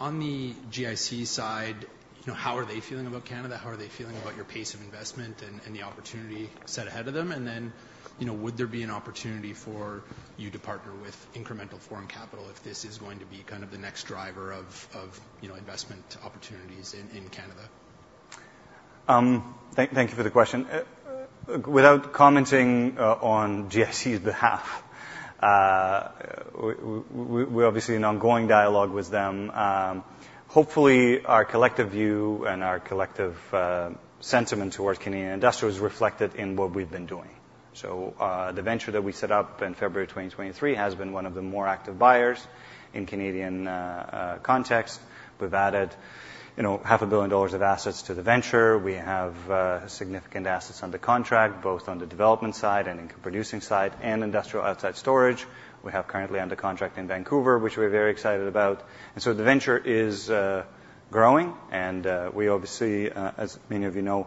On the GIC side, you know, how are they feeling about Canada? How are they feeling about your pace of investment and the opportunity set ahead of them? And then, you know, would there be an opportunity for you to partner with incremental foreign capital if this is going to be kind of the next driver of you know, investment opportunities in Canada? Thank you for the question. Without commenting on GIC's behalf, we're obviously in ongoing dialogue with them. Hopefully, our collective view and our collective sentiment towards Canadian industrial is reflected in what we've been doing. So, the venture that we set up in February of 2023 has been one of the more active buyers in Canadian context. We've added, you know, $500 million of assets to the venture. We have significant assets under contract, both on the development side and in producing side, and industrial outside storage. We have currently under contract in Vancouver, which we're very excited about. And so the venture is growing, and we obviously, as many of you know-...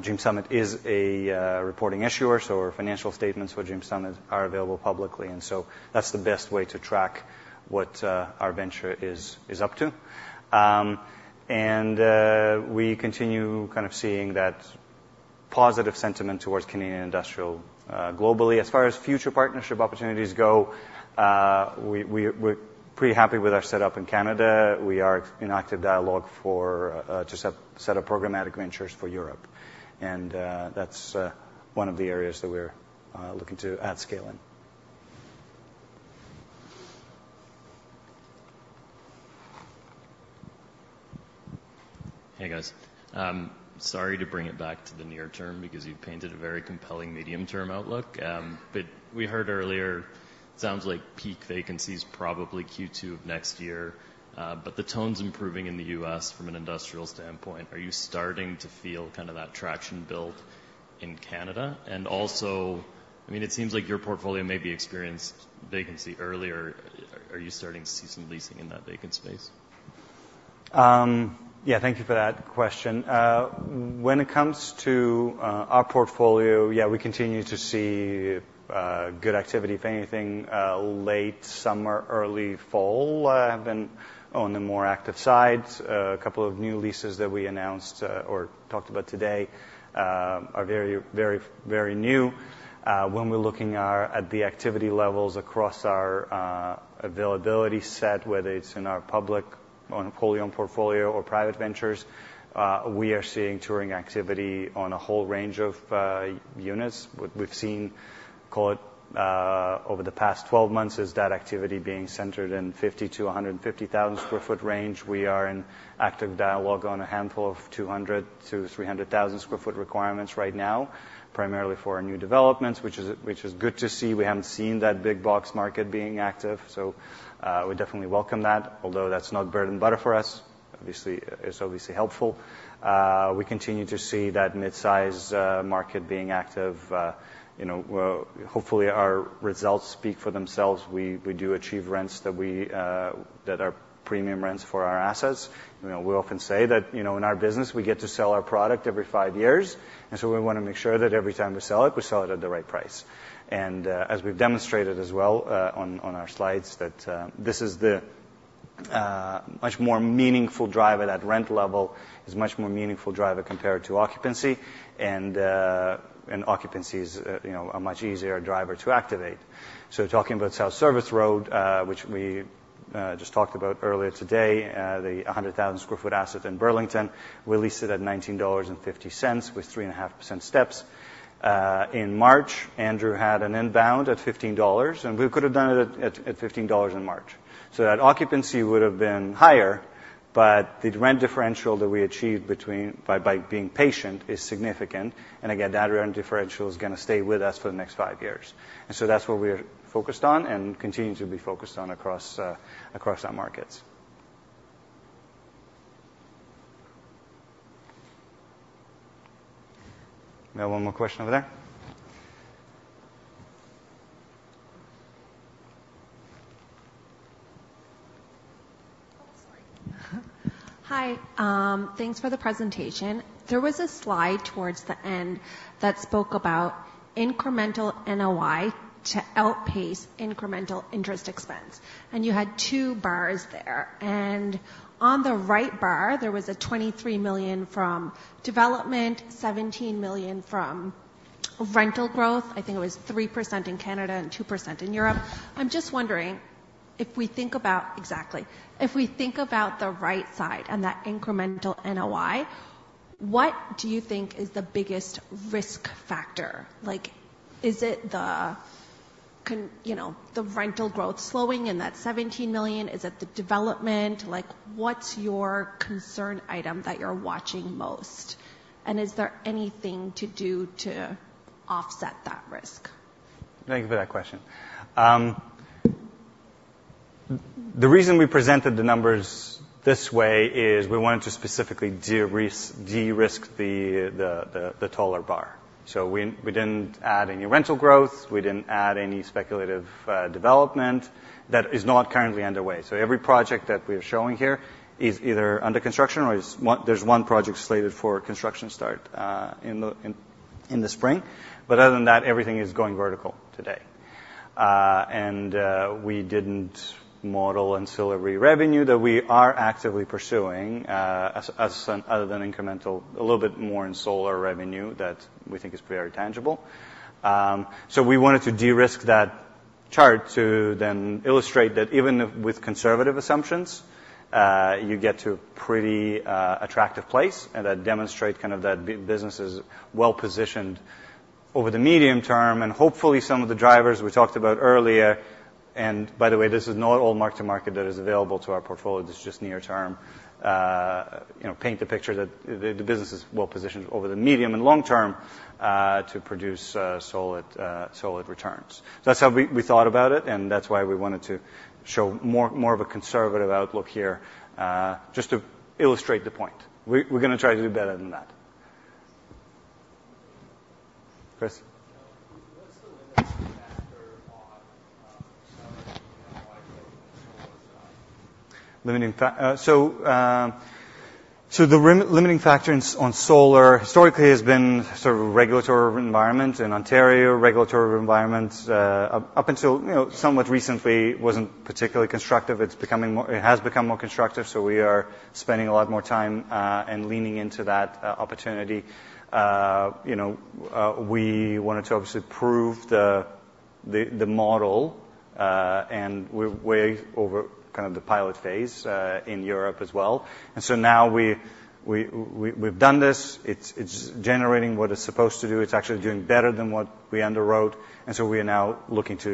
Dream Summit is a reporting issuer, so our financial statements for Dream Summit are available publicly, and so that's the best way to track what our venture is up to, and we continue kind of seeing that positive sentiment towards Canadian industrial globally. As far as future partnership opportunities go, we're pretty happy with our setup in Canada. We are in active dialogue for to set up programmatic ventures for Europe, and that's one of the areas that we're looking to add scale in. Hey, guys. Sorry to bring it back to the near term because you've painted a very compelling medium-term outlook. But we heard earlier, sounds like peak vacancy is probably Q2 of next year, but the tone's improving in the US from an industrial standpoint. Are you starting to feel kind of that traction build in Canada? And also, I mean, it seems like your portfolio maybe experienced vacancy earlier. Are you starting to see some leasing in that vacant space? Yeah, thank you for that question. When it comes to our portfolio, yeah, we continue to see good activity, if anything, late summer, early fall have been on the more active sides. A couple of new leases that we announced or talked about today are very, very, very new. When we're looking at the activity levels across our availability set, whether it's in our public portfolio or private ventures, we are seeing touring activity on a whole range of units. What we've seen, call it, over the past 12 months, is that activity being centered in 50 to 150,000 sq ft range. We are in active dialogue on a handful of 200 to 300,000 sq ft requirements right now, primarily for our new developments, which is good to see. We haven't seen that big box market being active, so, we definitely welcome that. Although that's not bread and butter for us, obviously, it's obviously helpful. We continue to see that mid-size market being active. You know, hopefully, our results speak for themselves. We do achieve rents that we that are premium rents for our assets. You know, we often say that, you know, in our business, we get to sell our product every five years, and so we want to make sure that every time we sell it, we sell it at the right price. As we've demonstrated as well, on our slides, that this is the much more meaningful driver, that rent level is a much more meaningful driver compared to occupancy, and occupancy is, you know, a much easier driver to activate. So talking about South Service Road, which we just talked about earlier today, the 100,000 sq ft asset in Burlington, we leased it at $19.50, with 3.5% steps. In March, Andrew had an inbound at $15, and we could have done it at $15 in March. So that occupancy would have been higher, but the rent differential that we achieved between by being patient is significant. And again, that rent differential is going to stay with us for the next five years. And so that's what we're focused on and continue to be focused on across our markets. We have one more question over there. Oh, sorry. Hi. Thanks for the presentation. There was a slide towards the end that spoke about incremental NOI to outpace incremental interest expense, and you had two bars there. And on the right bar, there was a $23 million from development, $17 million from rental growth. I think it was 3% in Canada and 2% in Europe. I'm just wondering if we think about the right side and that incremental NOI, what do you think is the biggest risk factor? Like, is it you know, the rental growth slowing in that $17 million? Is it the development? Like, what's your concern item that you're watching most, and is there anything to do to offset that risk? Thank you for that question. The reason we presented the numbers this way is we wanted to specifically de-risk the taller bar. So we didn't add any rental growth, we didn't add any speculative development that is not currently underway. So every project that we are showing here is either under construction or there's one project slated for construction start in the spring. But other than that, everything is going vertical today. And we didn't model ancillary revenue that we are actively pursuing as other than incremental, a little bit more in solar revenue that we think is very tangible. So we wanted to de-risk that chart to then illustrate that even with conservative assumptions, you get to a pretty attractive place, and that demonstrate kind of that the business is well positioned over the medium term. Hopefully, some of the drivers we talked about earlier, and by the way, this is not all mark-to-market that is available to our portfolio, this is just near term, you know, paint the picture that the business is well positioned over the medium and long term to produce solid returns. That's how we thought about it, and that's why we wanted to show more of a conservative outlook here just to illustrate the point. We're going to try to do better than that. Chris? So the limiting factor in on solar historically has been sort of a regulatory environment. In Ontario regulatory environment up until, you know, somewhat recently wasn't particularly constructive. It has become more constructive, so we are spending a lot more time and leaning into that opportunity. You know, we wanted to obviously prove the model and we're way over kind of the pilot phase in Europe as well. And so now we've done this. It's generating what it's supposed to do. It's actually doing better than what we underwrote, and so we are now looking to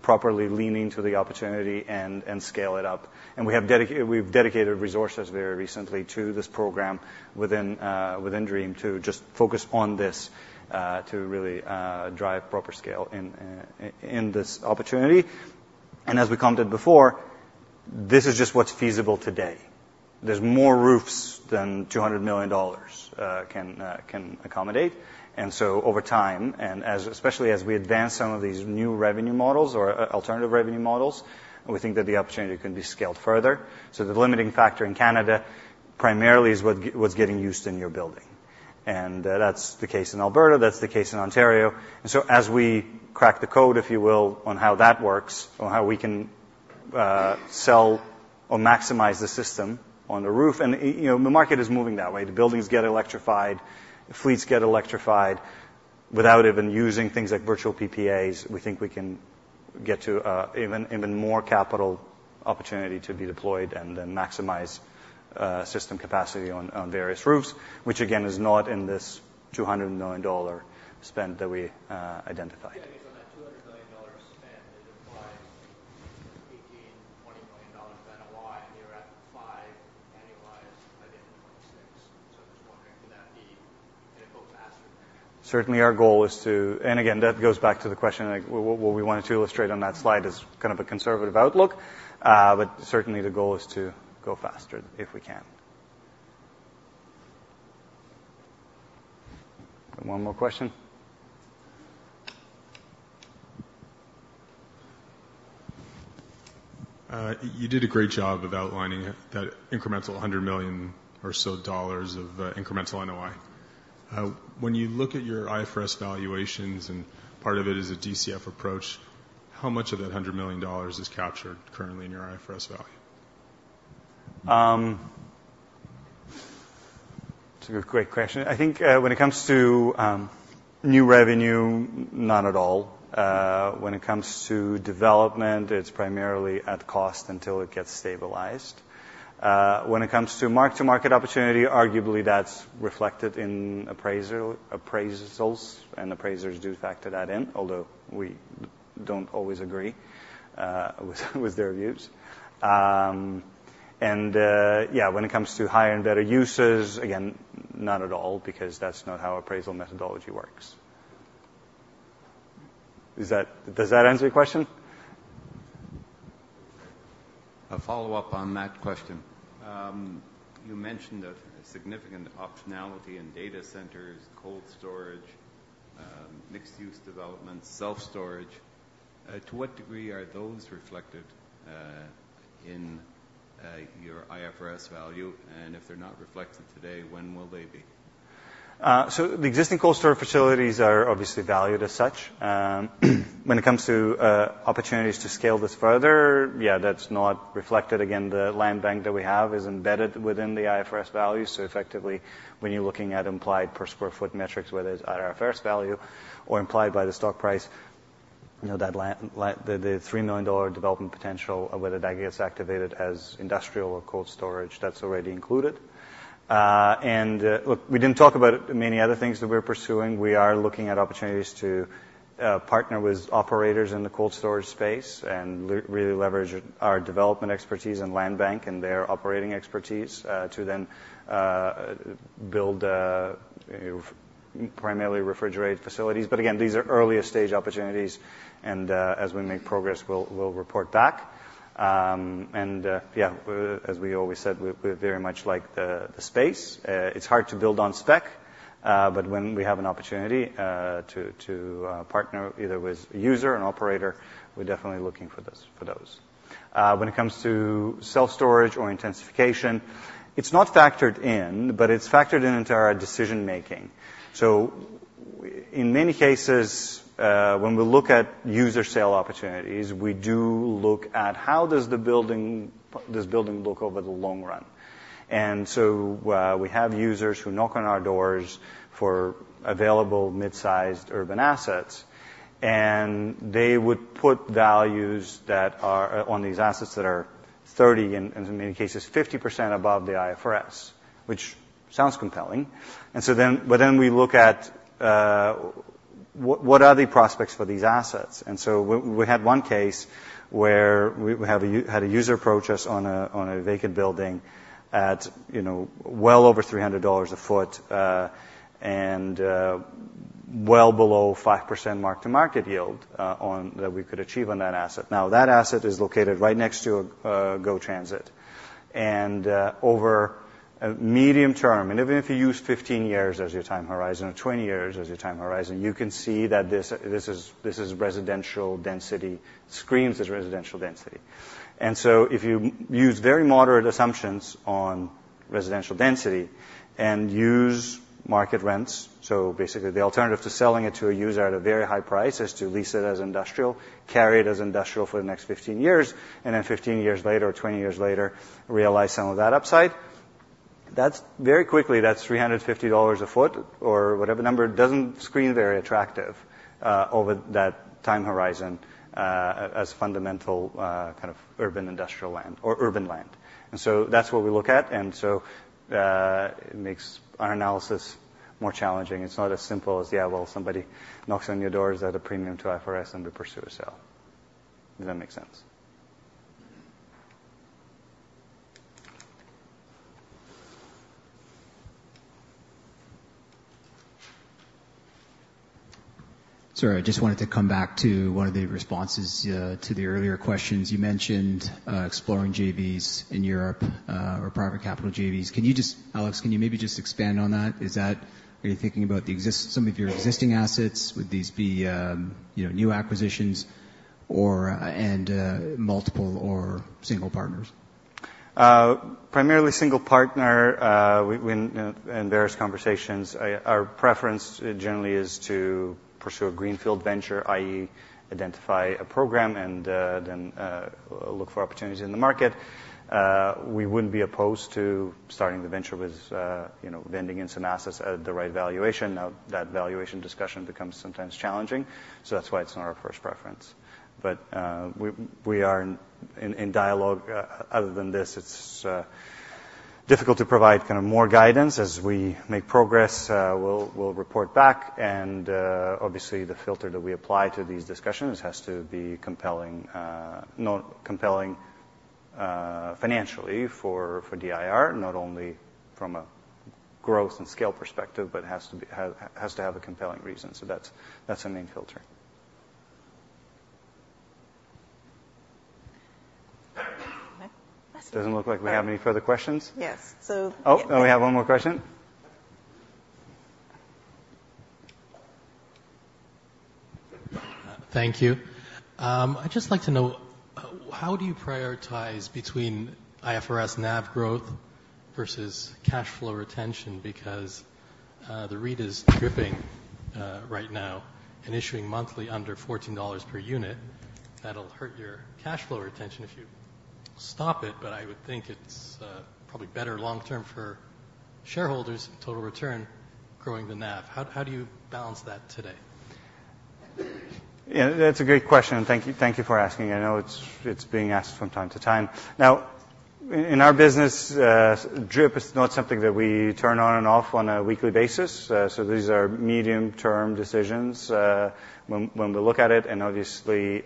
properly lean into the opportunity and scale it up. We have dedicated, we've dedicated resources very recently to this program within, within DREAM to just focus on this, to really, drive proper scale in this opportunity. And as we commented before, this is just what's feasible today. There's more roofs than 200 million dollars can accommodate. And so over time, and as, especially as we advance some of these new revenue models or alternative revenue models, we think that the opportunity can be scaled further. So the limiting factor in Canada primarily is what's getting used in your building. And that's the case in Alberta, that's the case in Ontario. And so as we crack the code, if you will, on how that works, on how we can sell or maximize the system on the roof... You know, the market is moving that way. The buildings get electrified, fleets get electrified. Without even using things like virtual PPAs, we think we can get to even more capital opportunity to be deployed and then maximize system capacity on various roofs, which again, is not in this 200 million dollar spend that we identified. Yeah, I guess on that 200 million dollar spend, it implies CAD 18 to 20 million dollars NOI, and you're at 5 annualized by the end of 2026. So I'm just wondering, could that be a little faster than that? Certainly, our goal is to... And again, that goes back to the question, like, what we wanted to illustrate on that slide is kind of a conservative outlook. But certainly the goal is to go faster, if we can. One more question? You did a great job of outlining that incremental $100 million or so of incremental NOI. When you look at your IFRS valuations, and part of it is a DCF approach, how much of that $100 million is captured currently in your IFRS value? It's a great question. I think, when it comes to new revenue, not at all. When it comes to development, it's primarily at cost until it gets stabilized. When it comes to mark-to-market opportunity, arguably, that's reflected in appraisers' appraisals, and appraisers do factor that in, although we don't always agree with their views. And, yeah, when it comes to higher and better uses, again, not at all, because that's not how appraisal methodology works. Is that - does that answer your question? A follow-up on that question. You mentioned a significant optionality in data centers, cold storage, mixed-use development, self-storage. To what degree are those reflected in your IFRS value? And if they're not reflected today, when will they be? So the existing cold storage facilities are obviously valued as such. When it comes to opportunities to scale this further, yeah, that's not reflected. Again, the land bank that we have is embedded within the IFRS value. So effectively, when you're looking at implied per sq ft metrics, whether it's at IFRS value or implied by the stock price, you know, the $3 million development potential, whether that gets activated as industrial or cold storage, that's already included. And look, we didn't talk about many other things that we're pursuing. We are looking at opportunities to partner with operators in the cold storage space and really leverage our development expertise and land bank and their operating expertise, to then build primarily refrigerated facilities. But again, these are earlier stage opportunities, and as we make progress, we'll report back. And yeah, as we always said, we very much like the space. It's hard to build on spec, but when we have an opportunity to partner either with a user and operator, we're definitely looking for those. When it comes to self-storage or intensification, it's not factored in, but it's factored into our decision making. So in many cases, when we look at user sale opportunities, we do look at how does the building look over the long run? We have users who knock on our doors for available mid-sized urban assets, and they would put values that are on these assets that are 30% and in many cases 50% above the IFRS, which sounds compelling. We look at what are the prospects for these assets. We had one case where we had a user approach us on a vacant building at you know well over $300 a sq ft and well below 5% mark-to-market yield that we could achieve on that asset. Now that asset is located right next to a GO Transit. Over... Medium term, and even if you use 15 years as your time horizon, or 20 years as your time horizon, you can see that this, this is, this is residential density, screams as residential density. And so if you use very moderate assumptions on residential density and use market rents, so basically the alternative to selling it to a user at a very high price is to lease it as industrial, carry it as industrial for the next 15 years, and then 15 years later or 20 years later, realize some of that upside. That's. Very quickly, that's $350 a foot or whatever number, doesn't scream very attractive, over that time horizon, as fundamental, kind of urban industrial land or urban land. And so that's what we look at, and so, it makes our analysis more challenging. It's not as simple as, yeah, well, somebody knocks on your doors at a premium to IFRS, and we pursue a sale. Does that make sense? Sorry, I just wanted to come back to one of the responses to the earlier questions. You mentioned exploring JVs in Europe or private capital JVs. Can you just, Alex, can you maybe just expand on that? Is that... Are you thinking about some of your existing assets? Would these be, you know, new acquisitions or, and, multiple or single partners? Primarily single partner. In various conversations, our preference generally is to pursue a greenfield venture, i.e., identify a program and then look for opportunities in the market. We wouldn't be opposed to starting the venture with, you know, vending in some assets at the right valuation. Now, that valuation discussion becomes sometimes challenging, so that's why it's not our first preference. But we are in dialogue. Other than this, it's difficult to provide kind of more guidance. As we make progress, we'll report back, and obviously, the filter that we apply to these discussions has to be compelling financially for DIR, not only from a growth and scale perspective, but has to have a compelling reason. So that's the main filtering. Okay. Doesn't look like we have any further questions? Yes. So- Oh, oh, we have one more question. Thank you. I'd just like to know, how do you prioritize between IFRS NAV growth versus cash flow retention? Because the REIT is DRIPing right now and issuing monthly under 14 dollars per unit. That'll hurt your cash flow retention if you stop it, but I would think it's probably better long term for shareholders' total return growing the NAV. How do you balance that today? Yeah, that's a great question, and thank you, thank you for asking. I know it's being asked from time to time. Now, in our business, DRIP is not something that we turn on and off on a weekly basis, so these are medium-term decisions, when we look at it, and obviously,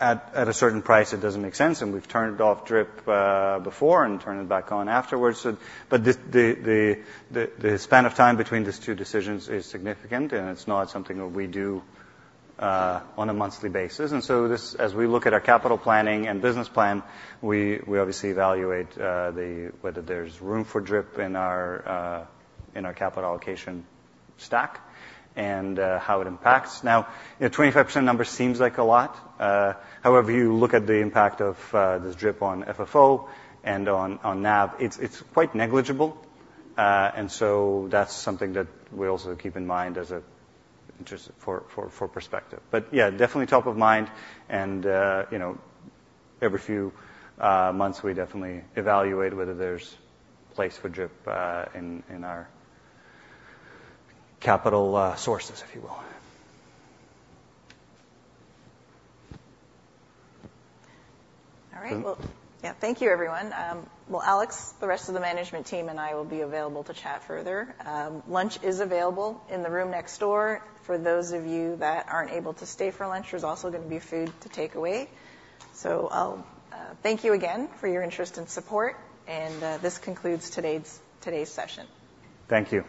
at a certain price, it doesn't make sense, and we've turned off DRIP before and turned it back on afterwards. But the span of time between these two decisions is significant, and it's not something that we do on a monthly basis. And so this, as we look at our capital planning and business plan, we obviously evaluate whether there's room for DRIP in our capital allocation stack and how it impacts. Now, a 25% number seems like a lot, however, you look at the impact of this DRIP on FFO and on NAV, it's quite negligible. And so that's something that we also keep in mind as a just for perspective. Yeah, definitely top of mind, and you know, every few months, we definitely evaluate whether there's place for DRIP in our capital sources, if you will. All right. Mm-hmm. Yeah. Thank you, everyone. Well, Alex, the rest of the management team and I will be available to chat further. Lunch is available in the room next door. For those of you that aren't able to stay for lunch, there's also going to be food to take away. So I'll thank you again for your interest and support, and this concludes today's session. Thank you.